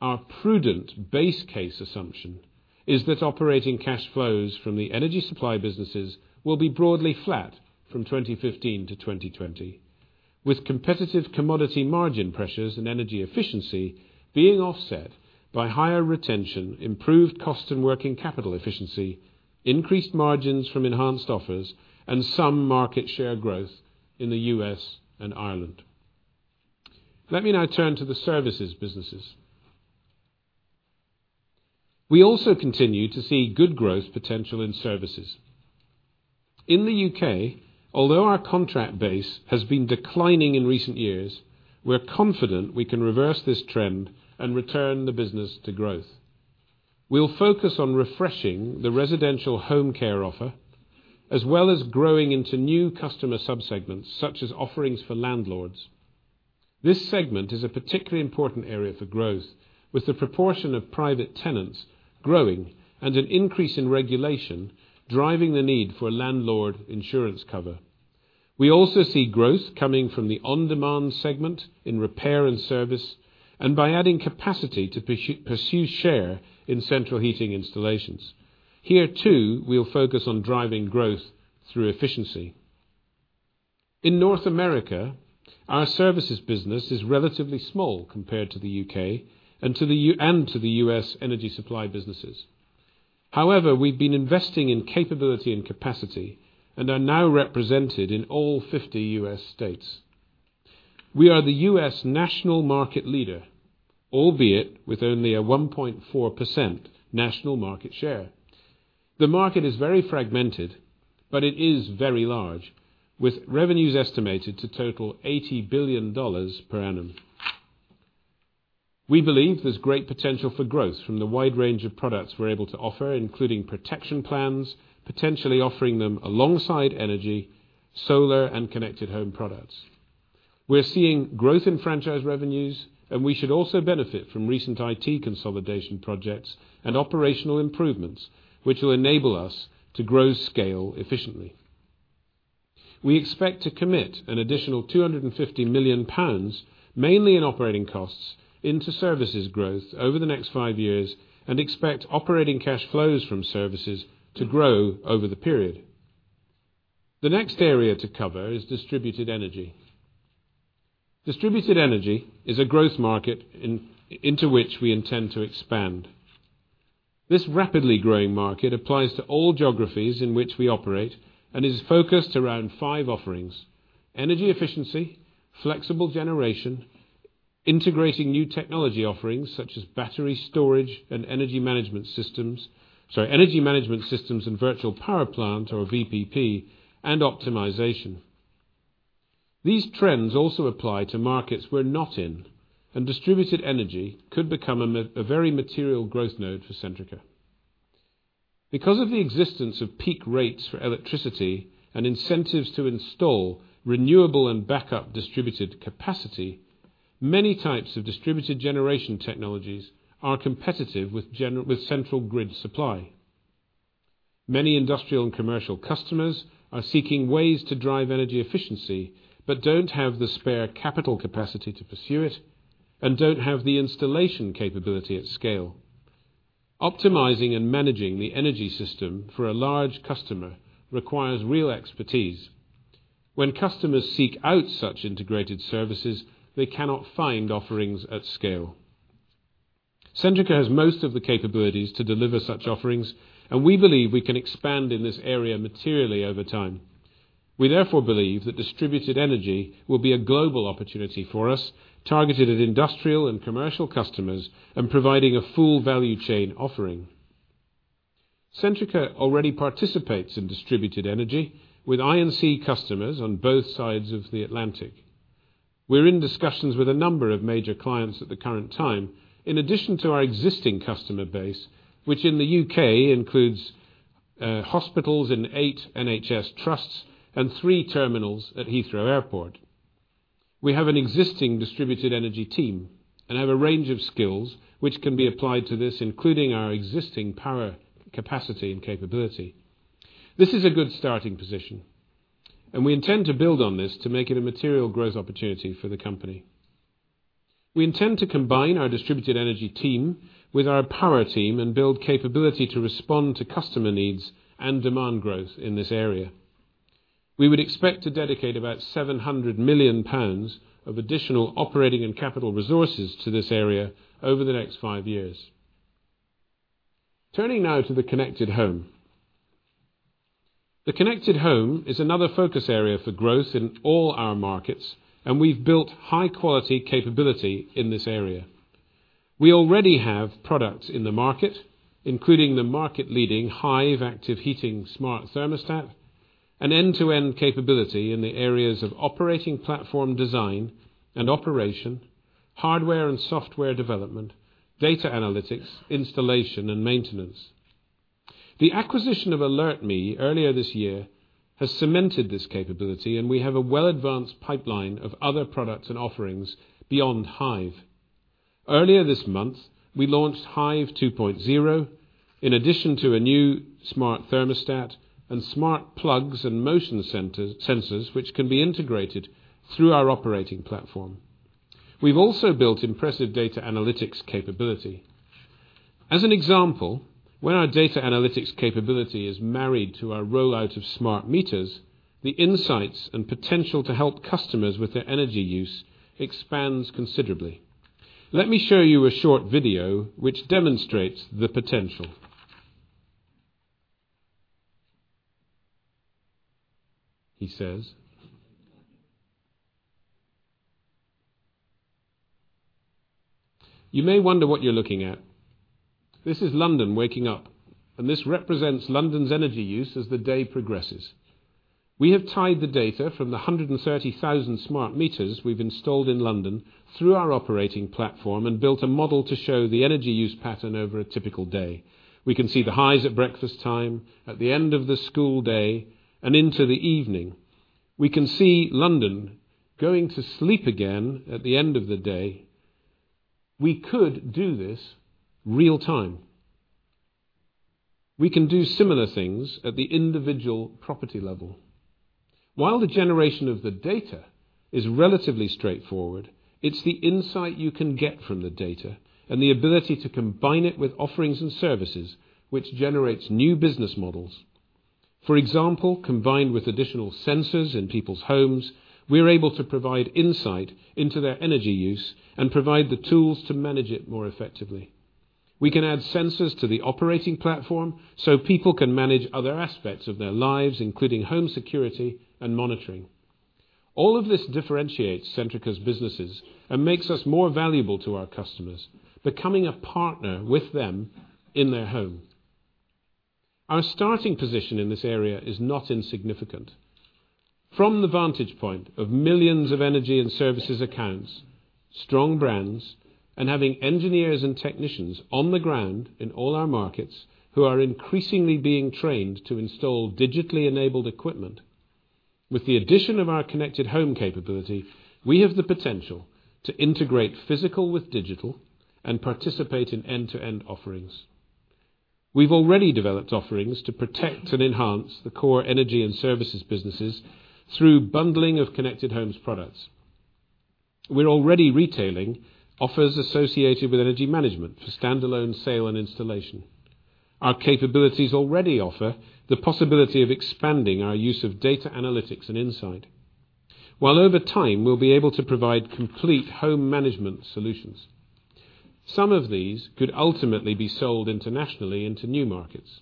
our prudent base case assumption is that operating cash flows from the energy supply businesses will be broadly flat from 2015 to 2020, with competitive commodity margin pressures and energy efficiency being offset by higher retention, improved cost and working capital efficiency, increased margins from enhanced offers, and some market share growth in the U.S. and Ireland. Let me now turn to the services businesses. We also continue to see good growth potential in services. In the U.K., although our contract base has been declining in recent years, we're confident we can reverse this trend and return the business to growth. We'll focus on refreshing the residential home care offer, as well as growing into new customer subsegments, such as offerings for landlords. This segment is a particularly important area for growth, with the proportion of private tenants growing and an increase in regulation driving the need for landlord insurance cover. We also see growth coming from the on-demand segment in repair and service and by adding capacity to pursue share in central heating installations. Here, too, we'll focus on driving growth through efficiency. In North America, our services business is relatively small compared to the U.K. and to the U.S. energy supply businesses. However, we've been investing in capability and capacity and are now represented in all 50 U.S. states. We are the U.S. national market leader, albeit with only a 1.4% national market share. The market is very fragmented, but it is very large, with revenues estimated to total $80 billion per annum. We believe there's great potential for growth from the wide range of products we're able to offer, including protection plans, potentially offering them alongside energy, solar, and connected home products. We're seeing growth in franchise revenues, we should also benefit from recent IT consolidation projects and operational improvements, which will enable us to grow scale efficiently. We expect to commit an additional 250 million pounds, mainly in operating costs, into services growth over the next five years and expect operating cash flows from services to grow over the period. The next area to cover is distributed energy. Distributed energy is a growth market into which we intend to expand. This rapidly growing market applies to all geographies in which we operate and is focused around five offerings: energy efficiency, flexible generation, integrating new technology offerings such as battery storage and energy management systems, energy management systems and virtual power plant or VPP, and optimization. These trends also apply to markets we're not in, distributed energy could become a very material growth node for Centrica. Because of the existence of peak rates for electricity and incentives to install renewable and backup distributed capacity, many types of distributed generation technologies are competitive with central grid supply. Many industrial and commercial customers are seeking ways to drive energy efficiency but don't have the spare capital capacity to pursue it and don't have the installation capability at scale. Optimizing and managing the energy system for a large customer requires real expertise. When customers seek out such integrated services, they cannot find offerings at scale. Centrica has most of the capabilities to deliver such offerings, we believe we can expand in this area materially over time. We therefore believe that distributed energy will be a global opportunity for us, targeted at industrial and commercial customers and providing a full value chain offering. Centrica already participates in distributed energy with I&C customers on both sides of the Atlantic. We're in discussions with a number of major clients at the current time, in addition to our existing customer base, which in the U.K. includes hospitals in eight NHS trusts and three terminals at Heathrow Airport. We have an existing distributed energy team and have a range of skills which can be applied to this, including our existing power capacity and capability. This is a good starting position. We intend to build on this to make it a material growth opportunity for the company. We intend to combine our distributed energy team with our power team and build capability to respond to customer needs and demand growth in this area. We would expect to dedicate about 700 million pounds of additional operating and capital resources to this area over the next 5 years. Turning now to the connected home. The connected home is another focus area for growth in all our markets, and we've built high-quality capability in this area. We already have products in the market, including the market-leading Hive Active Heating smart thermostat, and end-to-end capability in the areas of operating platform design and operation, hardware and software development, data analytics, installation, and maintenance. The acquisition of AlertMe earlier this year has cemented this capability. We have a well-advanced pipeline of other products and offerings beyond Hive. Earlier this month, we launched Hive 2.0 in addition to a new smart thermostat and smart plugs and motion sensors which can be integrated through our operating platform. We've also built impressive data analytics capability. As an example, when our data analytics capability is married to our rollout of smart meters, the insights and potential to help customers with their energy use expands considerably. Let me show you a short video which demonstrates the potential. He says. You may wonder what you're looking at. This is London waking up, and this represents London's energy use as the day progresses. We have tied the data from the 130,000 smart meters we've installed in London through our operating platform and built a model to show the energy use pattern over a typical day. We can see the highs at breakfast time, at the end of the school day, and into the evening. We can see London going to sleep again at the end of the day. We could do this real time. We can do similar things at the individual property level. While the generation of the data is relatively straightforward, it's the insight you can get from the data and the ability to combine it with offerings and services which generates new business models. For example, combined with additional sensors in people's homes, we are able to provide insight into their energy use and provide the tools to manage it more effectively. We can add sensors to the operating platform so people can manage other aspects of their lives, including home security and monitoring. All of this differentiates Centrica's businesses and makes us more valuable to our customers, becoming a partner with them in their home. Our starting position in this area is not insignificant. From the vantage point of millions of energy and services accounts, strong brands, and having engineers and technicians on the ground in all our markets who are increasingly being trained to install digitally enabled equipment, with the addition of our connected home capability, we have the potential to integrate physical with digital and participate in end-to-end offerings. We've already developed offerings to protect and enhance the core energy and services businesses through bundling of connected homes products. We're already retailing offers associated with energy management for standalone sale and installation. Our capabilities already offer the possibility of expanding our use of data analytics and insight, while over time, we'll be able to provide complete home management solutions. Some of these could ultimately be sold internationally into new markets.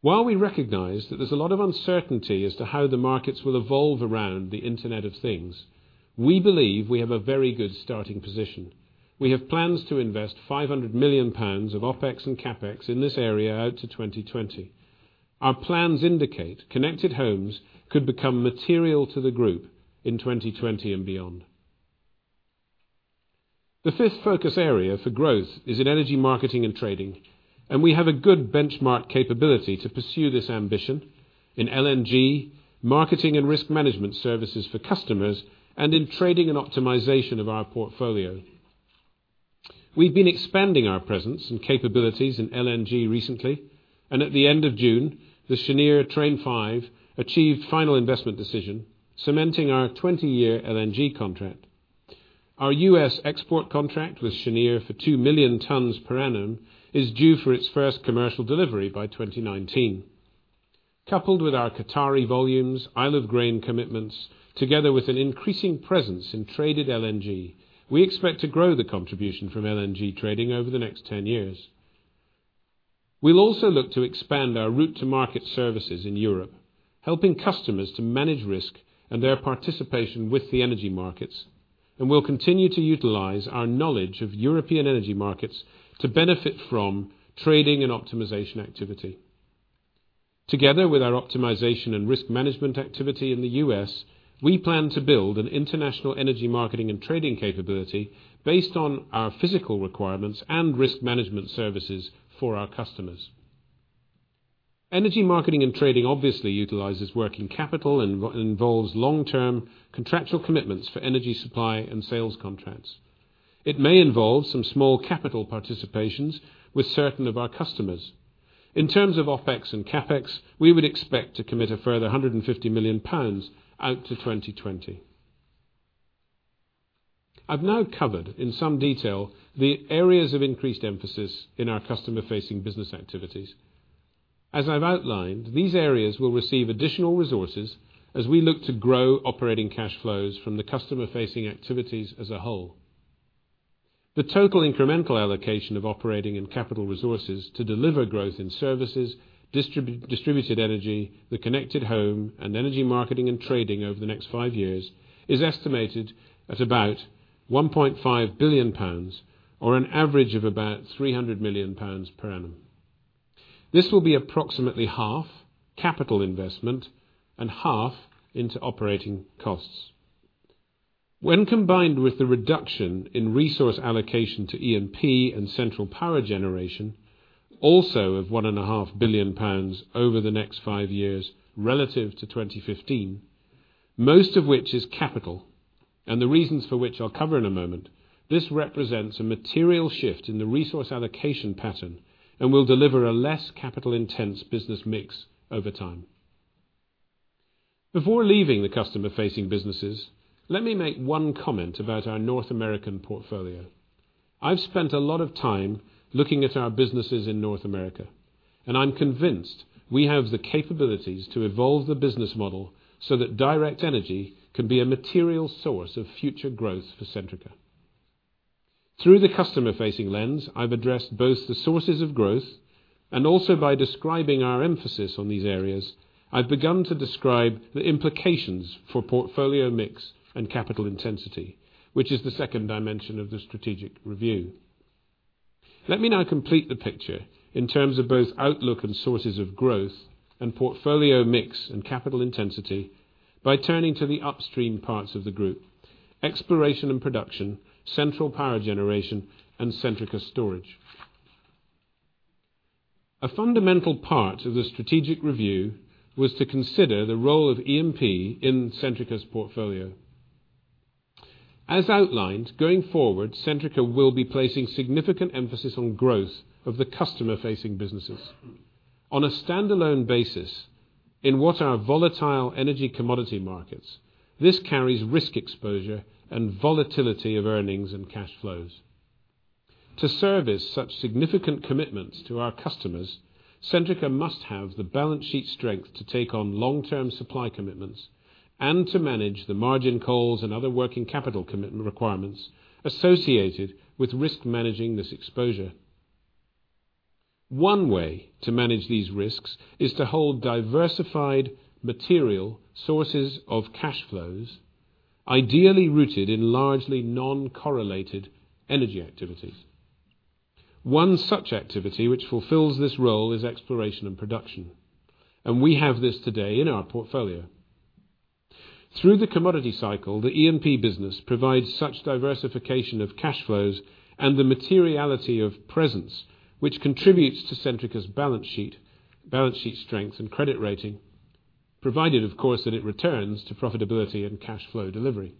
While we recognize that there's a lot of uncertainty as to how the markets will evolve around the Internet of Things, we believe we have a very good starting position. We have plans to invest 500 million pounds of OpEx and CapEx in this area out to 2020. Our plans indicate connected homes could become material to the group in 2020 and beyond. The fifth focus area for growth is in energy marketing and trading. We have a good benchmark capability to pursue this ambition in LNG, marketing and risk management services for customers, and in trading and optimization of our portfolio. We've been expanding our presence and capabilities in LNG recently. At the end of June, the Cheniere Train 5 achieved final investment decision, cementing our 20-year LNG contract. Our U.S. export contract with Cheniere for 2 million tons per annum is due for its first commercial delivery by 2019. Coupled with our Qatari volumes, Isle of Grain commitments, together with an increasing presence in traded LNG, we expect to grow the contribution from LNG trading over the next 10 years. We'll also look to expand our route-to-market services in Europe, helping customers to manage risk and their participation with the energy markets. We'll continue to utilize our knowledge of European energy markets to benefit from trading and optimization activity. Together with our optimization and risk management activity in the U.S., we plan to build an international energy marketing and trading capability based on our physical requirements and risk management services for our customers. Energy marketing and trading obviously utilizes working capital and involves long-term contractual commitments for energy supply and sales contracts. It may involve some small capital participations with certain of our customers. In terms of OpEx and CapEx, we would expect to commit a further 150 million pounds out to 2020. I've now covered, in some detail, the areas of increased emphasis in our customer-facing business activities. As I've outlined, these areas will receive additional resources as we look to grow operating cash flows from the customer-facing activities as a whole. The total incremental allocation of operating and capital resources to deliver growth in services, distributed energy, the connected home, and energy marketing and trading over the next five years is estimated at about 1.5 billion pounds, or an average of about 300 million pounds per annum. This will be approximately half capital investment and half into operating costs. When combined with the reduction in resource allocation to E&P and central power generation, also of 1.5 billion pounds over the next five years relative to 2015, most of which is capital, and the reasons for which I'll cover in a moment, this represents a material shift in the resource allocation pattern and will deliver a less capital-intense business mix over time. Before leaving the customer-facing businesses, let me make one comment about our North American portfolio. I've spent a lot of time looking at our businesses in North America, and I'm convinced we have the capabilities to evolve the business model so that Direct Energy can be a material source of future growth for Centrica. Through the customer-facing lens, I've addressed both the sources of growth, and also by describing our emphasis on these areas, I've begun to describe the implications for portfolio mix and capital intensity, which is the second dimension of the strategic review. Let me now complete the picture in terms of both outlook and sources of growth, and portfolio mix and capital intensity by turning to the upstream parts of the group, exploration and production, central power generation, and Centrica Storage. A fundamental part of the strategic review was to consider the role of E&P in Centrica's portfolio. As outlined, going forward, Centrica will be placing significant emphasis on growth of the customer-facing businesses. On a standalone basis, in what are volatile energy commodity markets, this carries risk exposure and volatility of earnings and cash flows. To service such significant commitments to our customers, Centrica must have the balance sheet strength to take on long-term supply commitments and to manage the margin calls and other working capital commitment requirements associated with risk managing this exposure. One way to manage these risks is to hold diversified material sources of cash flows, ideally rooted in largely non-correlated energy activities. One such activity which fulfills this role is exploration and production, and we have this today in our portfolio. Through the commodity cycle, the E&P business provides such diversification of cash flows and the materiality of presence, which contributes to Centrica's balance sheet strength and credit rating, provided of course that it returns to profitability and cash flow delivery.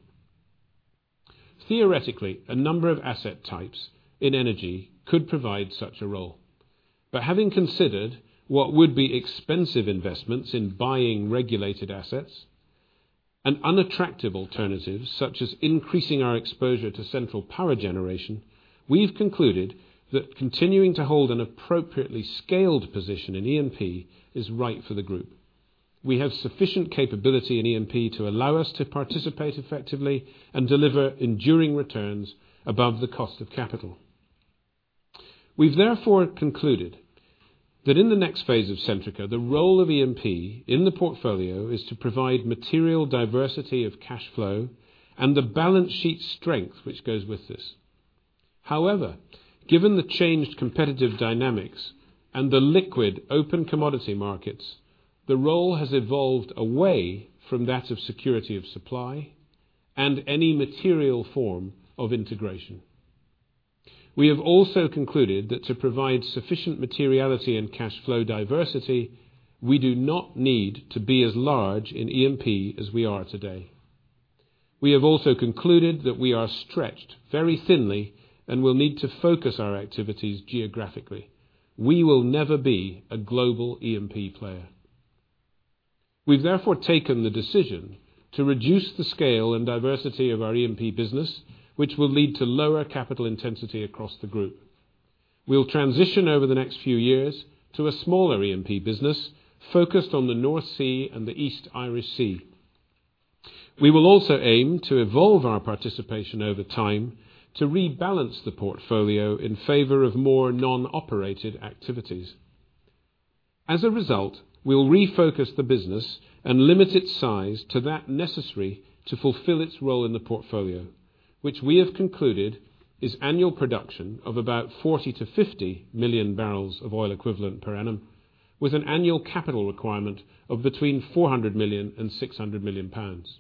Theoretically, a number of asset types in energy could provide such a role. Having considered what would be expensive investments in buying regulated assets and unattractive alternatives such as increasing our exposure to central power generation, we've concluded that continuing to hold an appropriately scaled position in E&P is right for the group. We have sufficient capability in E&P to allow us to participate effectively and deliver enduring returns above the cost of capital. We've therefore concluded that in the next phase of Centrica, the role of E&P in the portfolio is to provide material diversity of cash flow and the balance sheet strength which goes with this. However, given the changed competitive dynamics and the liquid open commodity markets, the role has evolved away from that of security of supply and any material form of integration. We have also concluded that to provide sufficient materiality and cash flow diversity, we do not need to be as large in E&P as we are today. We have also concluded that we are stretched very thinly and will need to focus our activities geographically. We will never be a global E&P player. We've therefore taken the decision to reduce the scale and diversity of our E&P business, which will lead to lower capital intensity across the group. We'll transition over the next few years to a smaller E&P business focused on the North Sea and the East Irish Sea. We will also aim to evolve our participation over time to rebalance the portfolio in favor of more non-operated activities. As a result, we'll refocus the business and limit its size to that necessary to fulfill its role in the portfolio, which we have concluded is annual production of about 40-50 million barrels of oil equivalent per annum, with an annual capital requirement of between 400 million and 600 million pounds.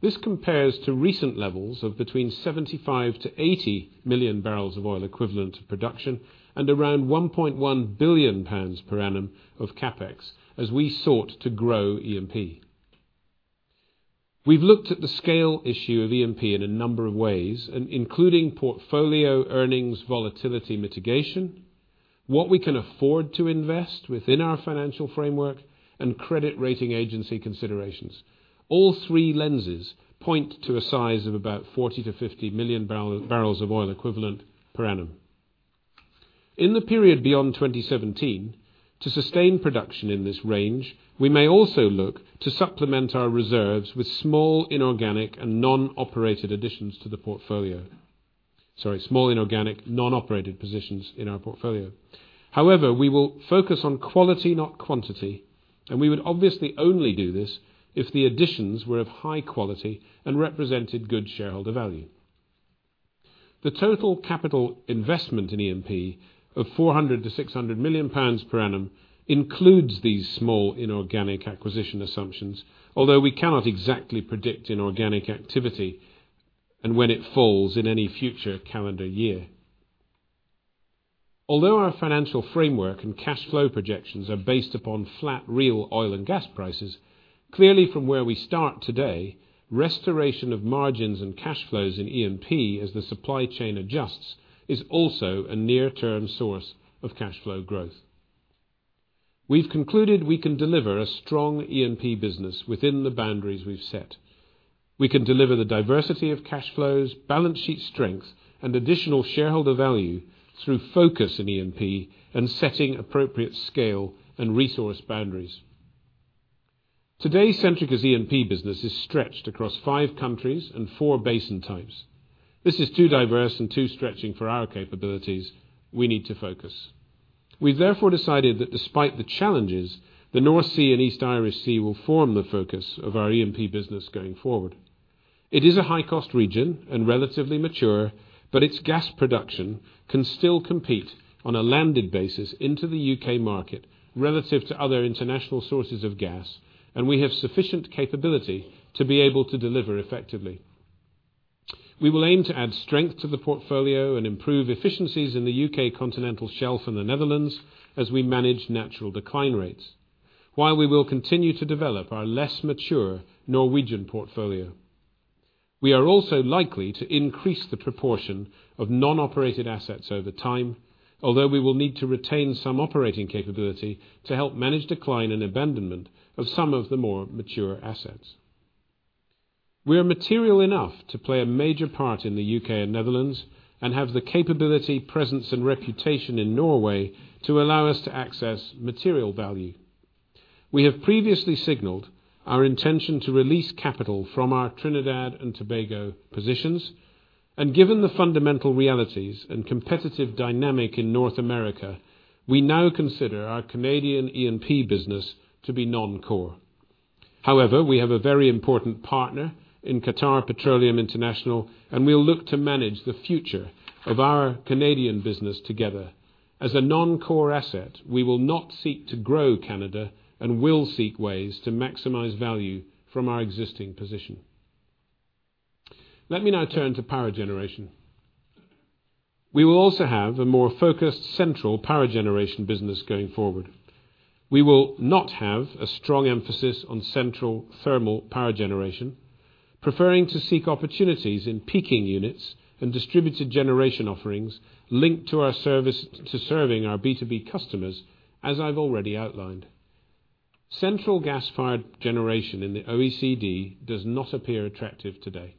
This compares to recent levels of between 75-80 million barrels of oil equivalent of production and around 1.1 billion pounds per annum of CapEx as we sought to grow E&P. We've looked at the scale issue of E&P in a number of ways, including portfolio earnings volatility mitigation, what we can afford to invest within our financial framework, and credit rating agency considerations. All three lenses point to a size of about 40-50 million barrels of oil equivalent per annum. In the period beyond 2017, to sustain production in this range, we may also look to supplement our reserves with small inorganic and non-operated additions to the portfolio. Sorry, small inorganic non-operated positions in our portfolio. However, we will focus on quality, not quantity, and we would obviously only do this if the additions were of high quality and represented good shareholder value. The total capital investment in E&P of 400 million-600 million pounds per annum includes these small inorganic acquisition assumptions, although we cannot exactly predict inorganic activity and when it falls in any future calendar year. Although our financial framework and cash flow projections are based upon flat real oil and gas prices, clearly from where we start today, restoration of margins and cash flows in E&P as the supply chain adjusts is also a near-term source of cash flow growth. We've concluded we can deliver a strong E&P business within the boundaries we've set. We can deliver the diversity of cash flows, balance sheet strength, and additional shareholder value through focus in E&P and setting appropriate scale and resource boundaries. Today, Centrica's E&P business is stretched across five countries and 4 basin types. This is too diverse and too stretching for our capabilities. We need to focus. We therefore decided that despite the challenges, the North Sea and East Irish Sea will form the focus of our E&P business going forward. It is a high-cost region and relatively mature, but its gas production can still compete on a landed basis into the U.K. market relative to other international sources of gas, and we have sufficient capability to be able to deliver effectively. We will aim to add strength to the portfolio and improve efficiencies in the U.K. continental shelf and the Netherlands as we manage natural decline rates, while we will continue to develop our less mature Norwegian portfolio. We are also likely to increase the proportion of non-operated assets over time, although we will need to retain some operating capability to help manage decline and abandonment of some of the more mature assets. We are material enough to play a major part in the U.K. and Netherlands and have the capability, presence and reputation in Norway to allow us to access material value. We have previously signaled our intention to release capital from our Trinidad and Tobago positions, and given the fundamental realities and competitive dynamic in North America, we now consider our Canadian E&P business to be non-core. We have a very important partner in Qatar Petroleum International, and we'll look to manage the future of our Canadian business together. As a non-core asset, we will not seek to grow Canada and will seek ways to maximize value from our existing position. Let me now turn to power generation. We will also have a more focused central power generation business going forward. We will not have a strong emphasis on central thermal power generation, preferring to seek opportunities in peaking units and distributed generation offerings linked to serving our B2B customers, as I've already outlined. Central gas-fired generation in the OECD does not appear attractive today.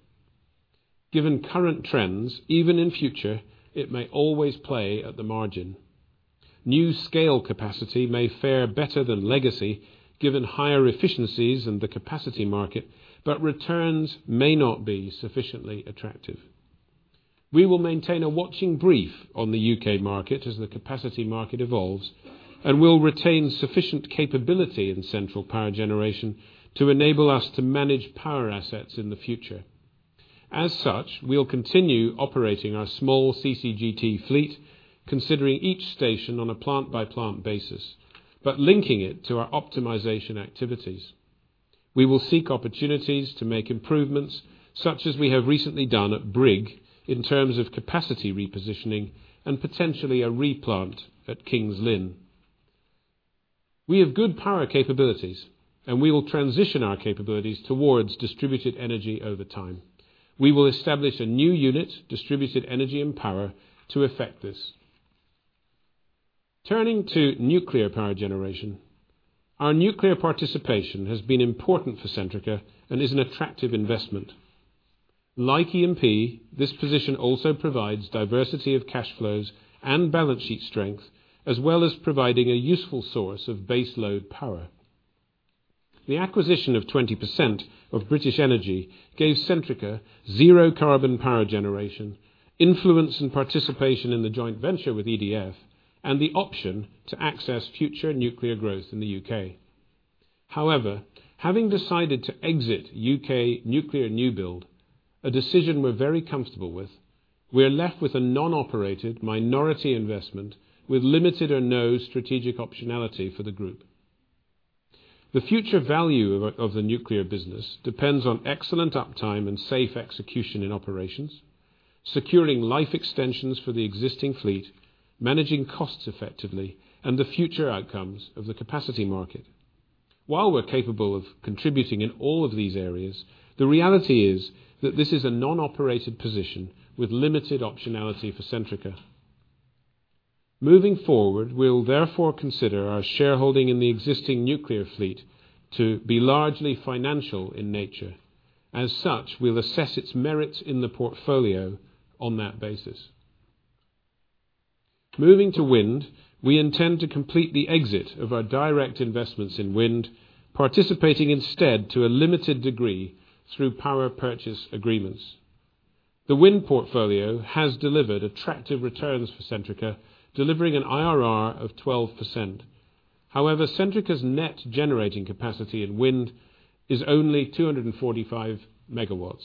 Given current trends, even in future, it may always play at the margin. New scale capacity may fare better than legacy, given higher efficiencies in the capacity market, but returns may not be sufficiently attractive. We will maintain a watching brief on the U.K. market as the capacity market evolves and will retain sufficient capability in central power generation to enable us to manage power assets in the future. As such, we'll continue operating our small CCGT fleet, considering each station on a plant-by-plant basis, but linking it to our optimization activities. We will seek opportunities to make improvements, such as we have recently done at Brigg, in terms of capacity repositioning and potentially a replant at King's Lynn. We have good power capabilities, and we will transition our capabilities towards distributed energy over time. We will establish a new unit, Distributed Energy and Power, to effect this. Turning to nuclear power generation. Our nuclear participation has been important for Centrica and is an attractive investment. Like E&P, this position also provides diversity of cash flows and balance sheet strength, as well as providing a useful source of base load power. The acquisition of 20% of British Energy gave Centrica zero carbon power generation, influence and participation in the joint venture with EDF, and the option to access future nuclear growth in the U.K. Having decided to exit U.K. nuclear new build, a decision we're very comfortable with, we are left with a non-operated minority investment with limited or no strategic optionality for the group. The future value of the nuclear business depends on excellent uptime and safe execution in operations, securing life extensions for the existing fleet, managing costs effectively, and the future outcomes of the capacity market. While we're capable of contributing in all of these areas, the reality is that this is a non-operated position with limited optionality for Centrica. Moving forward, we'll therefore consider our shareholding in the existing nuclear fleet to be largely financial in nature. As such, we'll assess its merit in the portfolio on that basis. Moving to wind, we intend to complete the exit of our direct investments in wind, participating instead to a limited degree through power purchase agreements. The wind portfolio has delivered attractive returns for Centrica, delivering an IRR of 12%. Centrica's net generating capacity in wind is only 245 megawatts.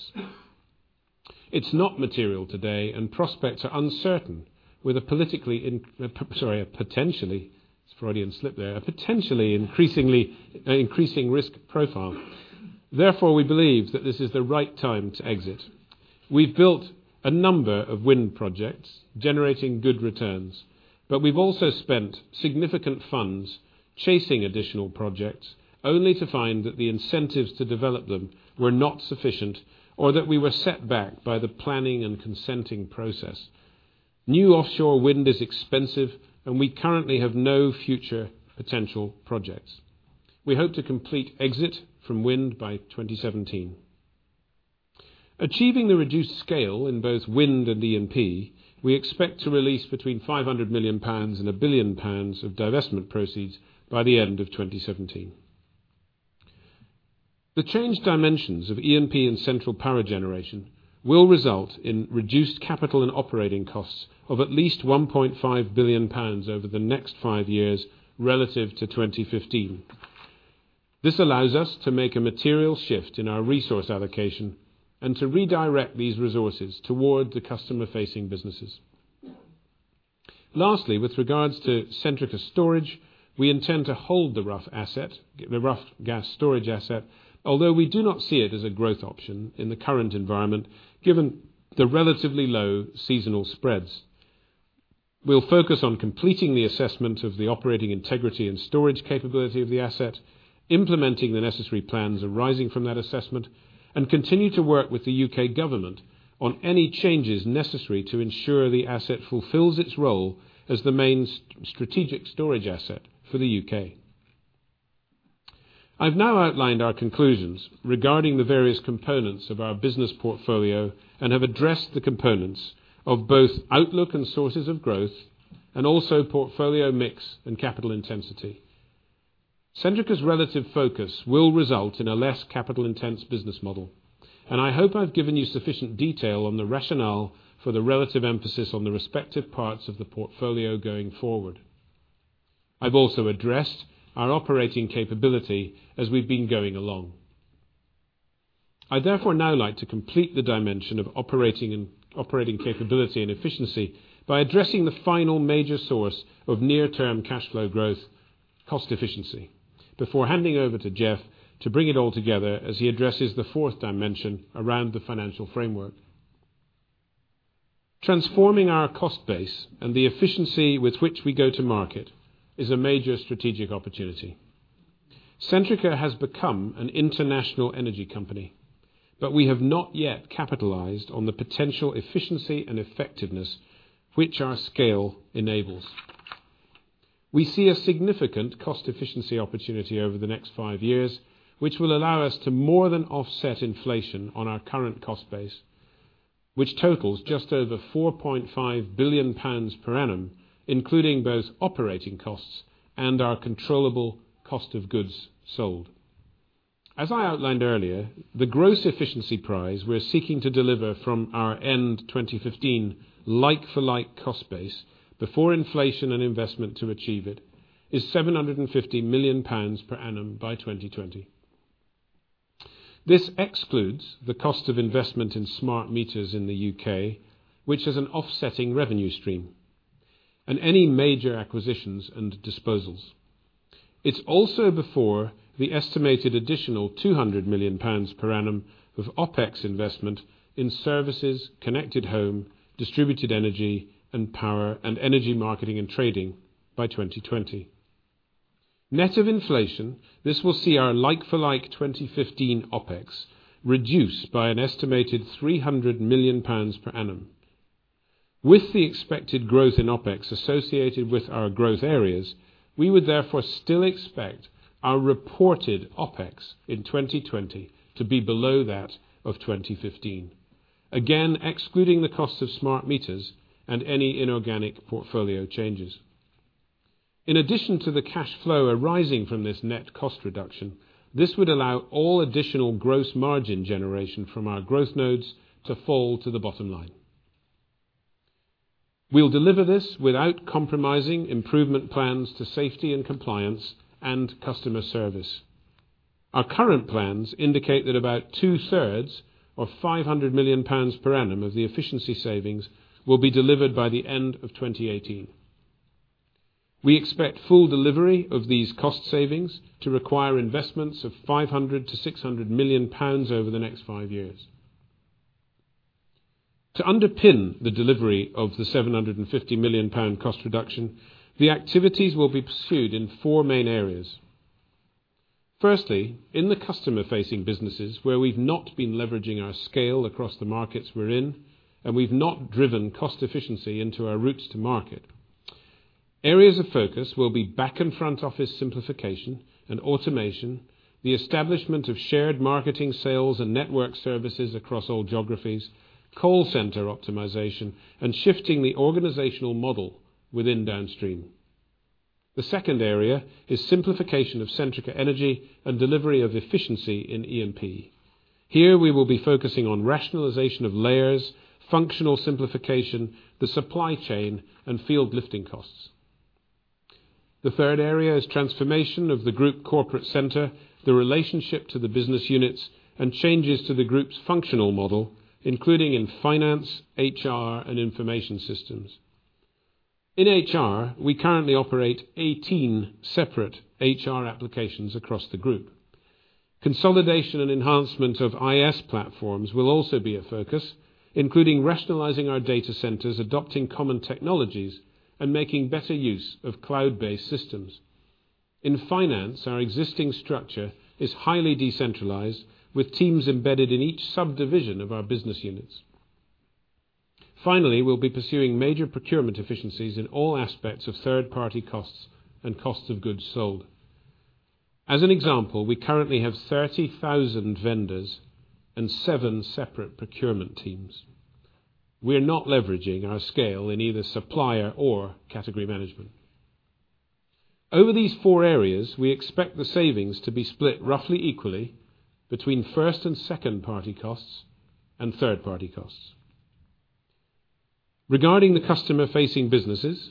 Prospects are uncertain with a potentially increasing risk profile. We believe that this is the right time to exit. We've built a number of wind projects generating good returns, but we've also spent significant funds chasing additional projects, only to find that the incentives to develop them were not sufficient or that we were set back by the planning and consenting process. New offshore wind is expensive, and we currently have no future potential projects. We hope to complete exit from wind by 2017. Achieving the reduced scale in both wind and E&P, we expect to release between 500 million-1 billion pounds of divestment proceeds by the end of 2017. The changed dimensions of E&P and central power generation will result in reduced capital and operating costs of at least 1.5 billion pounds over the next five years relative to 2015. This allows us to make a material shift in our resource allocation and to redirect these resources toward the customer-facing businesses. Lastly, with regards to Centrica Storage, we intend to hold the Rough gas storage asset, although we do not see it as a growth option in the current environment, given the relatively low seasonal spreads. We'll focus on completing the assessment of the operating integrity and storage capability of the asset, implementing the necessary plans arising from that assessment, and continue to work with the U.K. government on any changes necessary to ensure the asset fulfills its role as the main strategic storage asset for the U.K. I've now outlined our conclusions regarding the various components of our business portfolio and have addressed the components of both outlook and sources of growth, and also portfolio mix and capital intensity. Centrica's relative focus will result in a less capital-intense business model. I hope I've given you sufficient detail on the rationale for the relative emphasis on the respective parts of the portfolio going forward. I've also addressed our operating capability as we've been going along. I'd therefore now like to complete the dimension of operating capability and efficiency by addressing the final major source of near-term cash flow growth, cost efficiency, before handing over to Jeff to bring it all together as he addresses the fourth dimension around the financial framework. Transforming our cost base and the efficiency with which we go to market is a major strategic opportunity. We have not yet capitalized on the potential efficiency and effectiveness which our scale enables. We see a significant cost efficiency opportunity over the next five years, which will allow us to more than offset inflation on our current cost base, which totals just over 4.5 billion pounds per annum, including both operating costs and our controllable cost of goods sold. As I outlined earlier, the gross efficiency prize we're seeking to deliver from our end-2015 like-for-like cost base before inflation and investment to achieve it is 750 million pounds per annum by 2020. This excludes the cost of investment in smart meters in the U.K., which is an offsetting revenue stream, and any major acquisitions and disposals. It's also before the estimated additional 200 million pounds per annum of OpEx investment in services, connected home, distributed energy and power, and energy marketing and trading by 2020. Net of inflation, this will see our like-for-like 2015 OpEx reduced by an estimated 300 million pounds per annum. With the expected growth in OpEx associated with our growth areas, we would therefore still expect our reported OpEx in 2020 to be below that of 2015. Again, excluding the cost of smart meters and any inorganic portfolio changes. In addition to the cash flow arising from this net cost reduction, this would allow all additional gross margin generation from our growth nodes to fall to the bottom line. We will deliver this without compromising improvement plans to safety and compliance and customer service. Our current plans indicate that about two-thirds of 500 million pounds per annum of the efficiency savings will be delivered by the end of 2018. We expect full delivery of these cost savings to require investments of 500 million-600 million pounds over the next five years. To underpin the delivery of the 750 million pound cost reduction, the activities will be pursued in four main areas. Firstly, in the customer-facing businesses, where we have not been leveraging our scale across the markets we are in, and we have not driven cost efficiency into our routes to market. Areas of focus will be back and front office simplification and automation, the establishment of shared marketing sales and network services across all geographies, call center optimization, and shifting the organizational model within downstream. The second area is simplification of Centrica Energy and delivery of efficiency in E&P. Here, we will be focusing on rationalization of layers, functional simplification, the supply chain, and field lifting costs. The third area is transformation of the group corporate center, the relationship to the business units, and changes to the group's functional model, including in finance, HR, and information systems. In HR, we currently operate 18 separate HR applications across the group. Consolidation and enhancement of IS platforms will also be a focus, including rationalizing our data centers, adopting common technologies, and making better use of cloud-based systems. In finance, our existing structure is highly decentralized, with teams embedded in each subdivision of our business units. Finally, we will be pursuing major procurement efficiencies in all aspects of third-party costs and costs of goods sold. As an example, we currently have 30,000 vendors and seven separate procurement teams. We are not leveraging our scale in either supplier or category management. Over these four areas, we expect the savings to be split roughly equally between first and second-party costs and third-party costs. Regarding the customer-facing businesses,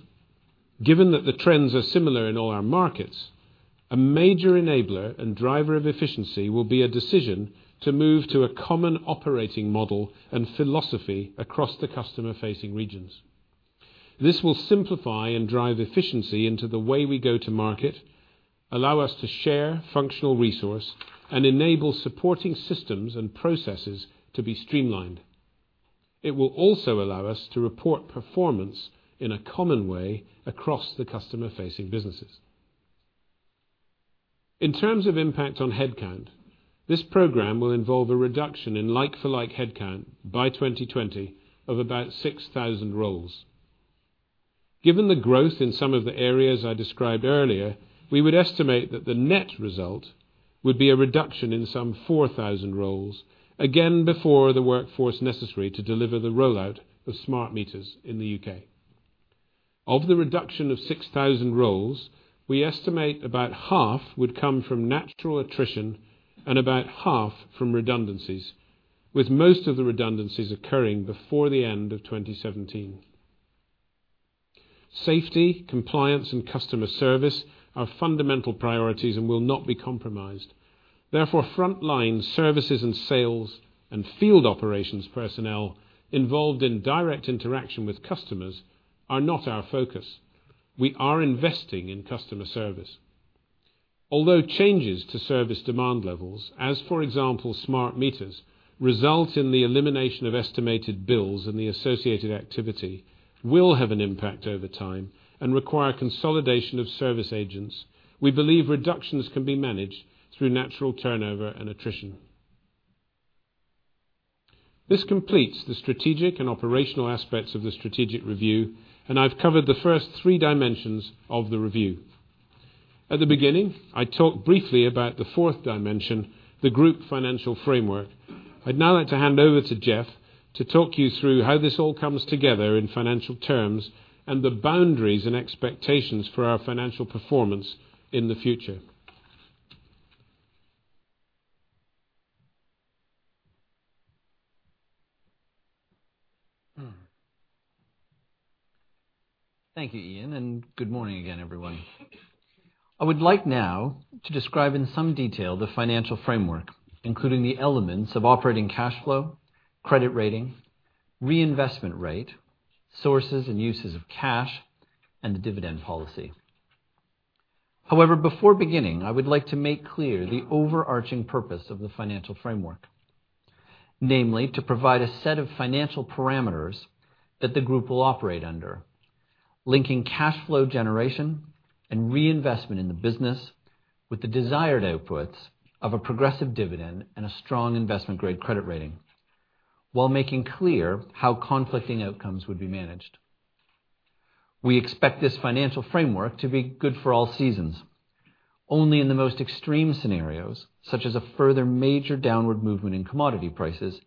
given that the trends are similar in all our markets, a major enabler and driver of efficiency will be a decision to move to a common operating model and philosophy across the customer-facing regions. This will simplify and drive efficiency into the way we go to market, allow us to share functional resource, and enable supporting systems and processes to be streamlined. It will also allow us to report performance in a common way across the customer-facing businesses. In terms of impact on headcount, this program will involve a reduction in like-for-like headcount by 2020 of about 6,000 roles. Given the growth in some of the areas I described earlier, we would estimate that the net result would be a reduction in some 4,000 roles, again before the workforce necessary to deliver the rollout of smart meters in the U.K. Of the reduction of 6,000 roles, we estimate about half would come from natural attrition and about half from redundancies, with most of the redundancies occurring before the end of 2017. Safety, compliance, and customer service are fundamental priorities and will not be compromised. Frontline services and sales and field operations personnel involved in direct interaction with customers are not our focus. We are investing in customer service. Although changes to service demand levels, as, for example, smart meters, result in the elimination of estimated bills and the associated activity will have an impact over time and require consolidation of service agents, we believe reductions can be managed through natural turnover and attrition. This completes the strategic and operational aspects of the strategic review, and I've covered the first three dimensions of the review. At the beginning, I talked briefly about the fourth dimension, the group financial framework. I'd now like to hand over to Jeff to talk you through how this all comes together in financial terms and the boundaries and expectations for our financial performance in the future. Thank you, Ian, and good morning again, everyone. I would like now to describe in some detail the financial framework, including the elements of operating cash flow, credit rating, reinvestment rate, sources and uses of cash, and the dividend policy. Before beginning, I would like to make clear the overarching purpose of the financial framework. Namely, to provide a set of financial parameters that the group will operate under, linking cash flow generation and reinvestment in the business with the desired outputs of a progressive dividend and a strong investment-grade credit rating, while making clear how conflicting outcomes would be managed. We expect this financial framework to be good for all seasons. Only in the most extreme scenarios, such as a further major downward movement in commodity prices,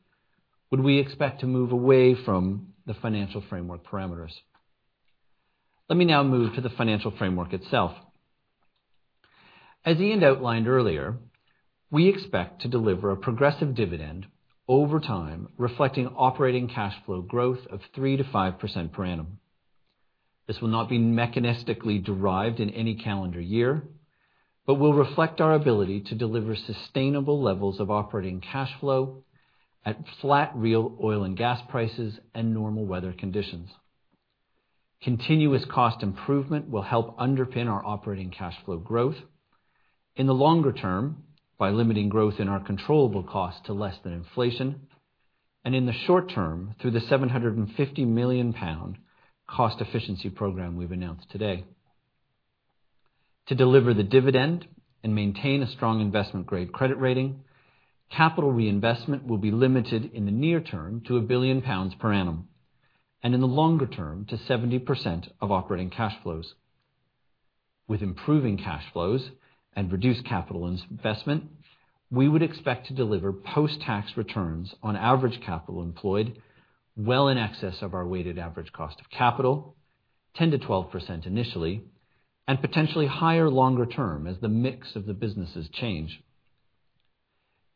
would we expect to move away from the financial framework parameters. Let me now move to the financial framework itself. As Ian outlined earlier, we expect to deliver a progressive dividend over time, reflecting operating cash flow growth of 3%-5% per annum. This will not be mechanistically derived in any calendar year, but will reflect our ability to deliver sustainable levels of operating cash flow at flat real oil and gas prices and normal weather conditions. Continuous cost improvement will help underpin our operating cash flow growth in the longer term by limiting growth in our controllable costs to less than inflation, and in the short term, through the 750 million pound cost efficiency program we've announced today. To deliver the dividend and maintain a strong investment-grade credit rating, capital reinvestment will be limited in the near term to 1 billion pounds per annum, and in the longer term to 70% of operating cash flows. With improving cash flows and reduced capital investment, we would expect to deliver post-tax returns on average capital employed well in excess of our weighted average cost of capital 10%-12% initially, and potentially higher longer term as the mix of the businesses change.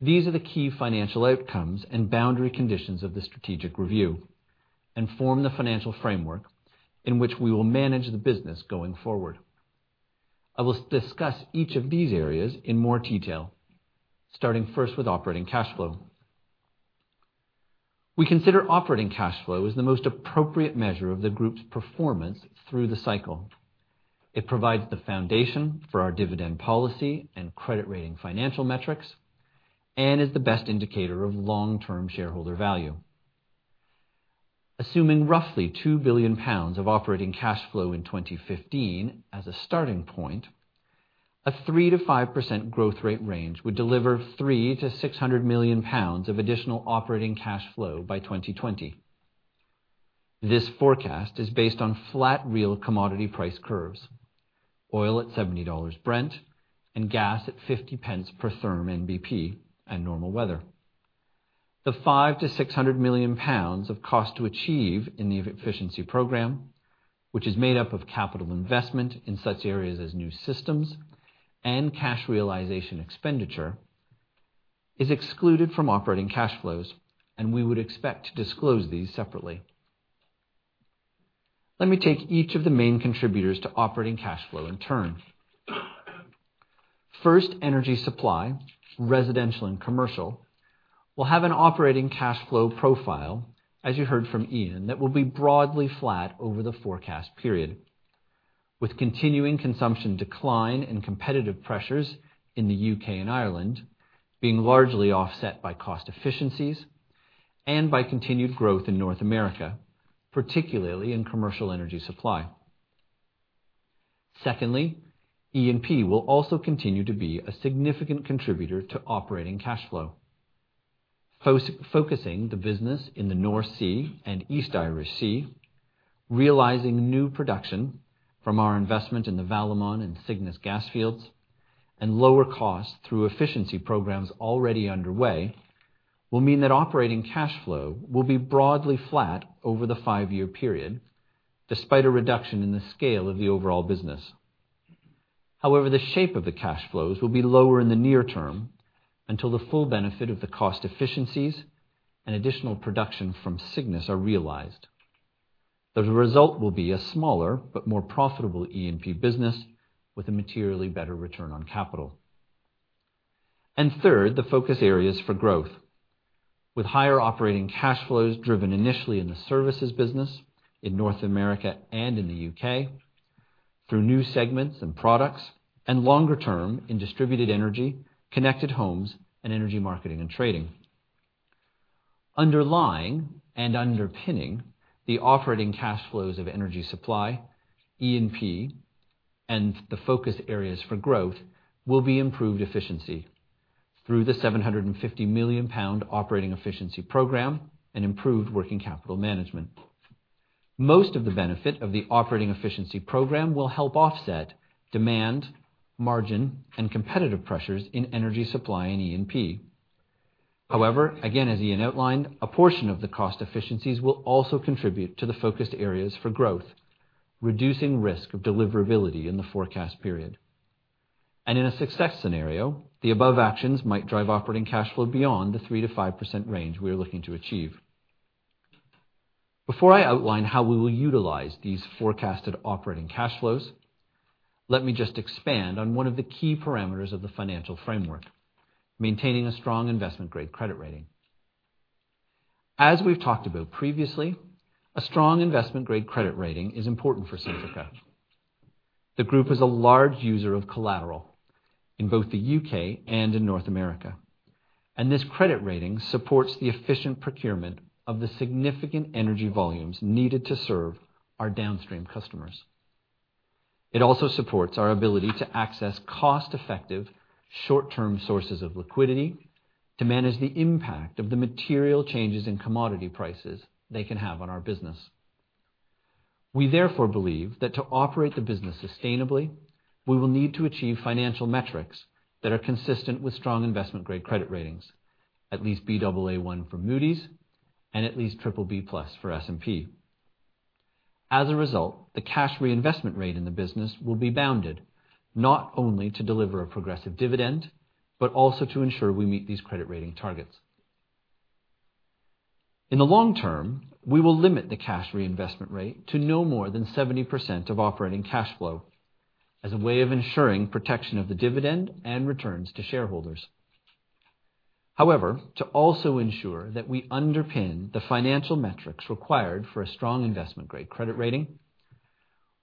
These are the key financial outcomes and boundary conditions of the strategic review and form the financial framework in which we will manage the business going forward. I will discuss each of these areas in more detail, starting first with operating cash flow. We consider operating cash flow as the most appropriate measure of the group's performance through the cycle. It provides the foundation for our dividend policy and credit rating financial metrics and is the best indicator of long-term shareholder value. Assuming roughly 2 billion pounds of operating cash flow in 2015 as a starting point, a 3%-5% growth rate range would deliver 300 million-600 million pounds of additional operating cash flow by 2020. This forecast is based on flat real commodity price curves, oil at $70 Brent, and gas at 0.50 per therm NBP and normal weather. The 500 million-600 million pounds of cost to achieve in the efficiency program, which is made up of capital investment in such areas as new systems and cash realization expenditure, is excluded from operating cash flows, and we would expect to disclose these separately. Let me take each of the main contributors to operating cash flow in turn. First, energy supply, residential and commercial, will have an operating cash flow profile, as you heard from Iain, that will be broadly flat over the forecast period, with continuing consumption decline and competitive pressures in the U.K. and Ireland being largely offset by cost efficiencies and by continued growth in North America, particularly in commercial energy supply. Secondly, E&P will also continue to be a significant contributor to operating cash flow. Focusing the business in the North Sea and East Irish Sea, realizing new production from our investment in the Valemon and Cygnus gas fields, and lower costs through efficiency programs already underway will mean that operating cash flow will be broadly flat over the five-year period, despite a reduction in the scale of the overall business. The shape of the cash flows will be lower in the near term until the full benefit of the cost efficiencies and additional production from Cygnus are realized. The result will be a smaller but more profitable E&P business with a materially better return on capital. Third, the focus areas for growth with higher operating cash flows driven initially in the services business in North America and in the U.K. through new segments and products, and longer term in distributed energy, connected homes, and energy marketing and trading. Underlying and underpinning the operating cash flows of energy supply, E&P, and the focus areas for growth will be improved efficiency through the 750 million pound Operating Efficiency Program and improved working capital management. Most of the benefit of the Operating Efficiency Program will help offset demand, margin, and competitive pressures in energy supply and E&P. Again, as Iain outlined, a portion of the cost efficiencies will also contribute to the focus areas for growth, reducing risk of deliverability in the forecast period. In a success scenario, the above actions might drive operating cash flow beyond the 3%-5% range we are looking to achieve. Before I outline how we will utilize these forecasted operating cash flows, let me just expand on one of the key parameters of the financial framework, maintaining a strong investment-grade credit rating. As we've talked about previously, a strong investment-grade credit rating is important for Centrica. The group is a large user of collateral in both the U.K. and in North America, and this credit rating supports the efficient procurement of the significant energy volumes needed to serve our downstream customers. It also supports our ability to access cost-effective, short-term sources of liquidity to manage the impact of the material changes in commodity prices they can have on our business. We therefore believe that to operate the business sustainably, we will need to achieve financial metrics that are consistent with strong investment-grade credit ratings, at least Baa1 for Moody's and at least BBB+ for S&P. As a result, the cash reinvestment rate in the business will be bounded not only to deliver a progressive dividend, but also to ensure we meet these credit rating targets. In the long term, we will limit the cash reinvestment rate to no more than 70% of operating cash flow as a way of ensuring protection of the dividend and returns to shareholders. To also ensure that we underpin the financial metrics required for a strong investment-grade credit rating,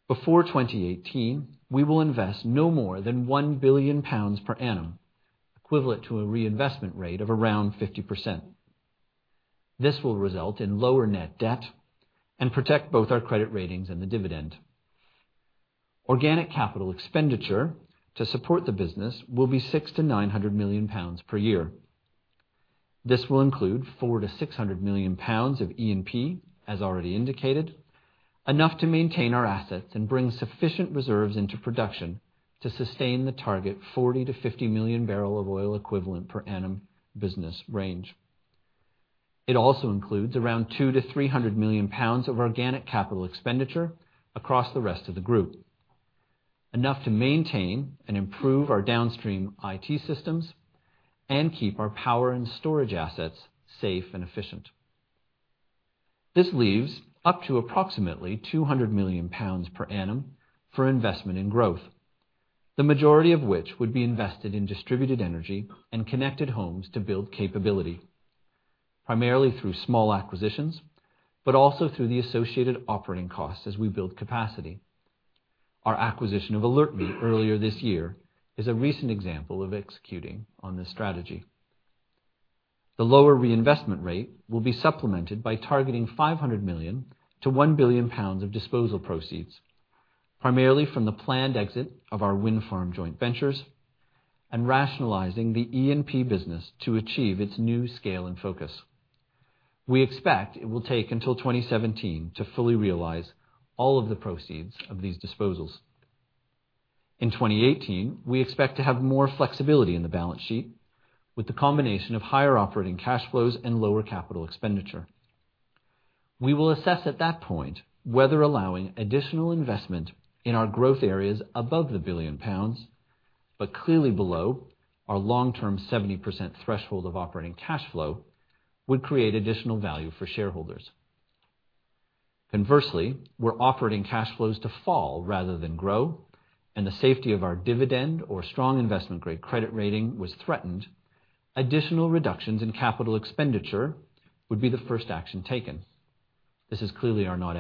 before 2018, we will invest no more than 1 billion pounds per annum, equivalent to a reinvestment rate of around 50%. This will result in lower net debt and protect both our credit ratings and the dividend. Organic capital expenditure to support the business will be 600 million-900 million pounds per year. This will include 400 million-600 million pounds of E&P, as already indicated, enough to maintain our assets and bring sufficient reserves into production to sustain the target 40 million-50 million barrel of oil equivalent per annum business range. It also includes around 200 million-300 million pounds of organic capital expenditure across the rest of the group, enough to maintain and improve our downstream IT systems and keep our power and storage assets safe and efficient. This leaves up to approximately 200 million pounds per annum for investment and growth. The majority of which would be invested in distributed energy and connected homes to build capability, primarily through small acquisitions, but also through the associated operating costs as we build capacity. Our acquisition of AlertMe earlier this year is a recent example of executing on this strategy. The lower reinvestment rate will be supplemented by targeting 500 million-1 billion pounds of disposal proceeds, primarily from the planned exit of our wind farm joint ventures and rationalizing the E&P business to achieve its new scale and focus. We expect it will take until 2017 to fully realize all of the proceeds of these disposals. In 2018, we expect to have more flexibility in the balance sheet with the combination of higher operating cash flows and lower capital expenditure. We will assess at that point whether allowing additional investment in our growth areas above the 1 billion pounds, but clearly below our long-term 70% threshold of operating cash flow, would create additional value for shareholders. Conversely, were operating cash flows to fall rather than grow and the safety of our dividend or strong investment-grade credit rating was threatened, additional reductions in capital expenditure would be the first action taken. This is clearly not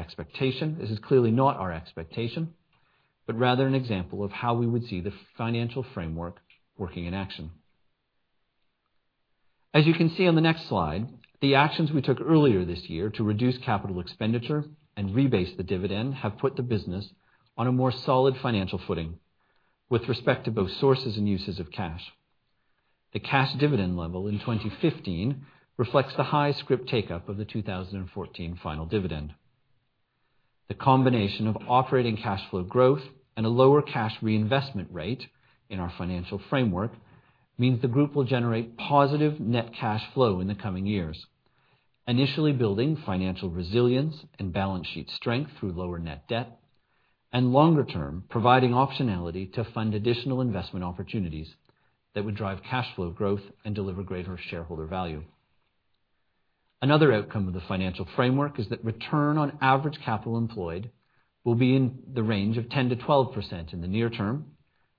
our expectation, but rather an example of how we would see the financial framework working in action. As you can see on the next slide, the actions we took earlier this year to reduce capital expenditure and rebase the dividend have put the business on a more solid financial footing with respect to both sources and uses of cash. The cash dividend level in 2015 reflects the high scrip take-up of the 2014 final dividend. The combination of operating cash flow growth and a lower cash reinvestment rate in our financial framework means the group will generate positive net cash flow in the coming years. Initially building financial resilience and balance sheet strength through lower net debt, and longer term, providing optionality to fund additional investment opportunities that would drive cash flow growth and deliver greater shareholder value. Another outcome of the financial framework is that return on average capital employed will be in the range of 10%-12% in the near term,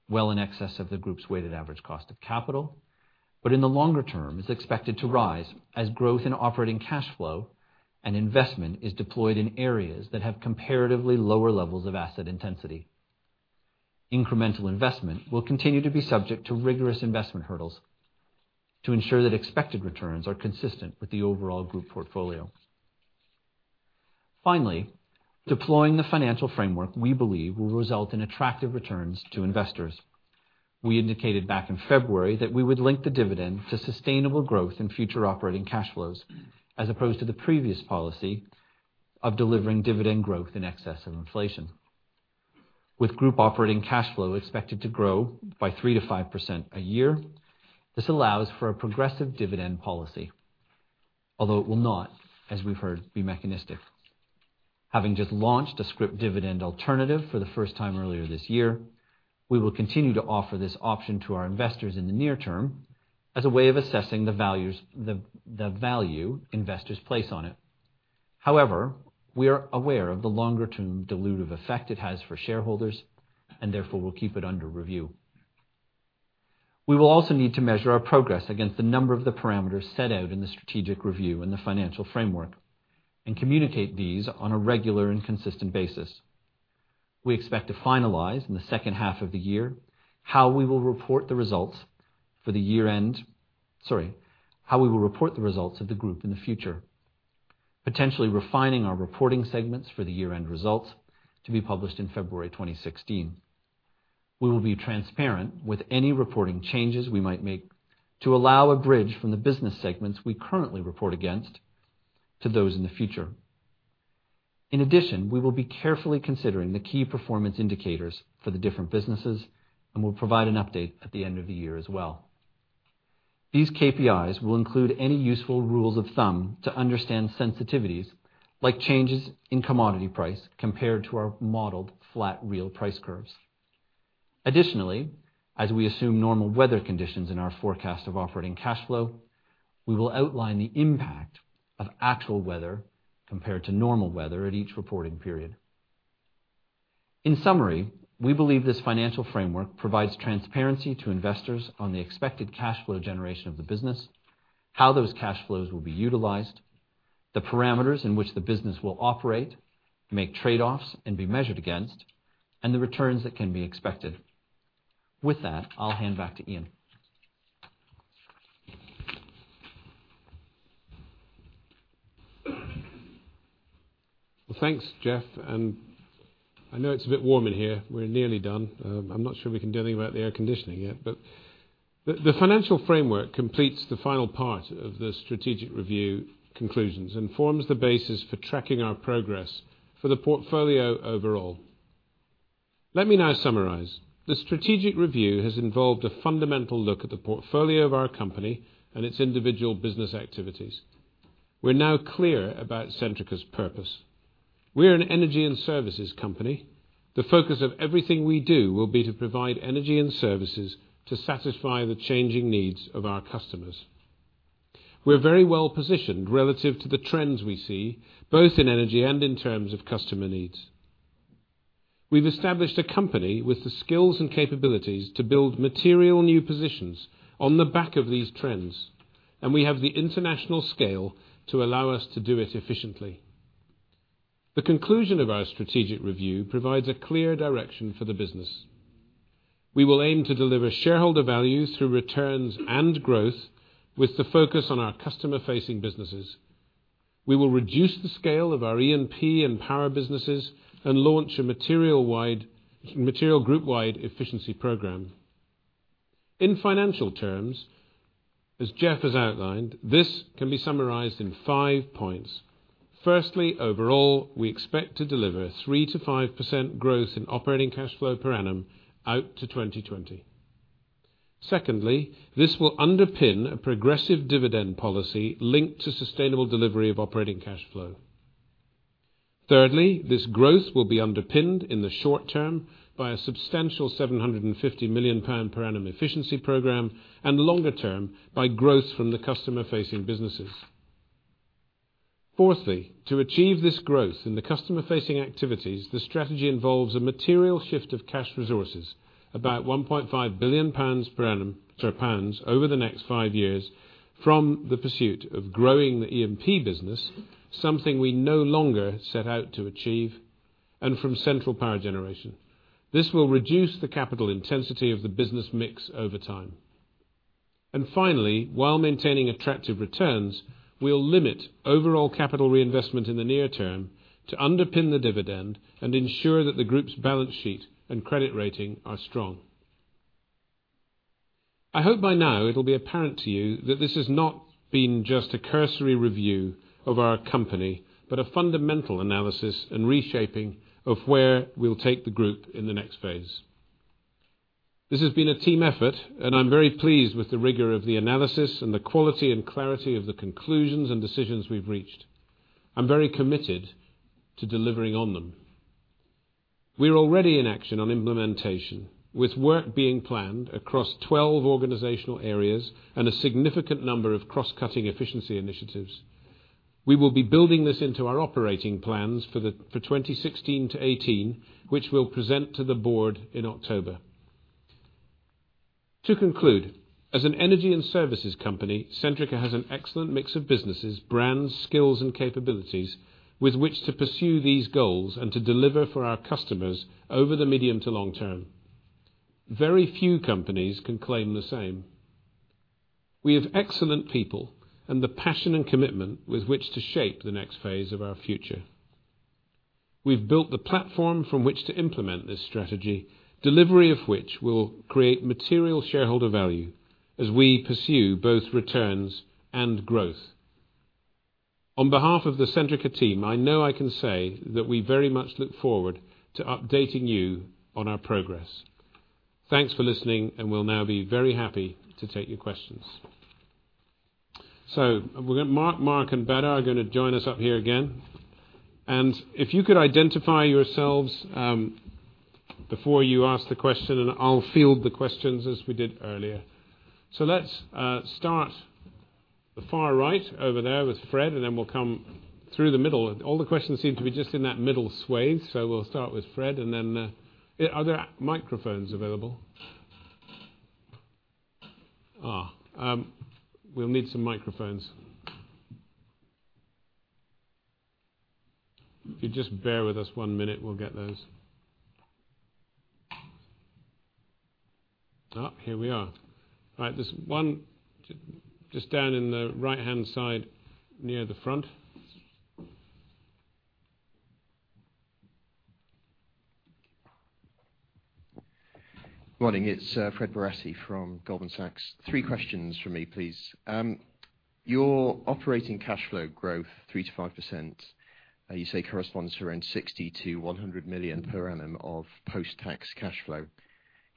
well in excess of the group's weighted average cost of capital. In the longer term, is expected to rise as growth in operating cash flow and investment is deployed in areas that have comparatively lower levels of asset intensity. Incremental investment will continue to be subject to rigorous investment hurdles to ensure that expected returns are consistent with the overall group portfolio. Finally, deploying the financial framework we believe will result in attractive returns to investors. We indicated back in February that we would link the dividend to sustainable growth in future operating cash flows as opposed to the previous policy of delivering dividend growth in excess of inflation. With group operating cash flow expected to grow by 3%-5% a year, this allows for a progressive dividend policy. Although it will not, as we've heard, be mechanistic. Having just launched a scrip dividend alternative for the first time earlier this year, we will continue to offer this option to our investors in the near term as a way of assessing the value investors place on it. However, we are aware of the longer-term dilutive effect it has for shareholders and therefore will keep it under review. We will also need to measure our progress against a number of the parameters set out in the strategic review and the financial framework and communicate these on a regular and consistent basis. We expect to finalize in the second half of the year how we will report the results of the group in the future Potentially refining our reporting segments for the year-end results to be published in February 2016. We will be transparent with any reporting changes we might make to allow a bridge from the business segments we currently report against to those in the future. In addition, we will be carefully considering the key performance indicators for the different businesses and will provide an update at the end of the year as well. These KPIs will include any useful rules of thumb to understand sensitivities, like changes in commodity price compared to our modeled flat real price curves. Additionally, as we assume normal weather conditions in our forecast of operating cash flow, we will outline the impact of actual weather compared to normal weather at each reporting period. In summary, we believe this financial framework provides transparency to investors on the expected cash flow generation of the business, how those cash flows will be utilized, the parameters in which the business will operate, make trade-offs, and be measured against, and the returns that can be expected. With that, I'll hand back to Iain. Well, thanks, Jeff. I know it's a bit warm in here. We're nearly done. I'm not sure we can do anything about the air conditioning yet. The financial framework completes the final part of the strategic review conclusions and forms the basis for tracking our progress for the portfolio overall. Let me now summarize. The strategic review has involved a fundamental look at the portfolio of our company and its individual business activities. We're now clear about Centrica's purpose. We are an energy and services company. The focus of everything we do will be to provide energy and services to satisfy the changing needs of our customers. We are very well-positioned relative to the trends we see, both in energy and in terms of customer needs. We've established a company with the skills and capabilities to build material new positions on the back of these trends, and we have the international scale to allow us to do it efficiently. The conclusion of our strategic review provides a clear direction for the business. We will aim to deliver shareholder value through returns and growth with the focus on our customer-facing businesses. We will reduce the scale of our E&P and power businesses and launch a material group-wide efficiency program. In financial terms, as Jeff has outlined, this can be summarized in five points. Firstly, overall, we expect to deliver 3%-5% growth in operating cash flow per annum out to 2020. Secondly, this will underpin a progressive dividend policy linked to sustainable delivery of operating cash flow. Thirdly, this growth will be underpinned in the short term by a substantial 750 million pound per annum efficiency program, and longer term by growth from the customer-facing businesses. Fourthly, to achieve this growth in the customer-facing activities, the strategy involves a material shift of cash resources, about 1.5 billion pounds per annum, over the next five years from the pursuit of growing the E&P business, something we no longer set out to achieve, and from central power generation. This will reduce the capital intensity of the business mix over time. Finally, while maintaining attractive returns, we'll limit overall capital reinvestment in the near term to underpin the dividend and ensure that the group's balance sheet and credit rating are strong. I hope by now it'll be apparent to you that this has not been just a cursory review of our company, but a fundamental analysis and reshaping of where we'll take the group in the next phase. This has been a team effort, and I'm very pleased with the rigor of the analysis and the quality and clarity of the conclusions and decisions we've reached. I'm very committed to delivering on them. We are already in action on implementation, with work being planned across 12 organizational areas and a significant number of cross-cutting efficiency initiatives. We will be building this into our operating plans for 2016-2018, which we'll present to the board in October. To conclude, as an energy and services company, Centrica has an excellent mix of businesses, brands, skills, and capabilities with which to pursue these goals and to deliver for our customers over the medium to long term. Very few companies can claim the same. We have excellent people and the passion and commitment with which to shape the next phase of our future. We have built the platform from which to implement this strategy, delivery of which will create material shareholder value as we pursue both returns and growth. On behalf of the Centrica team, I know I can say that we very much look forward to updating you on our progress. Thanks for listening, and we will now be very happy to take your questions. Mark and Bedar are going to join us up here again. If you could identify yourselves, before you ask the question, and I will field the questions as we did earlier. Let's start the far right over there with Fred, and then we will come through the middle. All the questions seem to be just in that middle swath. We will start with Fred and then. Are there microphones available? We will need some microphones. If you just bear with us one minute, we will get those. Here we are. There is one just down in the right-hand side near the front. Morning, it is Fred Barasi from Goldman Sachs. Three questions from me, please. Your operating cash flow growth, 3%-5%, you say corresponds to around 60 million to 100 million per annum of post-tax cash flow.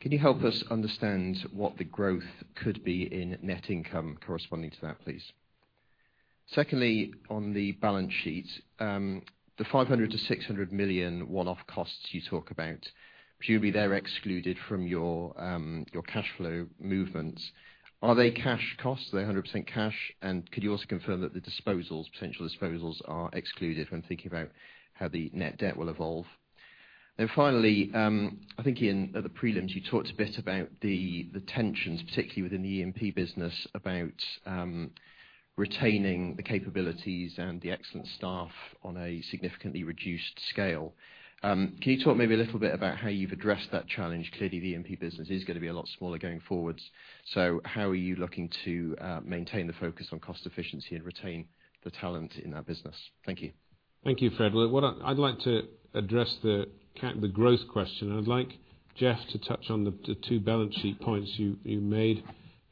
Can you help us understand what the growth could be in net income corresponding to that, please? Secondly, on the balance sheet, the 500 million to 600 million one-off costs you talk about, presumably they are excluded from your cash flow movements. Are they cash costs? Are they 100% cash? Could you also confirm that the potential disposals are excluded when thinking about how the net debt will evolve? Finally, I think Iain, at the prelims, you talked a bit about the tensions, particularly within the E&P business, about retaining the capabilities and the excellent staff on a significantly reduced scale. Can you talk maybe a little bit about how you have addressed that challenge? Clearly, the E&P business is going to be a lot smaller going forwards. How are you looking to maintain the focus on cost efficiency and retain the talent in that business? Thank you. Thank you, Fred. I'd like to address the growth question, and I'd like Jeff to touch on the two balance sheet points you made,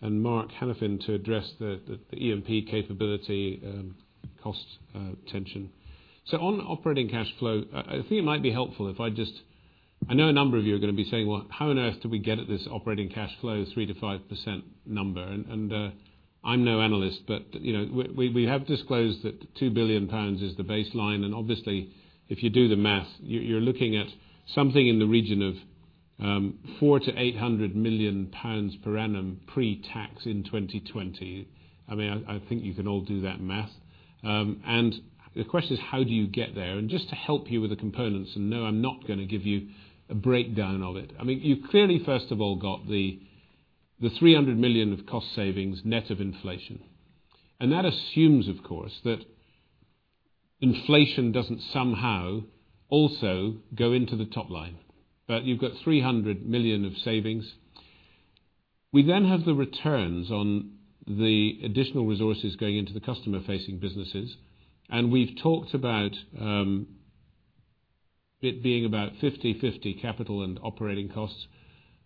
and Mark Hanafin to address the E&P capability cost tension. On operating cash flow, I think it might be helpful if I know a number of you are going to be saying, "Well, how on earth did we get at this operating cash flow 3%-5% number?" I'm no analyst, but we have disclosed that 2 billion pounds is the baseline, obviously, if you do the math, you're looking at something in the region of 400 million-800 million pounds per annum pre-tax in 2020. I think you can all do that math. The question is, how do you get there? Just to help you with the components, no, I'm not going to give you a breakdown of it. You've clearly, first of all, got the 300 million of cost savings net of inflation. That assumes, of course, that inflation doesn't somehow also go into the top line. You've got 300 million of savings. We then have the returns on the additional resources going into the customer-facing businesses, and we've talked about it being about 50/50 capital and operating costs,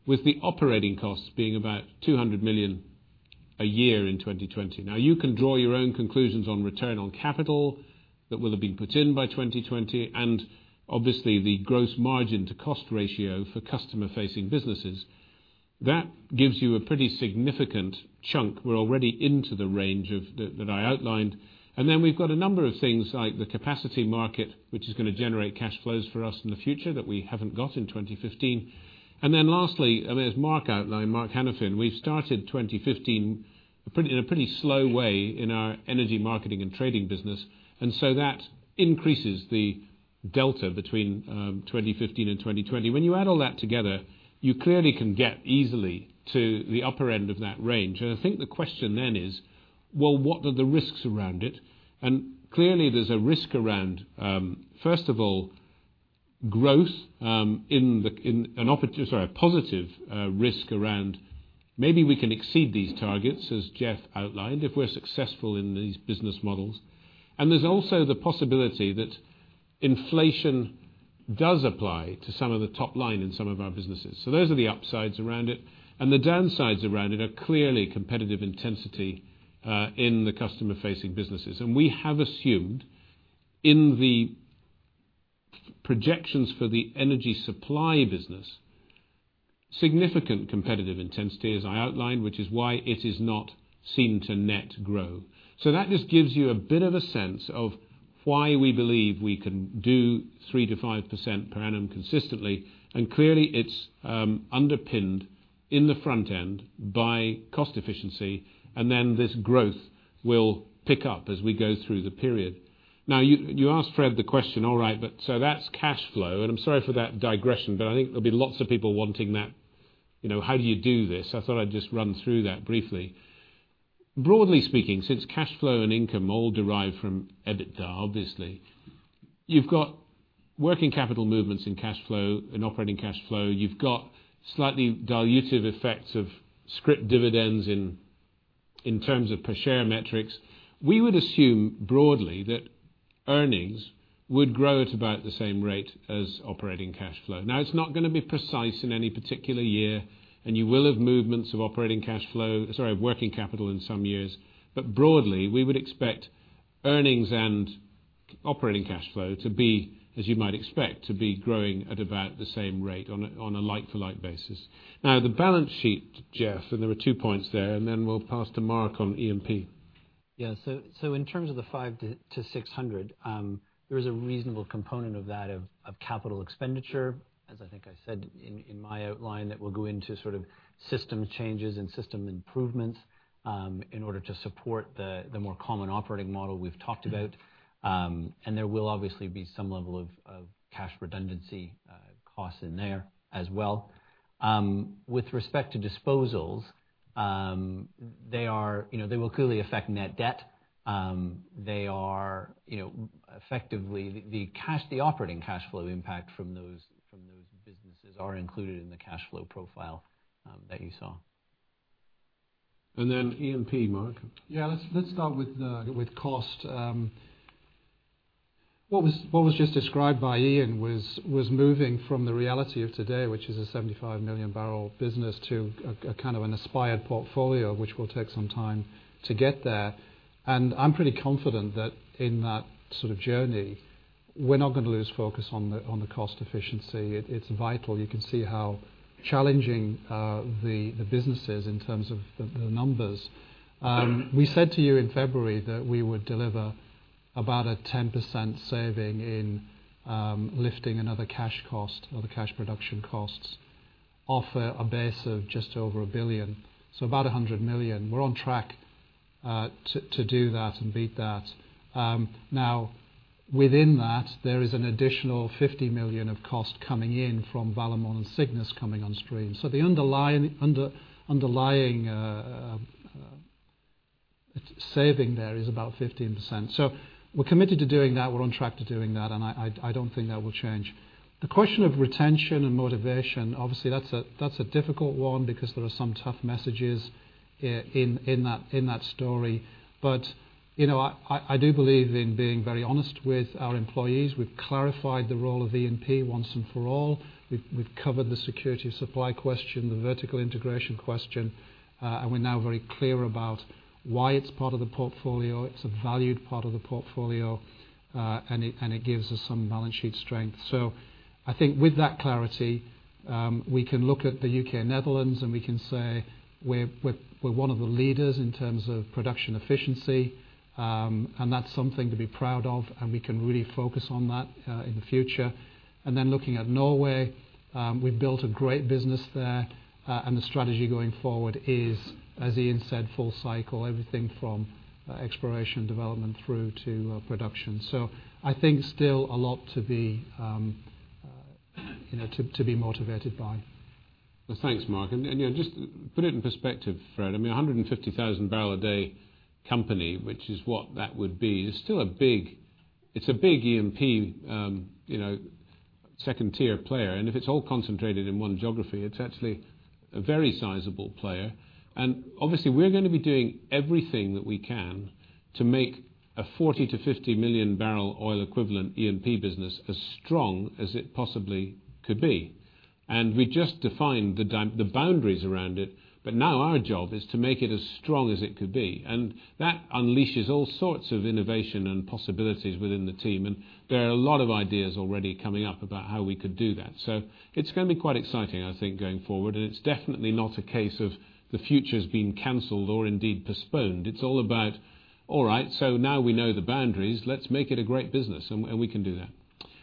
with the operating costs being about 200 million a year in 2020. You can draw your own conclusions on return on capital that will have been put in by 2020, and obviously the gross margin to cost ratio for customer-facing businesses. That gives you a pretty significant chunk. We're already into the range that I outlined. Then we've got a number of things like the capacity market, which is going to generate cash flows for us in the future that we haven't got in 2015. Then lastly, as Mark outlined, Mark Hanafin, we've started 2015 in a pretty slow way in our energy marketing and trading business, and so that increases the delta between 2015 and 2020. When you add all that together, you clearly can get easily to the upper end of that range. I think the question then is, what are the risks around it? Clearly, there's a risk around, first of all, growth in a positive risk around maybe we can exceed these targets, as Jeff outlined, if we're successful in these business models. There's also the possibility that inflation does apply to some of the top line in some of our businesses. Those are the upsides around it. The downsides around it are clearly competitive intensity in the customer-facing businesses. We have assumed in the projections for the energy supply business, significant competitive intensity, as I outlined, which is why it is not seen to net grow. That just gives you a bit of a sense of why we believe we can do 3%-5% per annum consistently, and clearly it's underpinned in the front end by cost efficiency, and then this growth will pick up as we go through the period. You asked Fred the question, all right, but so that's cash flow. I'm sorry for that digression, but I think there'll be lots of people wanting that. How do you do this? I thought I'd just run through that briefly. Broadly speaking, since cash flow and income all derive from EBITDA, obviously, you've got working capital movements in cash flow and operating cash flow. You've got slightly dilutive effects of scrip dividends in terms of per share metrics. We would assume broadly that earnings would grow at about the same rate as operating cash flow. It's not going to be precise in any particular year, and you will have movements of operating cash flow, sorry, working capital in some years. Broadly, we would expect earnings and operating cash flow to be, as you might expect, to be growing at about the same rate on a like-for-like basis. The balance sheet, Jeff, and there are two points there, and then we'll pass to Mark on E&P. Yeah. In terms of the 500-600, there is a reasonable component of that of capital expenditure. As I think I said in my outline, that will go into sort of system changes and system improvements in order to support the more common operating model we've talked about. There will obviously be some level of cash redundancy costs in there as well. With respect to disposals. They will clearly affect net debt. Effectively, the operating cash flow impact from those businesses are included in the cash flow profile that you saw. E&P, Mark. Yeah. Let's start with cost. What was just described by Iain was moving from the reality of today, which is a 75-million-barrel business, to an aspired portfolio, which will take some time to get there. I'm pretty confident that in that sort of journey, we're not going to lose focus on the cost efficiency. It's vital. You can see how challenging the business is in terms of the numbers. We said to you in February that we would deliver about a 10% saving in lifting another cash cost or the cash production costs off a base of just over 1 billion. About 100 million. Within that, there is an additional 50 million of cost coming in from Valemon and Cygnus coming on stream. The underlying saving there is about 15%. We're committed to doing that. We're on track to doing that. I don't think that will change. The question of retention and motivation, obviously, that's a difficult one because there are some tough messages in that story. I do believe in being very honest with our employees. We've clarified the role of E&P once and for all. We've covered the security of supply question, the vertical integration question. We're now very clear about why it's part of the portfolio. It's a valued part of the portfolio. It gives us some balance sheet strength. I think with that clarity, we can look at the U.K. and Netherlands. We can say we're one of the leaders in terms of production efficiency. That's something to be proud of. We can really focus on that in the future. Looking at Norway, we've built a great business there. The strategy going forward is, as Iain said, full cycle. Everything from exploration, development through to production. I think still a lot to be motivated by. Thanks, Mark. Just put it in perspective, Fred. I mean, 150,000-barrel-a-day company, which is what that would be, it's a big E&P second-tier player. If it's all concentrated in one geography, it's actually a very sizable player. Obviously, we're going to be doing everything that we can to make a 40 million-50 million barrel oil equivalent E&P business as strong as it possibly could be. We just defined the boundaries around it. Now our job is to make it as strong as it could be. That unleashes all sorts of innovation and possibilities within the team. There are a lot of ideas already coming up about how we could do that. It's going to be quite exciting, I think, going forward. It's definitely not a case of the future's been canceled or indeed postponed. It's all about, all right, now we know the boundaries. Let's make it a great business. We can do that.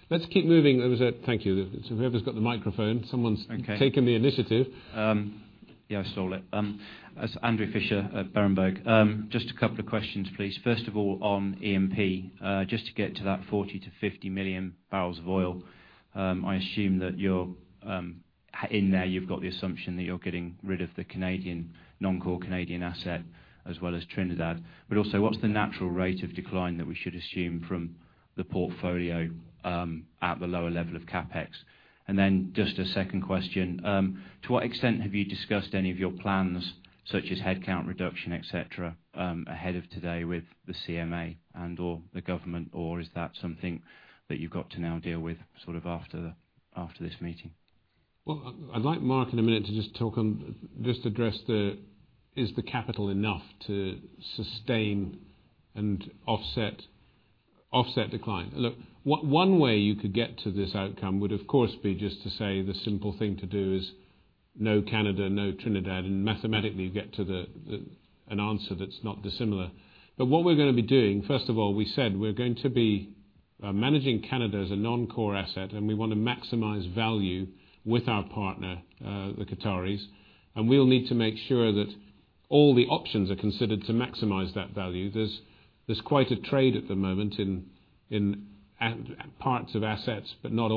Let's keep moving. There was a thank you. Whoever's got the microphone. Okay taken the initiative. Yeah, I saw it. It's Andrew Fisher at Berenberg. Just a couple of questions, please. First of all, on E&P, just to get to that 40-50 million barrels of oil, I assume that in there you've got the assumption that you're getting rid of the non-core Canadian asset as well as Trinidad. Also, what's the natural rate of decline that we should assume from the portfolio at the lower level of CapEx? Then just a second question. To what extent have you discussed any of your plans, such as headcount reduction, et cetera, ahead of today with the CMA and/or the government, or is that something that you've got to now deal with after this meeting? Well, I'd like Mark in a minute to just address is the capital enough to sustain and offset decline. Look, one way you could get to this outcome would, of course, be just to say the simple thing to do is no Canada, no Trinidad, and mathematically, you get to an answer that's not dissimilar. What we're going to be doing, first of all, we said we're going to be managing Canada as a non-core asset, we want to maximize value with our partner, the Qataris. We'll need to make sure that all the options are considered to maximize that value. There's quite a trade at the moment in parts of assets, not the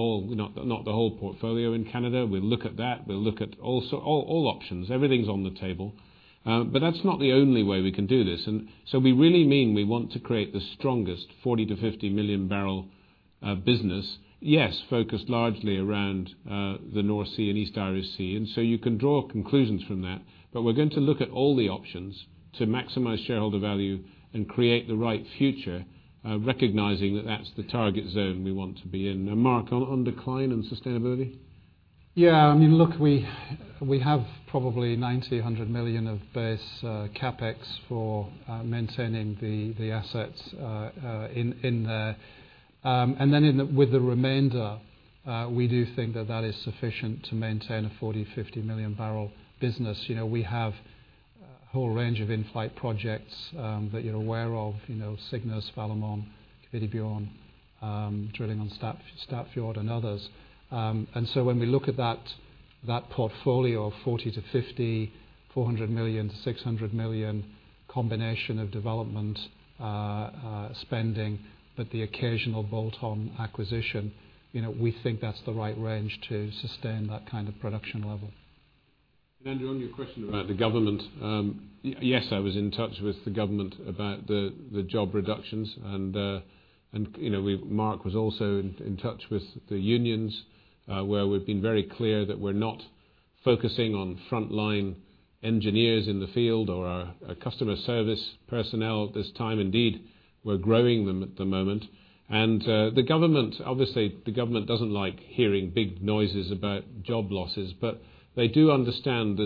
whole portfolio in Canada. We'll look at that. We'll look at all options. Everything's on the table. That's not the only way we can do this. We really mean we want to create the strongest 40-50 million-barrel business. Yes, focused largely around the North Sea and East Irish Sea. You can draw conclusions from that. We're going to look at all the options to maximize shareholder value and create the right future, recognizing that that's the target zone we want to be in. Now Mark, on decline and sustainability? Yes. Look, we have probably 90 million-100 million of base CapEx for maintaining the assets in there. Then with the remainder, we do think that that is sufficient to maintain a 40 million-50 million-barrel business. We have a whole range of in-flight projects that you're aware of. Cygnus, Valemon, Kvitebjørn, drilling on Statfjord and others. So when we look at that portfolio of 40-50, 400 million-600 million combination of development spending, but the occasional bolt-on acquisition. We think that's the right range to sustain that kind of production level. Andrew, on your question about the government. Yes, I was in touch with the government about the job reductions. Mark was also in touch with the unions, where we've been very clear that we're not focusing on frontline engineers in the field or our customer service personnel at this time. Indeed, we're growing them at the moment. Obviously, the government doesn't like hearing big noises about job losses, but they do understand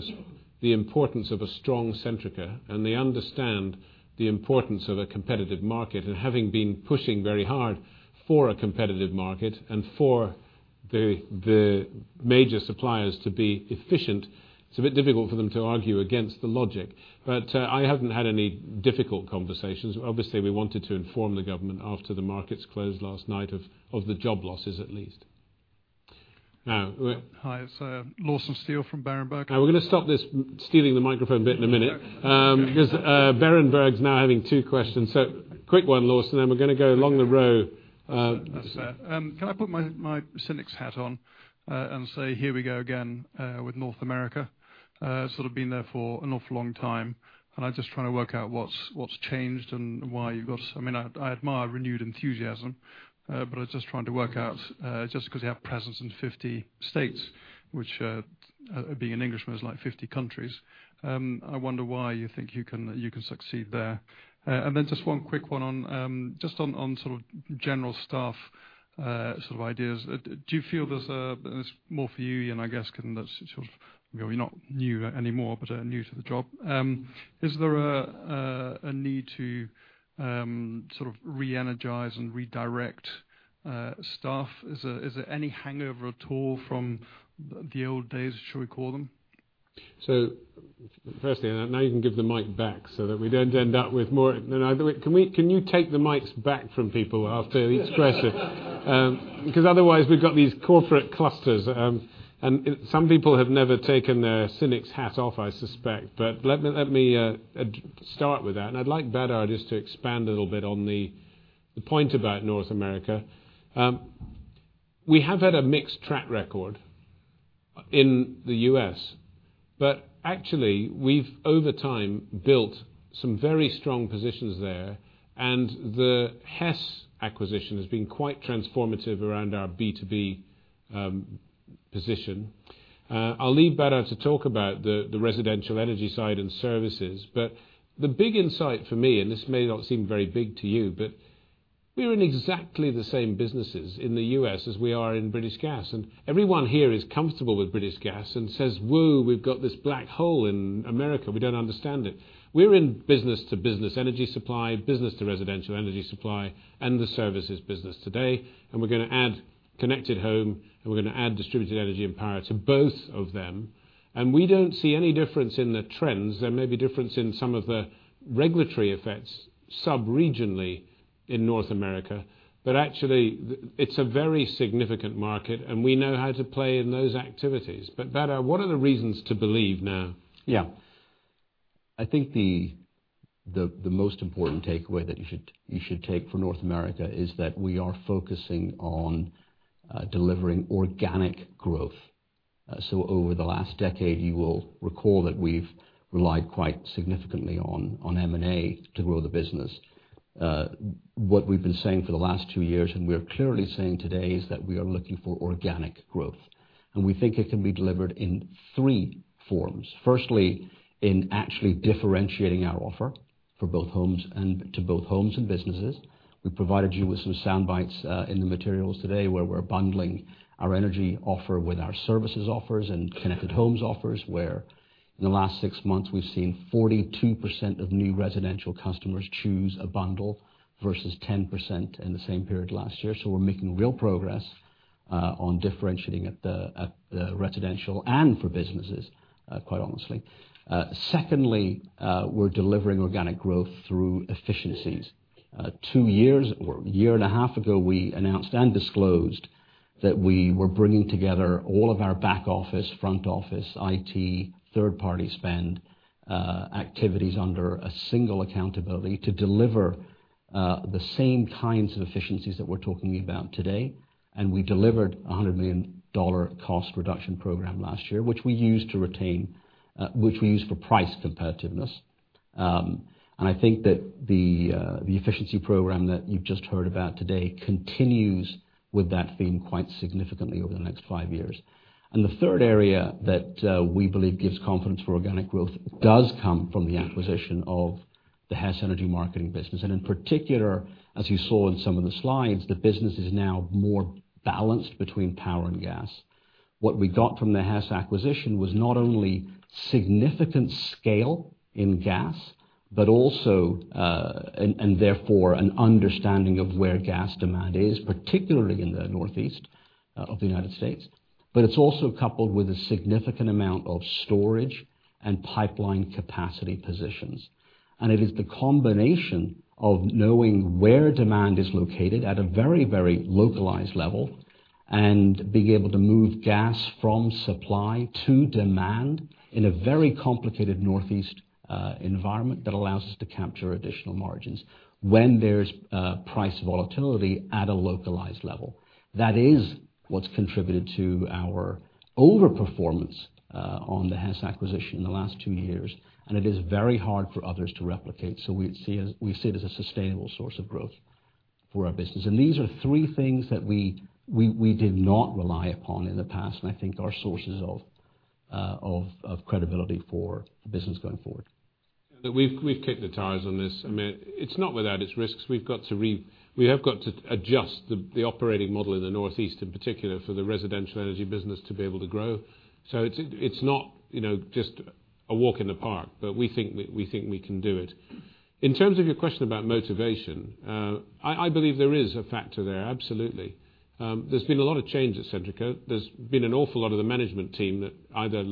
the importance of a strong Centrica, and they understand the importance of a competitive market. Having been pushing very hard for a competitive market and for the major suppliers to be efficient, it's a bit difficult for them to argue against the logic. I haven't had any difficult conversations. Obviously, we wanted to inform the government after the markets closed last night of the job losses, at least. Hi, it's Lawson Steele from Berenberg. We're going to stop this stealing the microphone bit in a minute. Okay. Berenberg's now having two questions. Quick one, Lawson, we're going to go along the row. That's fair. Can I put my cynic's hat on and say, here we go again with North America? Sort of been there for an awful long time, I mean, I'm just trying to work out what's changed and why you've got I admire renewed enthusiasm, but I'm just trying to work out, just because you have presence in 50 states, which, being an Englishman, is like 50 countries, I wonder why you think you can succeed there. Just one quick one on sort of general staff sort of ideas. Do you feel there's a This is more for you, Iain, I guess, because you're sort of not new anymore, but are new to the job. Is there a need to sort of re-energize and redirect staff? Is there any hangover at all from the old days, should we call them? Firstly, now you can give the mic back so that we don't end up with more Can you take the mics back from people after each question? Otherwise, we've got these corporate clusters. Some people have never taken their cynic's hat off, I suspect. Let me start with that, and I'd like Badar just to expand a little bit on the point about North America. We have had a mixed track record in the U.S., but actually we've, over time, built some very strong positions there, and the Hess acquisition has been quite transformative around our B2B position. I'll leave Badar to talk about the residential energy side and services. The big insight for me, and this may not seem very big to you, but we're in exactly the same businesses in the U.S. as we are in British Gas. Everyone here is comfortable with British Gas and says, "Woo, we've got this black hole in America. We don't understand it." We're in business-to-business energy supply, business-to-residential energy supply, and the services business today, and we're going to add connected home, and we're going to add distributed energy and power to both of them. We don't see any difference in the trends. There may be difference in some of the regulatory effects sub-regionally in North America, actually it's a very significant market, and we know how to play in those activities. Badar, what are the reasons to believe now? I think the most important takeaway that you should take for North America is that we are focusing on delivering organic growth. Over the last decade, you will recall that we've relied quite significantly on M&A to grow the business. What we've been saying for the last 2 years, and we're clearly saying today, is that we are looking for organic growth, and we think it can be delivered in 3 forms. Firstly, in actually differentiating our offer to both homes and businesses. We've provided you with some sound bites in the materials today where we're bundling our energy offer with our services offers and Connected Homes offers, where in the last 6 months, we've seen 42% of new residential customers choose a bundle versus 10% in the same period last year. We're making real progress on differentiating at the residential and for businesses, quite honestly. Secondly, we're delivering organic growth through efficiencies. 2 years or a year and a half ago, we announced and disclosed that we were bringing together all of our back office, front office, IT, third-party spend activities under a single accountability to deliver the same kinds of efficiencies that we're talking about today. We delivered $100 million cost reduction program last year, which we used for price competitiveness. I think that the efficiency program that you've just heard about today continues with that theme quite significantly over the next 5 years. The third area that we believe gives confidence for organic growth does come from the acquisition of the Hess Energy Marketing business. In particular, as you saw in some of the slides, the business is now more balanced between power and gas. What we got from the Hess acquisition was not only significant scale in gas, and therefore an understanding of where gas demand is, particularly in the Northeast of the U.S., but it's also coupled with a significant amount of storage and pipeline capacity positions. It is the combination of knowing where demand is located at a very, very localized level and being able to move gas from supply to demand in a very complicated Northeast environment that allows us to capture additional margins when there's price volatility at a localized level. What's contributed to our over-performance on the Hess acquisition in the last 2 years, and it is very hard for others to replicate. We see it as a sustainable source of growth for our business. These are 3 things that we did not rely upon in the past, and I think are sources of credibility for the business going forward. We've kicked the tires on this. It's not without its risks. We have got to adjust the operating model in the Northeast, in particular, for the residential energy business to be able to grow. It's not just a walk in the park, but we think we can do it. In terms of your question about motivation, I believe there is a factor there, absolutely. There's been a lot of change at Centrica. There's been an awful lot of the management team that either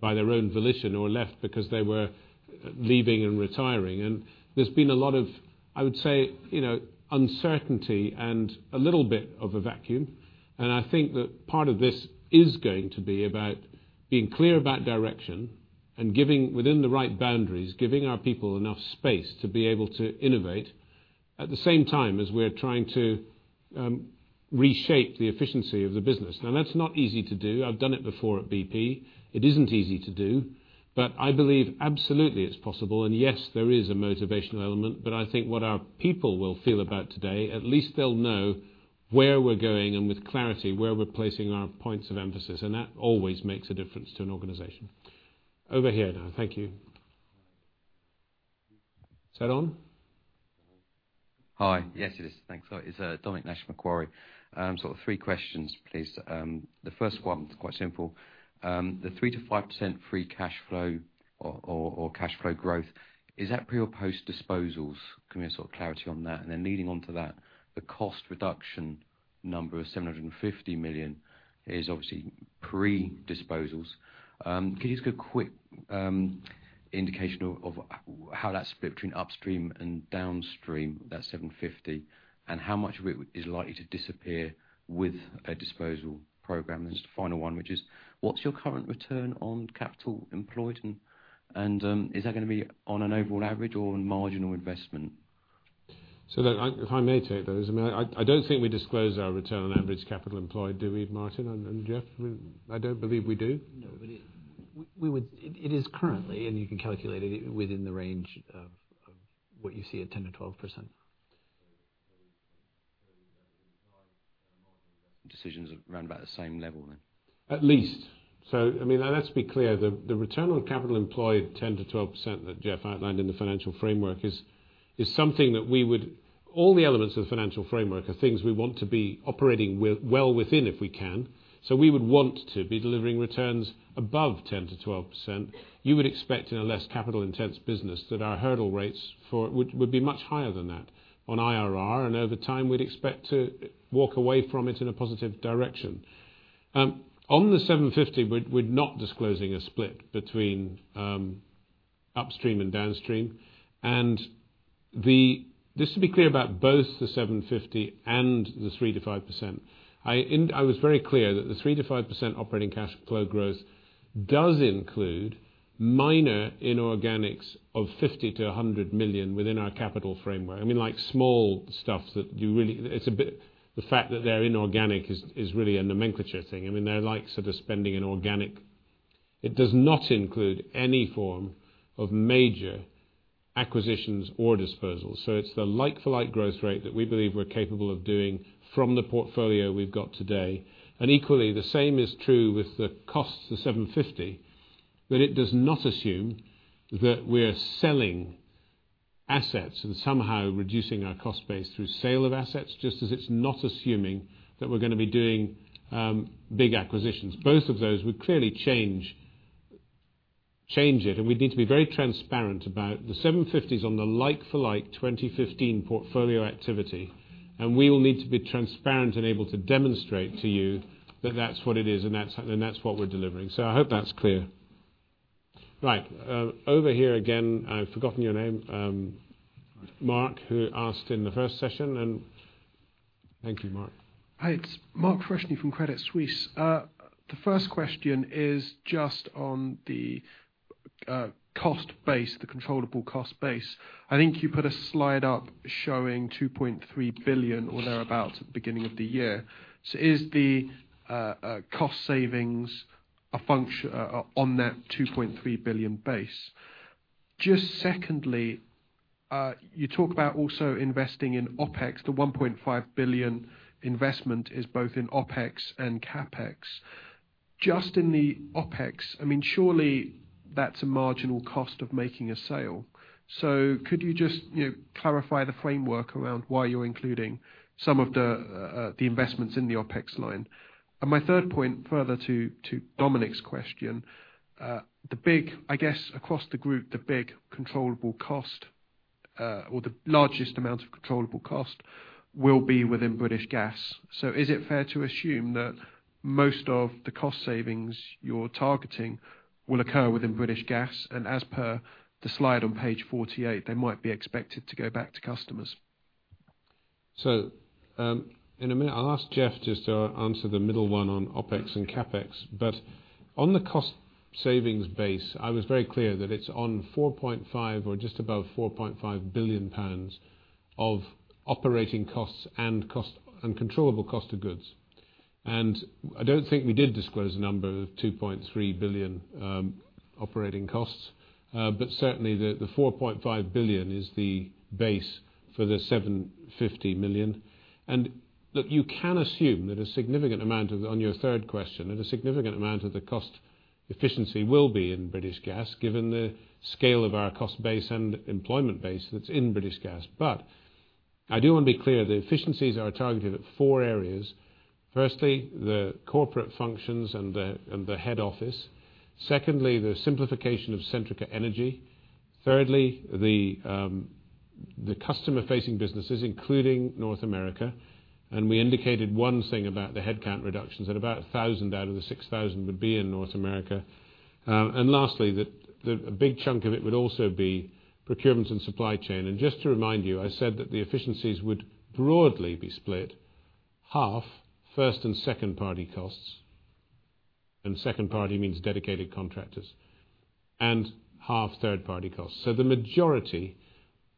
left by their own volition or left because they were leaving and retiring. There's been a lot of, I would say, uncertainty and a little bit of a vacuum. I think that part of this is going to be about being clear about direction and giving, within the right boundaries, giving our people enough space to be able to innovate at the same time as we're trying to reshape the efficiency of the business. That's not easy to do. I've done it before at BP. It isn't easy to do, but I believe absolutely it's possible. Yes, there is a motivational element, but I think what our people will feel about today, at least they'll know where we're going and with clarity, where we're placing our points of emphasis, and that always makes a difference to an organization. Over here now. Thank you. Is that on? Hi. Yes, it is. Thanks. It's Dominic Nash, Macquarie. Three questions, please. The first one is quite simple. The 3%-5% free cash flow or cash flow growth, is that pre or post-disposals? Can we have sort of clarity on that? Leading onto that, the cost reduction number of 750 million is obviously pre-disposals. Can you just give a quick indication of how that's split between upstream and downstream, that 750, and how much of it is likely to disappear with a disposal program? Just a final one, which is, what's your current return on capital employed, and is that going to be on an overall average or on marginal investment? If I may take those. I don't think we disclose our return on average capital employed. Do we, Martin and Jeff? I don't believe we do. No, it is currently, and you can calculate it, within the range of what you see at 10%-12%. In terms of marginal decisions are round about the same level then? At least. Let's be clear. The return on capital employed 10%-12% that Jeff outlined in the financial framework is something that all the elements of the financial framework are things we want to be operating well within if we can. We would want to be delivering returns above 10%-12%. You would expect in a less capital-intense business that our hurdle rates for it would be much higher than that on IRR, and over time, we'd expect to walk away from it in a positive direction. On the 750, we're not disclosing a split between upstream and downstream. Just to be clear about both the 750 and the 3%-5%. I was very clear that the 3%-5% operating cash flow growth does include minor inorganics of 50 million-100 million within our capital framework. I mean, like small stuff that you really the fact that they're inorganic is really a nomenclature thing. I mean, they're like spending in organic. It does not include any form of major acquisitions or disposals. It's the like-for-like growth rate that we believe we're capable of doing from the portfolio we've got today. Equally, the same is true with the costs, the 750, that it does not assume that we're selling assets and somehow reducing our cost base through sale of assets, just as it's not assuming that we're going to be doing big acquisitions. Both of those would clearly change it. We'd need to be very transparent about the GBP 750s on the like-for-like 2015 portfolio activity. We will need to be transparent and able to demonstrate to you that that's what it is and that's what we're delivering. I hope that's clear. Right. Over here again, I've forgotten your name. Mark, who asked in the first session, and thank you, Mark. Hi, it's Mark Freshney from Credit Suisse. The first question is just on the cost base, the controllable cost base. I think you put a slide up showing 2.3 billion or thereabout at the beginning of the year. Is the cost savings on that 2.3 billion base? Just secondly, you talk about also investing in OpEx. The 1.5 billion investment is both in OpEx and CapEx. Just in the OpEx, I mean, surely that's a marginal cost of making a sale. Could you just clarify the framework around why you're including some of the investments in the OpEx line? My third point, further to Dominic's question. I guess across the group, the big controllable cost or the largest amount of controllable cost will be within British Gas. Is it fair to assume that most of the cost savings you're targeting will occur within British Gas? As per the slide on page 48, they might be expected to go back to customers. In a minute, I'll ask Jeff just to answer the middle one on OpEx and CapEx. On the cost-savings base. I was very clear that it's on 4.5 or just above 4.5 billion pounds of operating costs and controllable cost of goods. I don't think we did disclose a number of 2.3 billion operating costs. Certainly, the 4.5 billion is the base for the 750 million. Look, you can assume that a significant amount On your third question, that a significant amount of the cost efficiency will be in British Gas given the scale of our cost base and employment base that's in British Gas. I do want to be clear, the efficiencies are targeted at four areas. Firstly, the corporate functions and the head office. Secondly, the simplification of Centrica Energy. Thirdly, the customer-facing businesses, including North America. We indicated one thing about the headcount reductions, that about 1,000 out of the 6,000 would be in North America. Lastly, that a big chunk of it would also be procurement and supply chain. Just to remind you, I said that the efficiencies would broadly be split half first and second-party costs, and second-party means dedicated contractors, and half third-party costs. The majority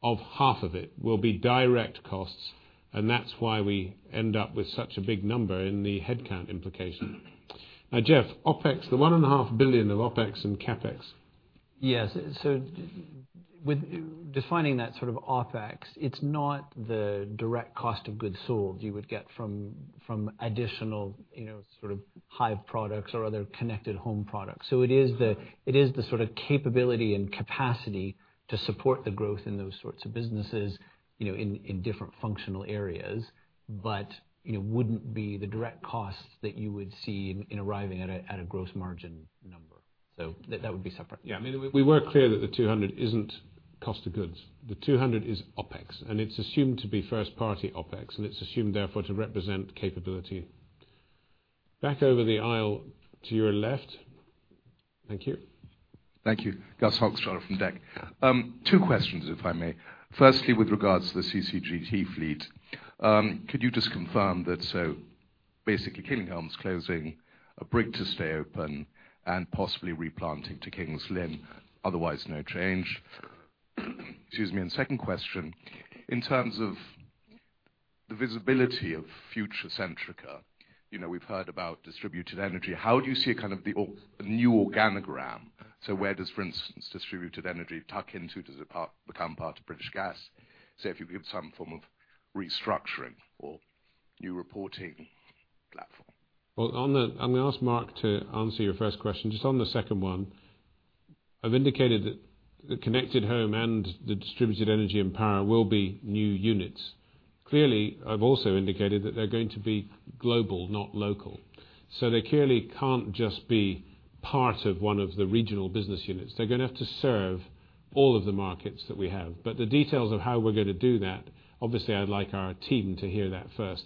of half of it will be direct costs, and that's why we end up with such a big number in the headcount implication. Now, Jeff, the 1.5 billion of OpEx and CapEx. Yes. With defining that sort of OpEx, it's not the direct cost of goods sold you would get from additional sort of Hive products or other connected home products. It is the sort of capability and capacity to support the growth in those sorts of businesses, in different functional areas. Wouldn't be the direct costs that you would see in arriving at a gross margin number. That would be separate. Yeah. We were clear that the 200 isn't cost of goods. The 200 is OpEx, and it's assumed to be first-party OpEx, and it's assumed, therefore, to represent capability. Back over the aisle to your left. Thank you. Thank you. Gus Hochschild from Daiwa. Two questions, if I may. Firstly, with regards to the CCGT fleet, could you just confirm that basically, Killingholme's closing, Brigg to stay open, and possibly replanting to King's Lynn, otherwise no change? Excuse me. Second question, in terms of the visibility of future Centrica, we've heard about distributed energy. How do you see a kind of the new organogram? Where does, for instance, distributed energy tuck into? Does it become part of British Gas, say, if you give some form of restructuring or new reporting platform? Well, I'm going to ask Mark to answer your first question. Just on the second one, I've indicated that the connected home and the distributed energy and power will be new units. Clearly, I've also indicated that they're going to be global, not local. They clearly can't just be part of one of the regional business units. They're going to have to serve all of the markets that we have. The details of how we're going to do that, obviously, I'd like our team to hear that first.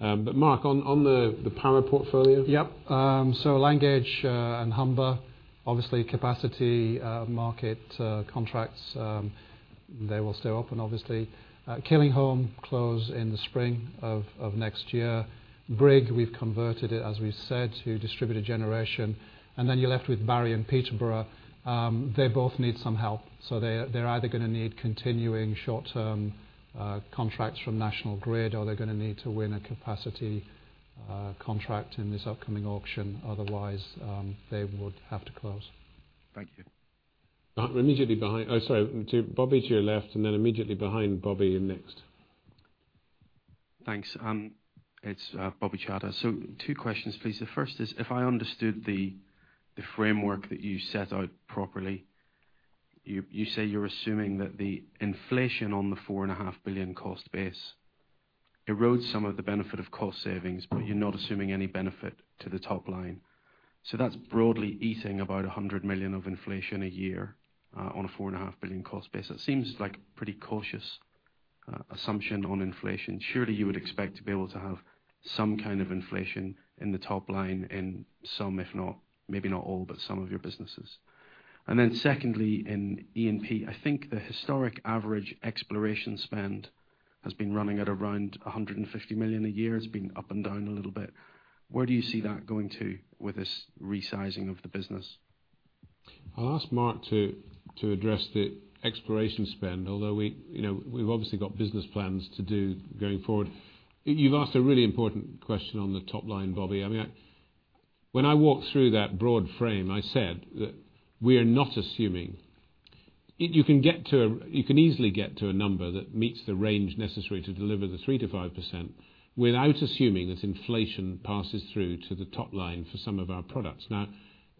Mark, on the power portfolio? Yep. Langage and Humber, obviously capacity market contracts, they will stay open, obviously. Killingholme, close in the spring of next year. Brigg, we've converted it, as we've said, to distributed generation. You're left with Barry and Peterborough. They both need some help. They're either going to need continuing short-term contracts from National Grid, or they're going to need to win a capacity contract in this upcoming auction. Otherwise, they would have to close. Thank you. Bobby, to your left, and then immediately behind Bobby, you're next. Thanks. It's Bobby Chadha. Two questions, please. The first is, if I understood the framework that you set out properly, you say you're assuming that the inflation on the 4.5 billion cost base erodes some of the benefit of cost savings, but you're not assuming any benefit to the top line. That's broadly eating about 100 million of inflation a year on a 4.5 billion cost base. That seems like a pretty cautious assumption on inflation. Surely, you would expect to be able to have some kind of inflation in the top line in some, if not, maybe not all, but some of your businesses. Secondly, in E&P, I think the historic average exploration spend has been running at around 150 million a year. It's been up and down a little bit. Where do you see that going to with this resizing of the business? I'll ask Mark to address the exploration spend, although we've obviously got business plans to do going forward. You've asked a really important question on the top line, Bobby. When I walked through that broad frame, I said that we are not assuming. You can easily get to a number that meets the range necessary to deliver the 3%-5% without assuming that inflation passes through to the top line for some of our products.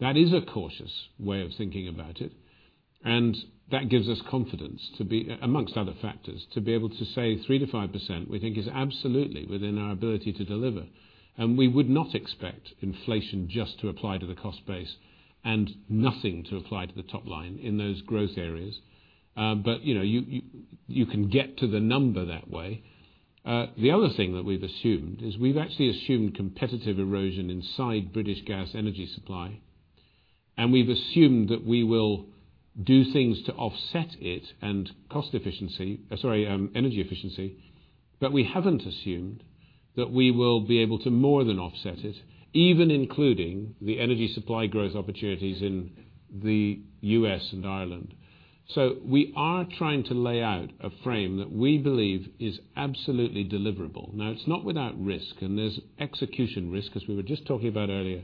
That is a cautious way of thinking about it, and that gives us confidence, amongst other factors, to be able to say 3%-5%, we think is absolutely within our ability to deliver. We would not expect inflation just to apply to the cost base and nothing to apply to the top line in those growth areas. You can get to the number that way. The other thing that we've assumed is we've actually assumed competitive erosion inside British Gas Energy Supply, and we've assumed that we will do things to offset it and energy efficiency. We haven't assumed that we will be able to more than offset it, even including the energy supply growth opportunities in the U.S. and Ireland. We are trying to lay out a frame that we believe is absolutely deliverable. It's not without risk, and there's execution risk, as we were just talking about earlier.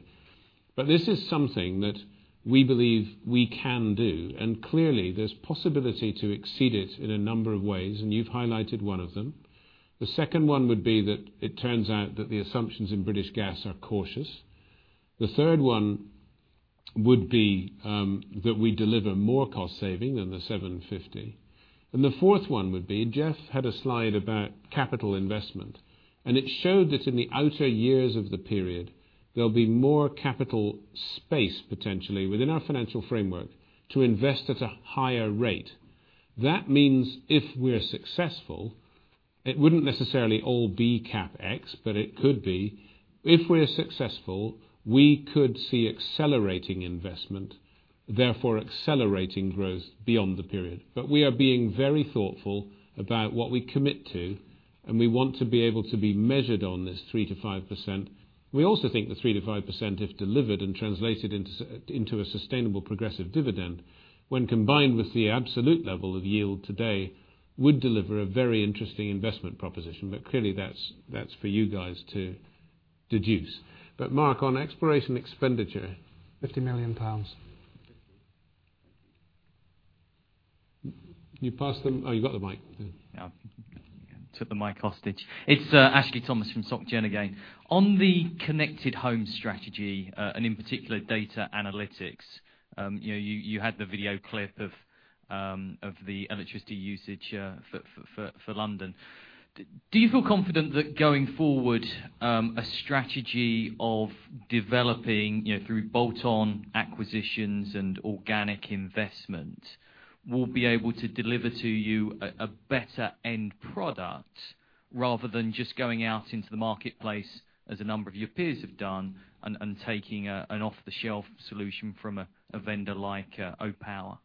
This is something that we believe we can do. Clearly, there's possibility to exceed it in a number of ways, and you've highlighted one of them. The second one would be that it turns out that the assumptions in British Gas are cautious. The third one would be that we deliver more cost saving than the 750 million. The fourth one would be, Jeff had a slide about capital investment, and it showed that in the outer years of the period, there'll be more capital space potentially within our financial framework to invest at a higher rate. That means if we're successful, it wouldn't necessarily all be CapEx, but it could be. If we're successful, we could see accelerating investment, therefore accelerating growth beyond the period. We are being very thoughtful about what we commit to, and we want to be able to be measured on this 3%-5%. We also think the 3%-5% is delivered and translated into a sustainable progressive dividend, when combined with the absolute level of yield today, would deliver a very interesting investment proposition. Clearly, that's for you guys to deduce. Mark, on exploration expenditure. 50 million pounds. You passed them. Oh, you got the mic then. Yeah. Took the mic hostage. It is Ashley Thomas from SocGen again. On the connected home strategy, in particular data analytics, you had the video clip of the electricity usage for London. Do you feel confident that going forward, a strategy of developing through bolt-on acquisitions and organic investment will be able to deliver to you a better end product rather than just going out into the marketplace, as a number of your peers have done, and taking an off-the-shelf solution from a vendor like Opower?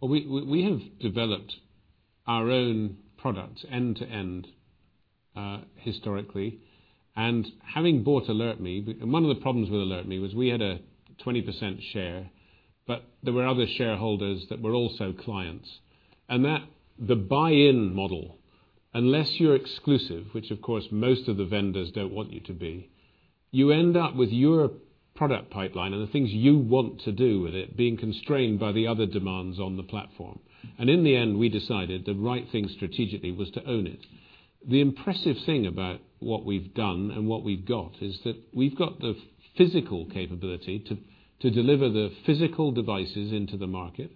We have developed our own product end-to-end historically. Having bought AlertMe, one of the problems with AlertMe was we had a 20% share, but there were other shareholders that were also clients. The buy-in model, unless you are exclusive, which of course most of the vendors don't want you to be, you end up with your product pipeline and the things you want to do with it being constrained by the other demands on the platform. In the end, we decided the right thing strategically was to own it. The impressive thing about what we have done and what we have got is that we have got the physical capability to deliver the physical devices into the market.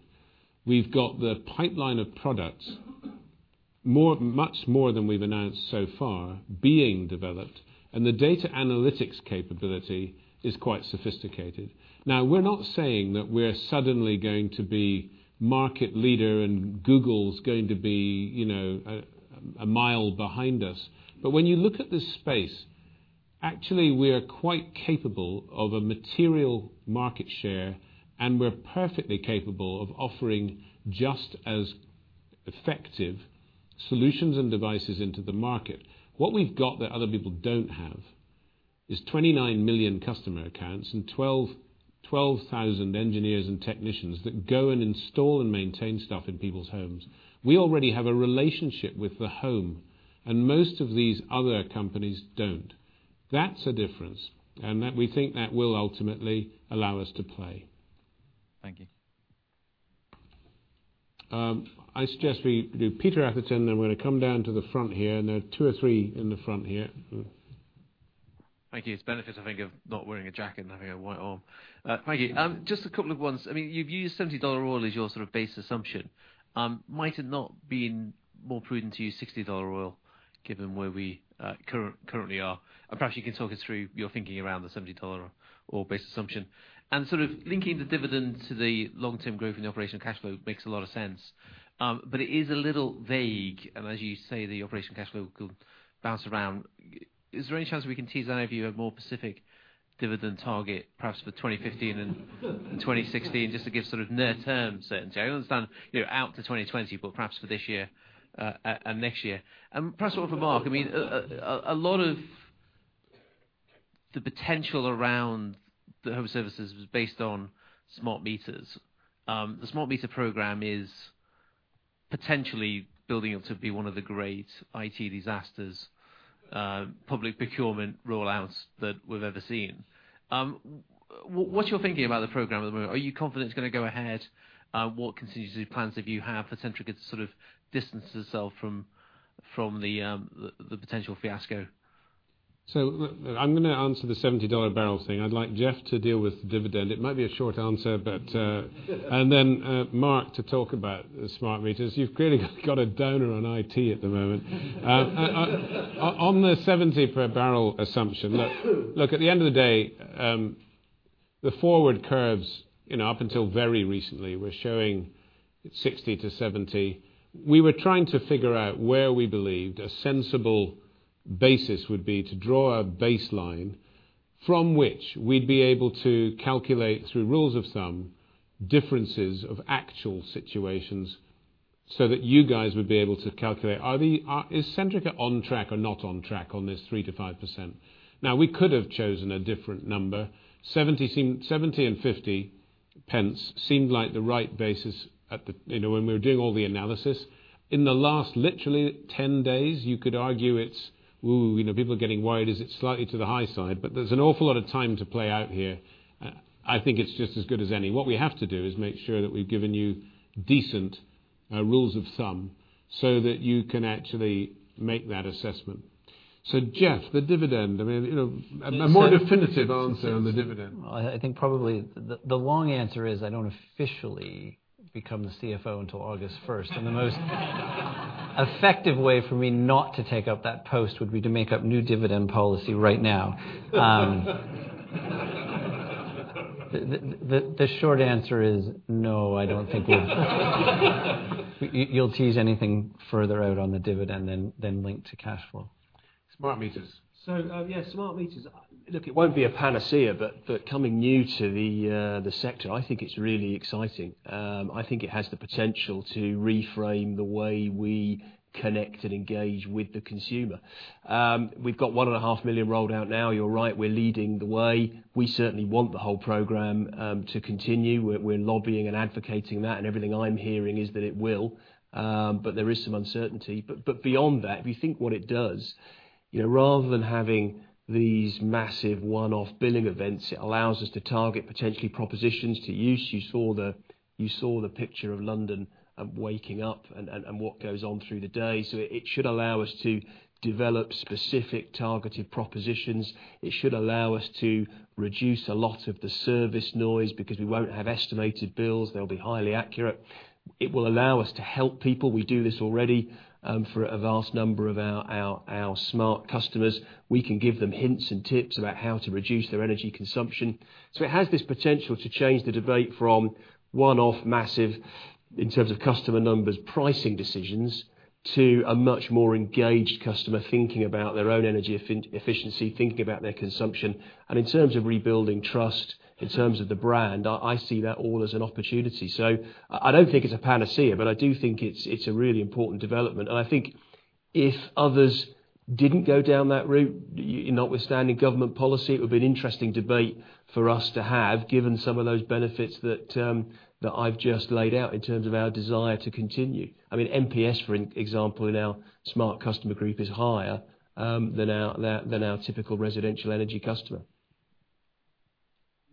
We have got the pipeline of products, much more than we have announced so far, being developed, and the data analytics capability is quite sophisticated. We're not saying that we're suddenly going to be market leader and Google's going to be a mile behind us. When you look at this space, actually we are quite capable of a material market share, and we're perfectly capable of offering just as effective solutions and devices into the market. What we've got that other people don't have is 29 million customer accounts and 12,000 engineers and technicians that go and install and maintain stuff in people's homes. We already have a relationship with the home, most of these other companies don't. That's a difference, we think that will ultimately allow us to play. Thank you. I suggest we do Peter Atherton, we're going to come down to the front here, there are two or three in the front here. Thank you. It's benefit, I think, of not wearing a jacket and having a white arm. Thank you. Just a couple of ones. You've used $70 oil as your sort of base assumption. Might it not been more prudent to use $60 oil given where we currently are? Perhaps you can talk us through your thinking around the $70 oil base assumption. Sort of linking the dividend to the long-term growth in the operational cash flow makes a lot of sense. It is a little vague, as you say, the operational cash flow could bounce around. Is there any chance we can tease out of you a more specific dividend target, perhaps for 2015 and 2016, just to give sort of near-term certainty? I understand out to 2020, but perhaps for this year and next year. Perhaps one for Mark. A lot of the potential around the home services was based on smart meters. The smart meter program is potentially building up to be one of the great IT disasters, public procurement roll-outs that we've ever seen. What's your thinking about the program at the moment? Are you confident it's going to go ahead? What contingency plans have you have for Centrica to sort of distance itself from the potential fiasco? I'm going to answer the $70 barrel thing. I'd like Jeff to deal with the dividend. It might be a short answer. Mark to talk about the smart meters. You've clearly got a downer on IT at the moment. On the $70 per barrel assumption, look, at the end of the day, the forward curves up until very recently were showing $60-$70, we were trying to figure out where we believed a sensible basis would be to draw a baseline from which we'd be able to calculate, through rules of thumb, differences of actual situations so that you guys would be able to calculate, is Centrica on track or not on track on this 3%-5%? Now, we could have chosen a different number. $70 and 0.50 seemed like the right basis when we were doing all the analysis. In the last literally 10 days, you could argue it's, ooh, people are getting worried, is it slightly to the high side? There's an awful lot of time to play out here. I think it's just as good as any. What we have to do is make sure that we've given you decent rules of thumb so that you can actually make that assessment. Jeff, the dividend, a more definitive answer on the dividend. I think probably the long answer is I don't officially become the CFO until August 1st. The most effective way for me not to take up that post would be to make up new dividend policy right now. The short answer is no, I don't think You'll tease anything further out on the dividend than link to cash flow. Smart meters. Yeah, smart meters. Look, it won't be a panacea. Coming new to the sector, I think it's really exciting. I think it has the potential to reframe the way we connect and engage with the consumer. We've got 1.5 million rolled out now. You're right, we're leading the way. We certainly want the whole program to continue. We're lobbying and advocating that. Everything I'm hearing is that it will. There is some uncertainty. Beyond that, if you think what it does, rather than having these massive one-off billing events, it allows us to target potentially propositions to use. You saw the picture of London waking up and what goes on through the day. It should allow us to develop specific targeted propositions. It should allow us to reduce a lot of the service noise because we won't have estimated bills. They'll be highly accurate. It will allow us to help people. We do this already for a vast number of our smart customers. We can give them hints and tips about how to reduce their energy consumption. It has this potential to change the debate from one-off massive, in terms of customer numbers, pricing decisions, to a much more engaged customer thinking about their own energy efficiency, thinking about their consumption. In terms of rebuilding trust, in terms of the brand, I see that all as an opportunity. I don't think it's a panacea, but I do think it's a really important development. I think if others didn't go down that route, notwithstanding government policy, it would be an interesting debate for us to have, given some of those benefits that I've just laid out in terms of our desire to continue. I mean, NPS, for example, in our smart customer group is higher than our typical residential energy customer.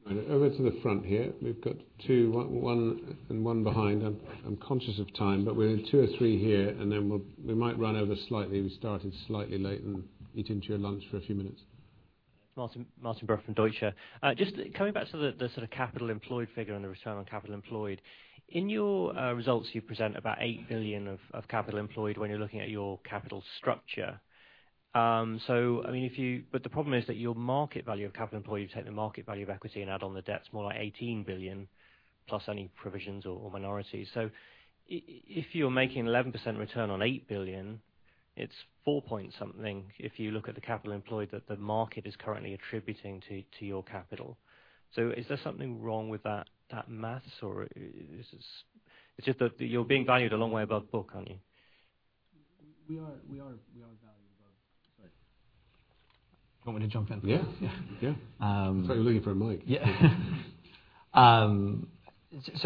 Right. Over to the front here. We've got two, one and one behind. I am conscious of time, we have two or three here, then we might run over slightly. We started slightly late and eat into your lunch for a few minutes. Martin Brough from Deutsche. Just coming back to the sort of capital employed figure and the return on capital employed. In your results, you present about 8 billion of capital employed when you are looking at your capital structure. The problem is that your market value of capital employed, you take the market value of equity and add on the debt's more like 18 billion, plus any provisions or minorities. If you are making 11% return on 8 billion, it is 4 point something if you look at the capital employed that the market is currently attributing to your capital. Is there something wrong with that math, or it is just that you are being valued a long way above book, aren't you? We are valued above. Sorry. You want me to jump in? Yeah. Yeah. Yeah. I saw you looking for a mic. Yeah.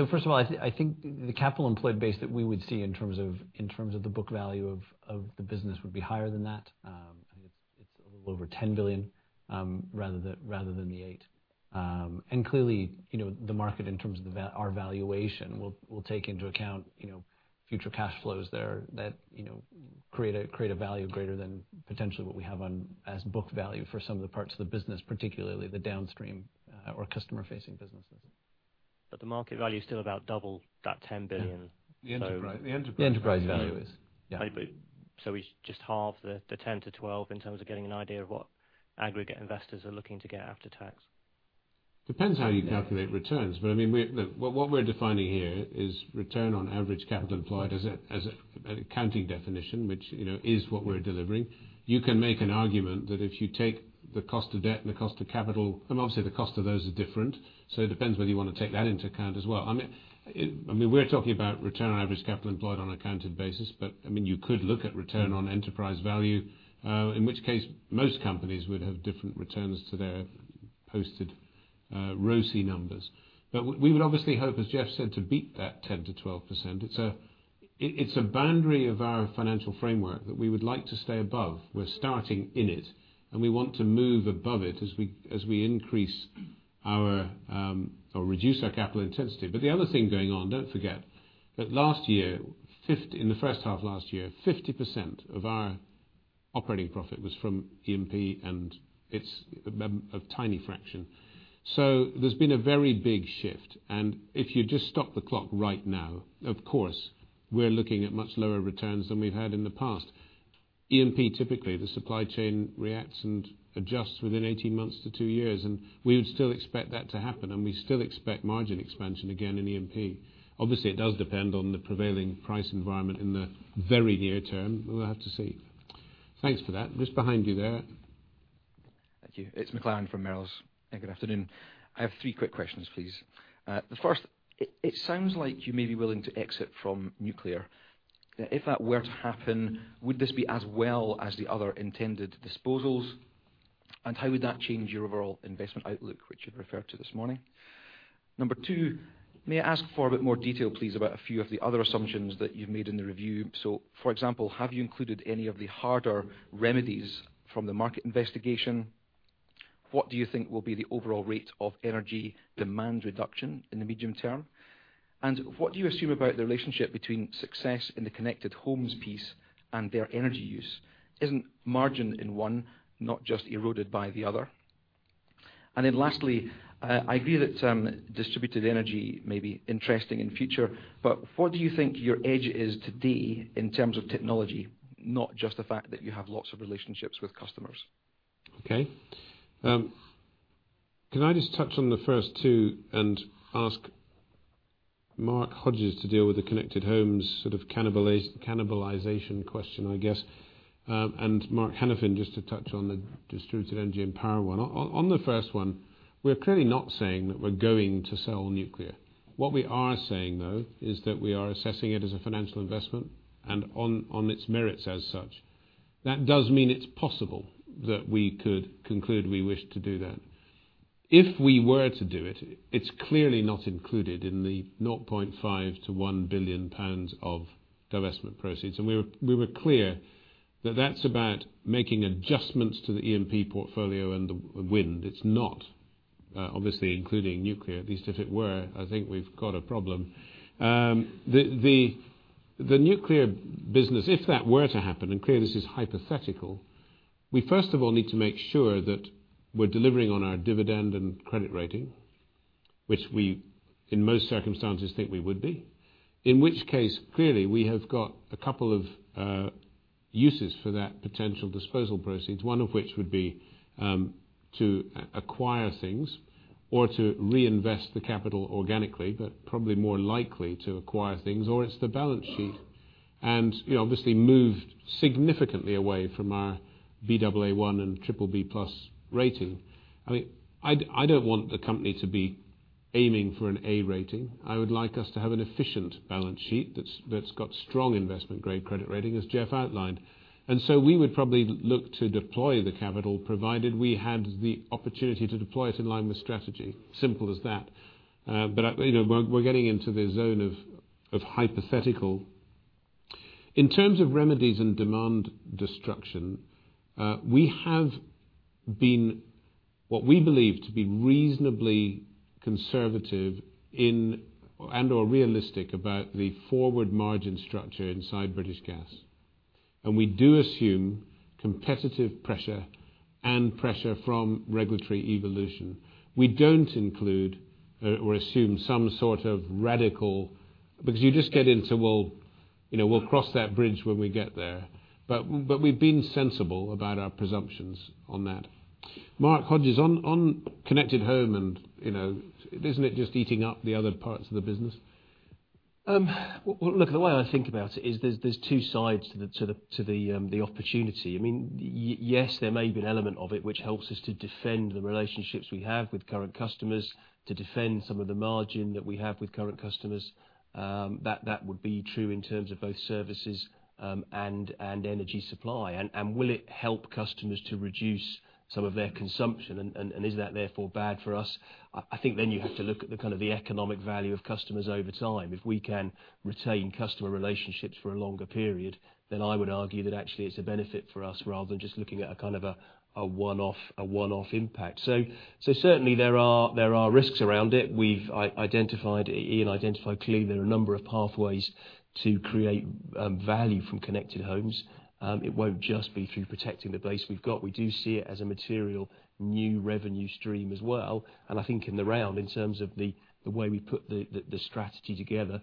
First of all, I think the capital employed base that we would see in terms of the book value of the business would be higher than that. I think it's a little over 10 billion, rather than the GBP eight. Clearly, the market in terms of our valuation will take into account future cash flows there that create a value greater than potentially what we have on as book value for some of the parts of the business, particularly the downstream or customer-facing businesses. The market value is still about double that 10 billion. The enterprise value. The enterprise value is. Yeah. We just halve the 10%-12% in terms of getting an idea of what aggregate investors are looking to get after tax. Depends how you calculate returns. What we're defining here is return on average capital employed as an accounting definition, which is what we're delivering. You can make an argument that if you take the cost of debt and the cost of capital, and obviously, the cost of those are different, it depends whether you want to take that into account as well. We're talking about return on average capital employed on accounted basis, but you could look at return on enterprise value, in which case most companies would have different returns to their posted ROCE numbers. We would obviously hope, as Jeff said, to beat that 10%-12%. It's a boundary of our financial framework that we would like to stay above. We're starting in it, and we want to move above it as we increase or reduce our capital intensity. The other thing going on, don't forget that last year, in the first half last year, 50% of our operating profit was from E&P, and it's a tiny fraction. There's been a very big shift, and if you just stop the clock right now, of course, we're looking at much lower returns than we've had in the past. E&P, typically, the supply chain reacts and adjusts within 18 months to two years, and we would still expect that to happen. We still expect margin expansion again in E&P. Obviously, it does depend on the prevailing price environment in the very near term. We'll have to see. Thanks for that. Just behind you there. Thank you. It's McLaren from Merrill's. Good afternoon. I have three quick questions, please. The first, it sounds like you may be willing to exit from nuclear. If that were to happen, would this be as well as the other intended disposals? How would that change your overall investment outlook, which you've referred to this morning? Number two, may I ask for a bit more detail, please, about a few of the other assumptions that you've made in the review. For example, have you included any of the harder remedies from the market investigation? What do you think will be the overall rate of energy demand reduction in the medium term? What do you assume about the relationship between success in the connected homes piece and their energy use? Isn't margin in one not just eroded by the other? Lastly, I agree that distributed energy may be interesting in future, what do you think your edge is today in terms of technology, not just the fact that you have lots of relationships with customers? Okay. Can I just touch on the first two and ask Mark Hodges to deal with the connected homes sort of cannibalization question, I guess, and Mark Hanafin just to touch on the distributed energy and power one. On the first one, we're clearly not saying that we're going to sell nuclear. What we are saying, though, is that we are assessing it as a financial investment and on its merits as such. That does mean it's possible that we could conclude we wish to do that. If we were to do it's clearly not included in the 0.5 billion to 1 billion pounds of divestment proceeds. We were clear that that's about making adjustments to the E&P portfolio and the wind. It's not, obviously, including nuclear. At least if it were, I think we've got a problem. The nuclear business, if that were to happen, clearly this is hypothetical, we first of all need to make sure that we're delivering on our dividend and credit rating, which we, in most circumstances, think we would be. In which case, clearly, we have got a couple of uses for that potential disposal proceeds, one of which would be to acquire things or to reinvest the capital organically, but probably more likely to acquire things, or it's the balance sheet. Obviously moved significantly away from our Baa1 and BBB+ rating. I don't want the company to be aiming for an A rating. I would like us to have an efficient balance sheet that's got strong investment-grade credit rating, as Jeff outlined. We would probably look to deploy the capital provided we had the opportunity to deploy it in line with strategy. Simple as that. We're getting into the zone of hypothetical. In terms of remedies and demand destruction, we have been what we believe to be reasonably conservative and/or realistic about the forward margin structure inside British Gas. We do assume competitive pressure and pressure from regulatory evolution. We don't include or assume some sort of radical, because you just get into, well, we'll cross that bridge when we get there. We've been sensible about our presumptions on that. Mark Hodges, on connected home and isn't it just eating up the other parts of the business? Well, look, the way I think about it is there's two sides to the opportunity. Yes, there may be an element of it which helps us to defend the relationships we have with current customers, to defend some of the margin that we have with current customers. That would be true in terms of both services and energy supply. Will it help customers to reduce some of their consumption, and is that therefore bad for us? I think you have to look at the economic value of customers over time. If we can retain customer relationships for a longer period, I would argue that actually it's a benefit for us rather than just looking at a one-off impact. Certainly there are risks around it. Iain identified clearly there are a number of pathways to create value from connected homes. It won't just be through protecting the base we've got. We do see it as a material new revenue stream as well. I think in the round, in terms of the way we put the strategy together,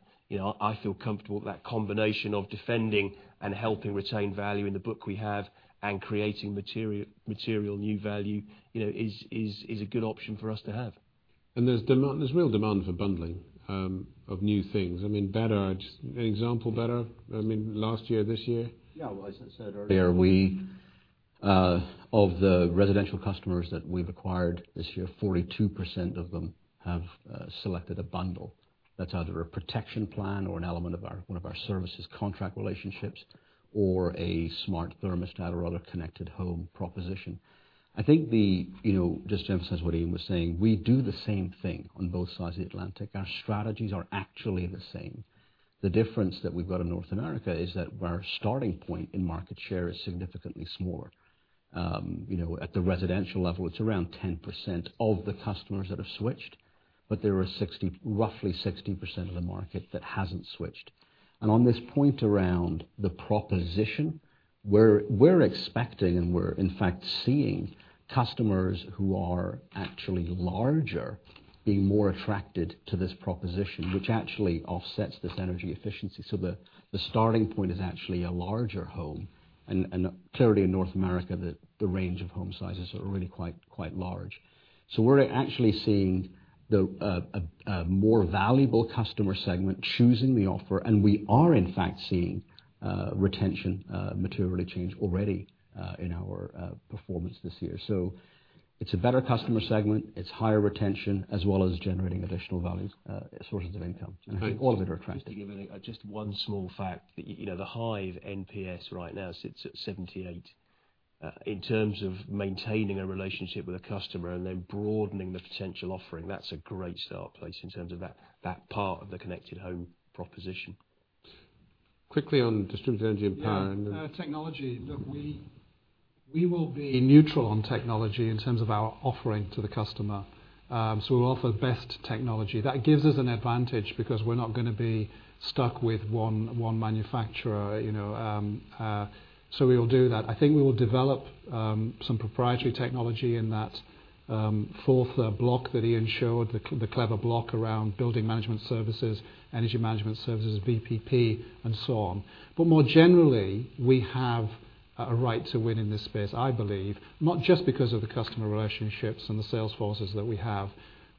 I feel comfortable that combination of defending and helping retain value in the book we have and creating material new value is a good option for us to have. There's real demand for bundling of new things. An example better, last year, this year? Yeah. Well, as I said earlier, of the residential customers that we've acquired this year, 42% of them have selected a bundle that's either a protection plan or an element of one of our services contract relationships or a smart thermostat or other connected home proposition. I think, just to emphasize what Iain was saying, we do the same thing on both sides of the Atlantic. Our strategies are actually the same. The difference that we've got in North America is that our starting point in market share is significantly smaller. At the residential level, it's around 10% of the customers that have switched. There are roughly 60% of the market that hasn't switched. On this point around the proposition, we're expecting and we're in fact seeing customers who are actually larger being more attracted to this proposition, which actually offsets this energy efficiency. The starting point is actually a larger home, and clearly in North America, the range of home sizes are really quite large. We're actually seeing a more valuable customer segment choosing the offer, and we are in fact seeing retention materially change already in our performance this year. It's a better customer segment, it's higher retention, as well as generating additional value sources of income. I think all of it are attractive. Just to give just one small fact that the Hive NPS right now sits at 78. In terms of maintaining a relationship with a customer and then broadening the potential offering, that's a great start place in terms of that part of the connected home proposition. Quickly on distributed energy and power. Technology. Look, we will be neutral on technology in terms of our offering to the customer. We'll offer best technology. That gives us an advantage because we're not going to be stuck with one manufacturer. We will do that. I think we will develop some proprietary technology in that fourth block that Ian showed, the clever block around building management services, energy management services, VPP and so on. More generally, we have a right to win in this space, I believe, not just because of the customer relationships and the sales forces that we have,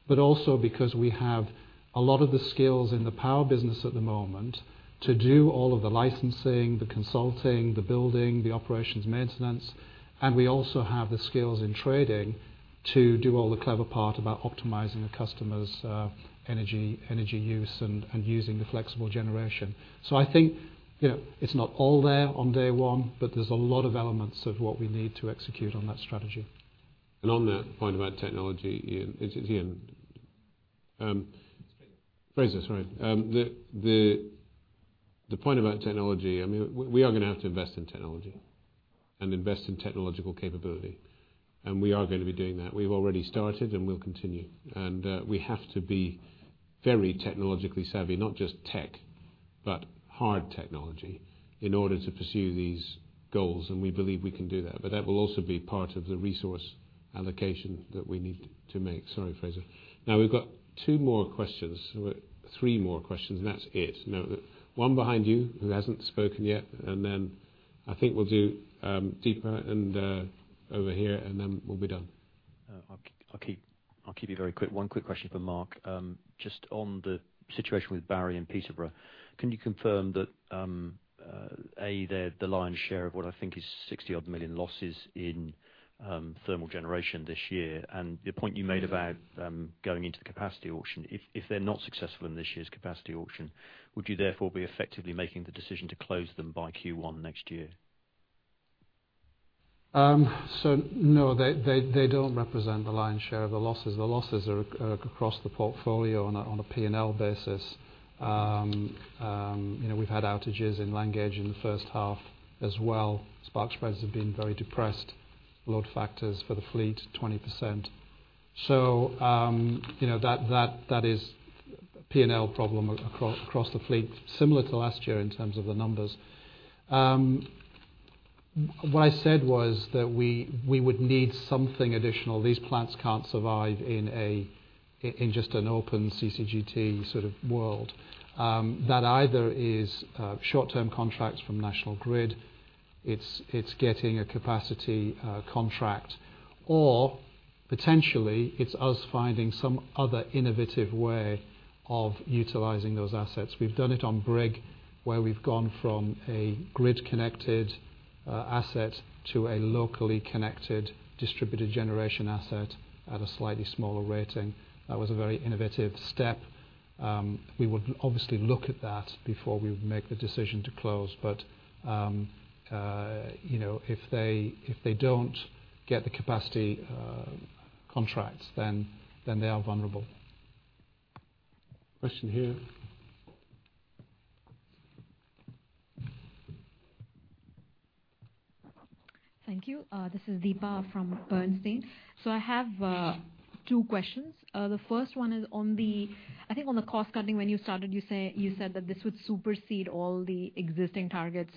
but also because we have a lot of the skills in the power business at the moment to do all of the licensing, the consulting, the building, the operations maintenance, and we also have the skills in trading to do all the clever part about optimizing the customer's energy use and using the flexible generation. I think it's not all there on day one, but there's a lot of elements of what we need to execute on that strategy. On that point about technology, Ian. Fraser, sorry. The point about technology, we are going to have to invest in technology and invest in technological capability. We are going to be doing that. We've already started, and we'll continue. We have to be very technologically savvy, not just tech, but hard technology in order to pursue these goals, and we believe we can do that. That will also be part of the resource allocation that we need to make. Sorry, Fraser. We've got two more questions. Three more questions, and that's it. The one behind you who hasn't spoken yet, and then I think we'll do Deepa and over here, and then we'll be done. I'll keep it very quick. One quick question for Mark. Just on the situation with Barry and Peterborough. Can you confirm that, A, they're the lion's share of what I think is 60 odd million losses in thermal generation this year, and the point you made about going into the capacity auction, if they're not successful in this year's capacity auction, would you therefore be effectively making the decision to close them by Q1 next year? No, they don't represent the lion's share of the losses. The losses are across the portfolio on a P&L basis. We've had outages in Langage in the first half as well. Spot spreads have been very depressed. Load factors for the fleet, 20%. That is a P&L problem across the fleet, similar to last year in terms of the numbers. What I said was that we would need something additional. These plants can't survive in just an open CCGT sort of world. That either is short-term contracts from National Grid. It's getting a capacity contract or potentially it's us finding some other innovative way of utilizing those assets. We've done it on Brigg, where we've gone from a grid-connected asset to a locally connected distributed generation asset at a slightly smaller rating. That was a very innovative step. We would obviously look at that before we would make the decision to close, but if they don't get the capacity contracts, then they are vulnerable. Question here. Thank you. This is Deepa from Bernstein. I have two questions. The first one is, I think on the cost cutting, when you started, you said that this would supersede all the existing targets.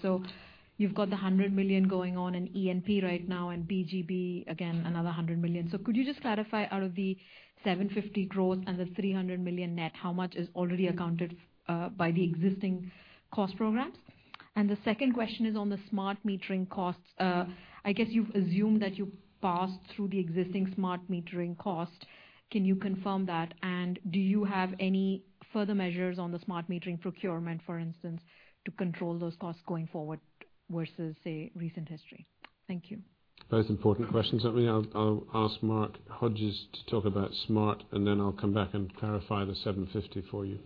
You've got the 100 million going on in E&P right now and BGB, again, another 100 million. Could you just clarify, out of the 750 growth and the 300 million net, how much is already accounted by the existing cost programs? The second question is on the smart metering costs. I guess you've assumed that you passed through the existing smart metering cost. Can you confirm that? Do you have any further measures on the smart metering procurement, for instance, to control those costs going forward versus, say, recent history? Thank you. Both important questions. I'll ask Mark Hodges to talk about smart, and then I'll come back and clarify the 750 for you.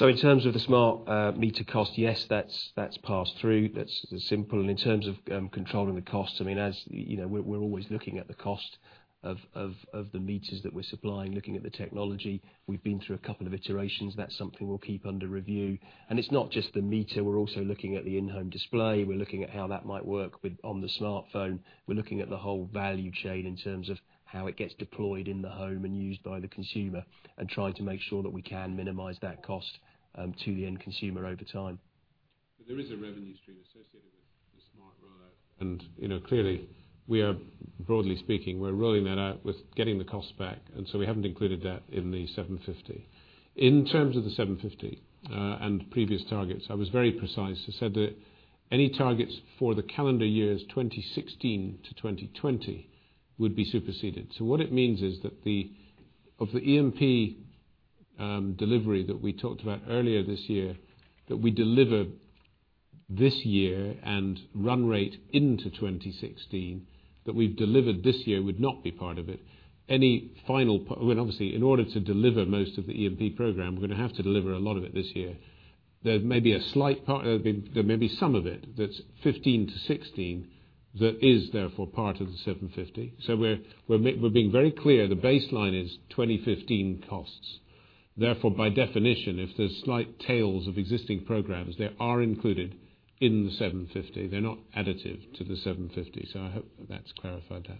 In terms of the smart meter cost, yes, that's passed through. That's simple. In terms of controlling the cost, we're always looking at the cost of the meters that we're supplying, looking at the technology. We've been through a couple of iterations. That's something we'll keep under review. It's not just the meter. We're also looking at the in-home display. We're looking at how that might work on the smartphone. We're looking at the whole value chain in terms of how it gets deployed in the home and used by the consumer and trying to make sure that we can minimize that cost to the end consumer over time. There is a revenue stream associated with the smart rollout, clearly, broadly speaking, we're rolling that out with getting the cost back, we haven't included that in the 750. In terms of the 750, and previous targets, I was very precise. I said that any targets for the calendar years 2016 to 2020 would be superseded. What it means is that of the E&P delivery that we talked about earlier this year, that we deliver this year and run rate into 2016, that we've delivered this year would not be part of it. Obviously, in order to deliver most of the E&P program, we're going to have to deliver a lot of it this year. There may be some of it that's 2015 to 2016, that is therefore part of the 750. We're being very clear. The baseline is 2015 costs. Therefore, by definition, if there's slight tails of existing programs, they are included in the 750. They're not additive to the 750. I hope that's clarified that.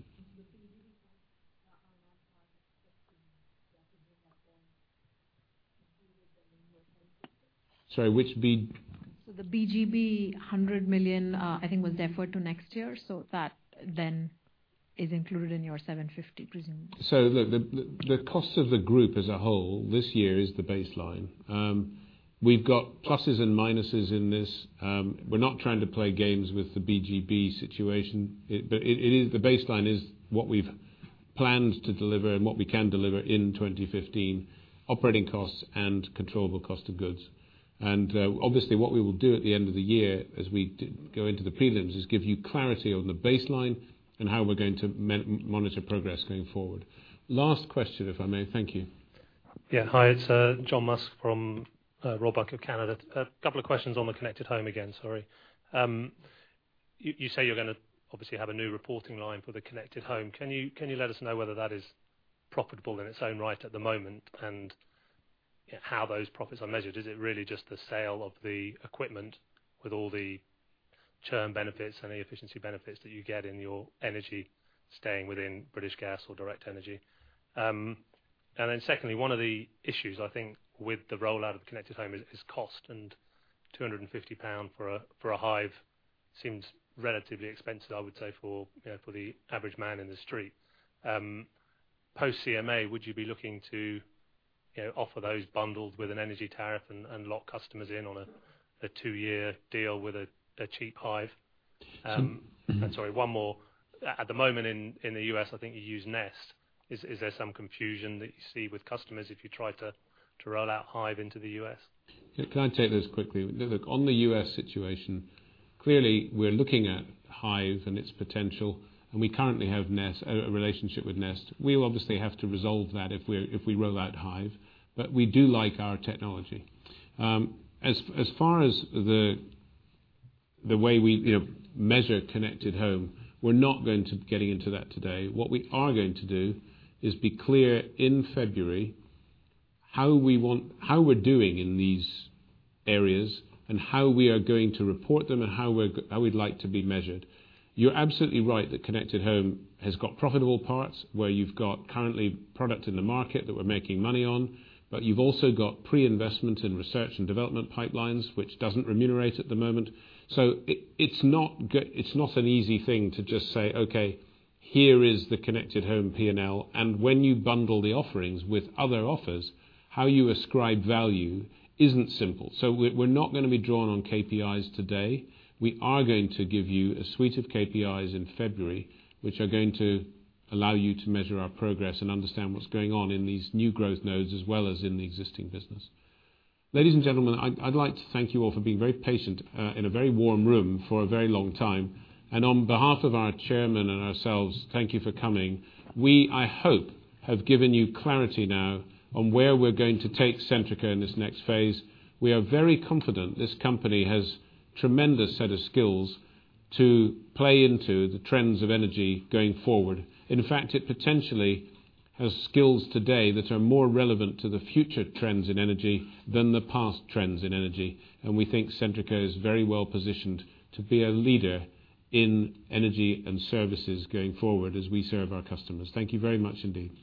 Sorry, which B? The British Gas Business 100 million, I think was deferred to next year, that then is included in your 750, presumably. look, the cost of the group as a whole this year is the baseline. We've got pluses and minuses in this. We're not trying to play games with the BGB situation. The baseline is what we've planned to deliver and what we can deliver in 2015, operating costs and controllable cost of goods. Obviously what we will do at the end of the year, as we go into the prelims, is give you clarity on the baseline and how we're going to monitor progress going forward. Last question, if I may. Thank you. Yeah. Hi, it's John Musk from RBC Capital Markets. A couple of questions on the connected home again, sorry. You say you're going to obviously have a new reporting line for the connected home. Can you let us know whether that is profitable in its own right at the moment, and how those profits are measured? Is it really just the sale of the equipment with all the term benefits and the efficiency benefits that you get in your energy staying within British Gas or Direct Energy? Secondly, one of the issues, I think, with the rollout of the connected home is cost, and 250 pound for a Hive seems relatively expensive, I would say, for the average man in the street. Post CMA, would you be looking to offer those bundles with an energy tariff and lock customers in on a two-year deal with a cheap Hive? Sorry, one more. At the moment in the U.S., I think you use Nest. Is there some confusion that you see with customers if you try to roll out Hive into the U.S.? Can I take those quickly? Look, on the U.S. situation, clearly we're looking at Hive and its potential, and we currently have a relationship with Nest. We'll obviously have to resolve that if we roll out Hive, but we do like our technology. As far as the way we measure connected home, we're not going to be getting into that today. What we are going to do is be clear in February how we're doing in these areas, and how we are going to report them, and how we'd like to be measured. You're absolutely right that connected home has got profitable parts where you've got currently product in the market that we're making money on, but you've also got pre-investment in research and development pipelines, which doesn't remunerate at the moment. It's not an easy thing to just say, "Okay, here is the connected home P&L." When you bundle the offerings with other offers, how you ascribe value isn't simple. We're not going to be drawn on KPIs today. We are going to give you a suite of KPIs in February, which are going to allow you to measure our progress and understand what's going on in these new growth nodes, as well as in the existing business. Ladies and gentlemen, I'd like to thank you all for being very patient in a very warm room for a very long time. On behalf of our chairman and ourselves, thank you for coming. We, I hope, have given you clarity now on where we're going to take Centrica in this next phase. We are very confident this company has tremendous set of skills to play into the trends of energy going forward. In fact, it potentially has skills today that are more relevant to the future trends in energy than the past trends in energy. We think Centrica is very well-positioned to be a leader in energy and services going forward as we serve our customers. Thank you very much indeed.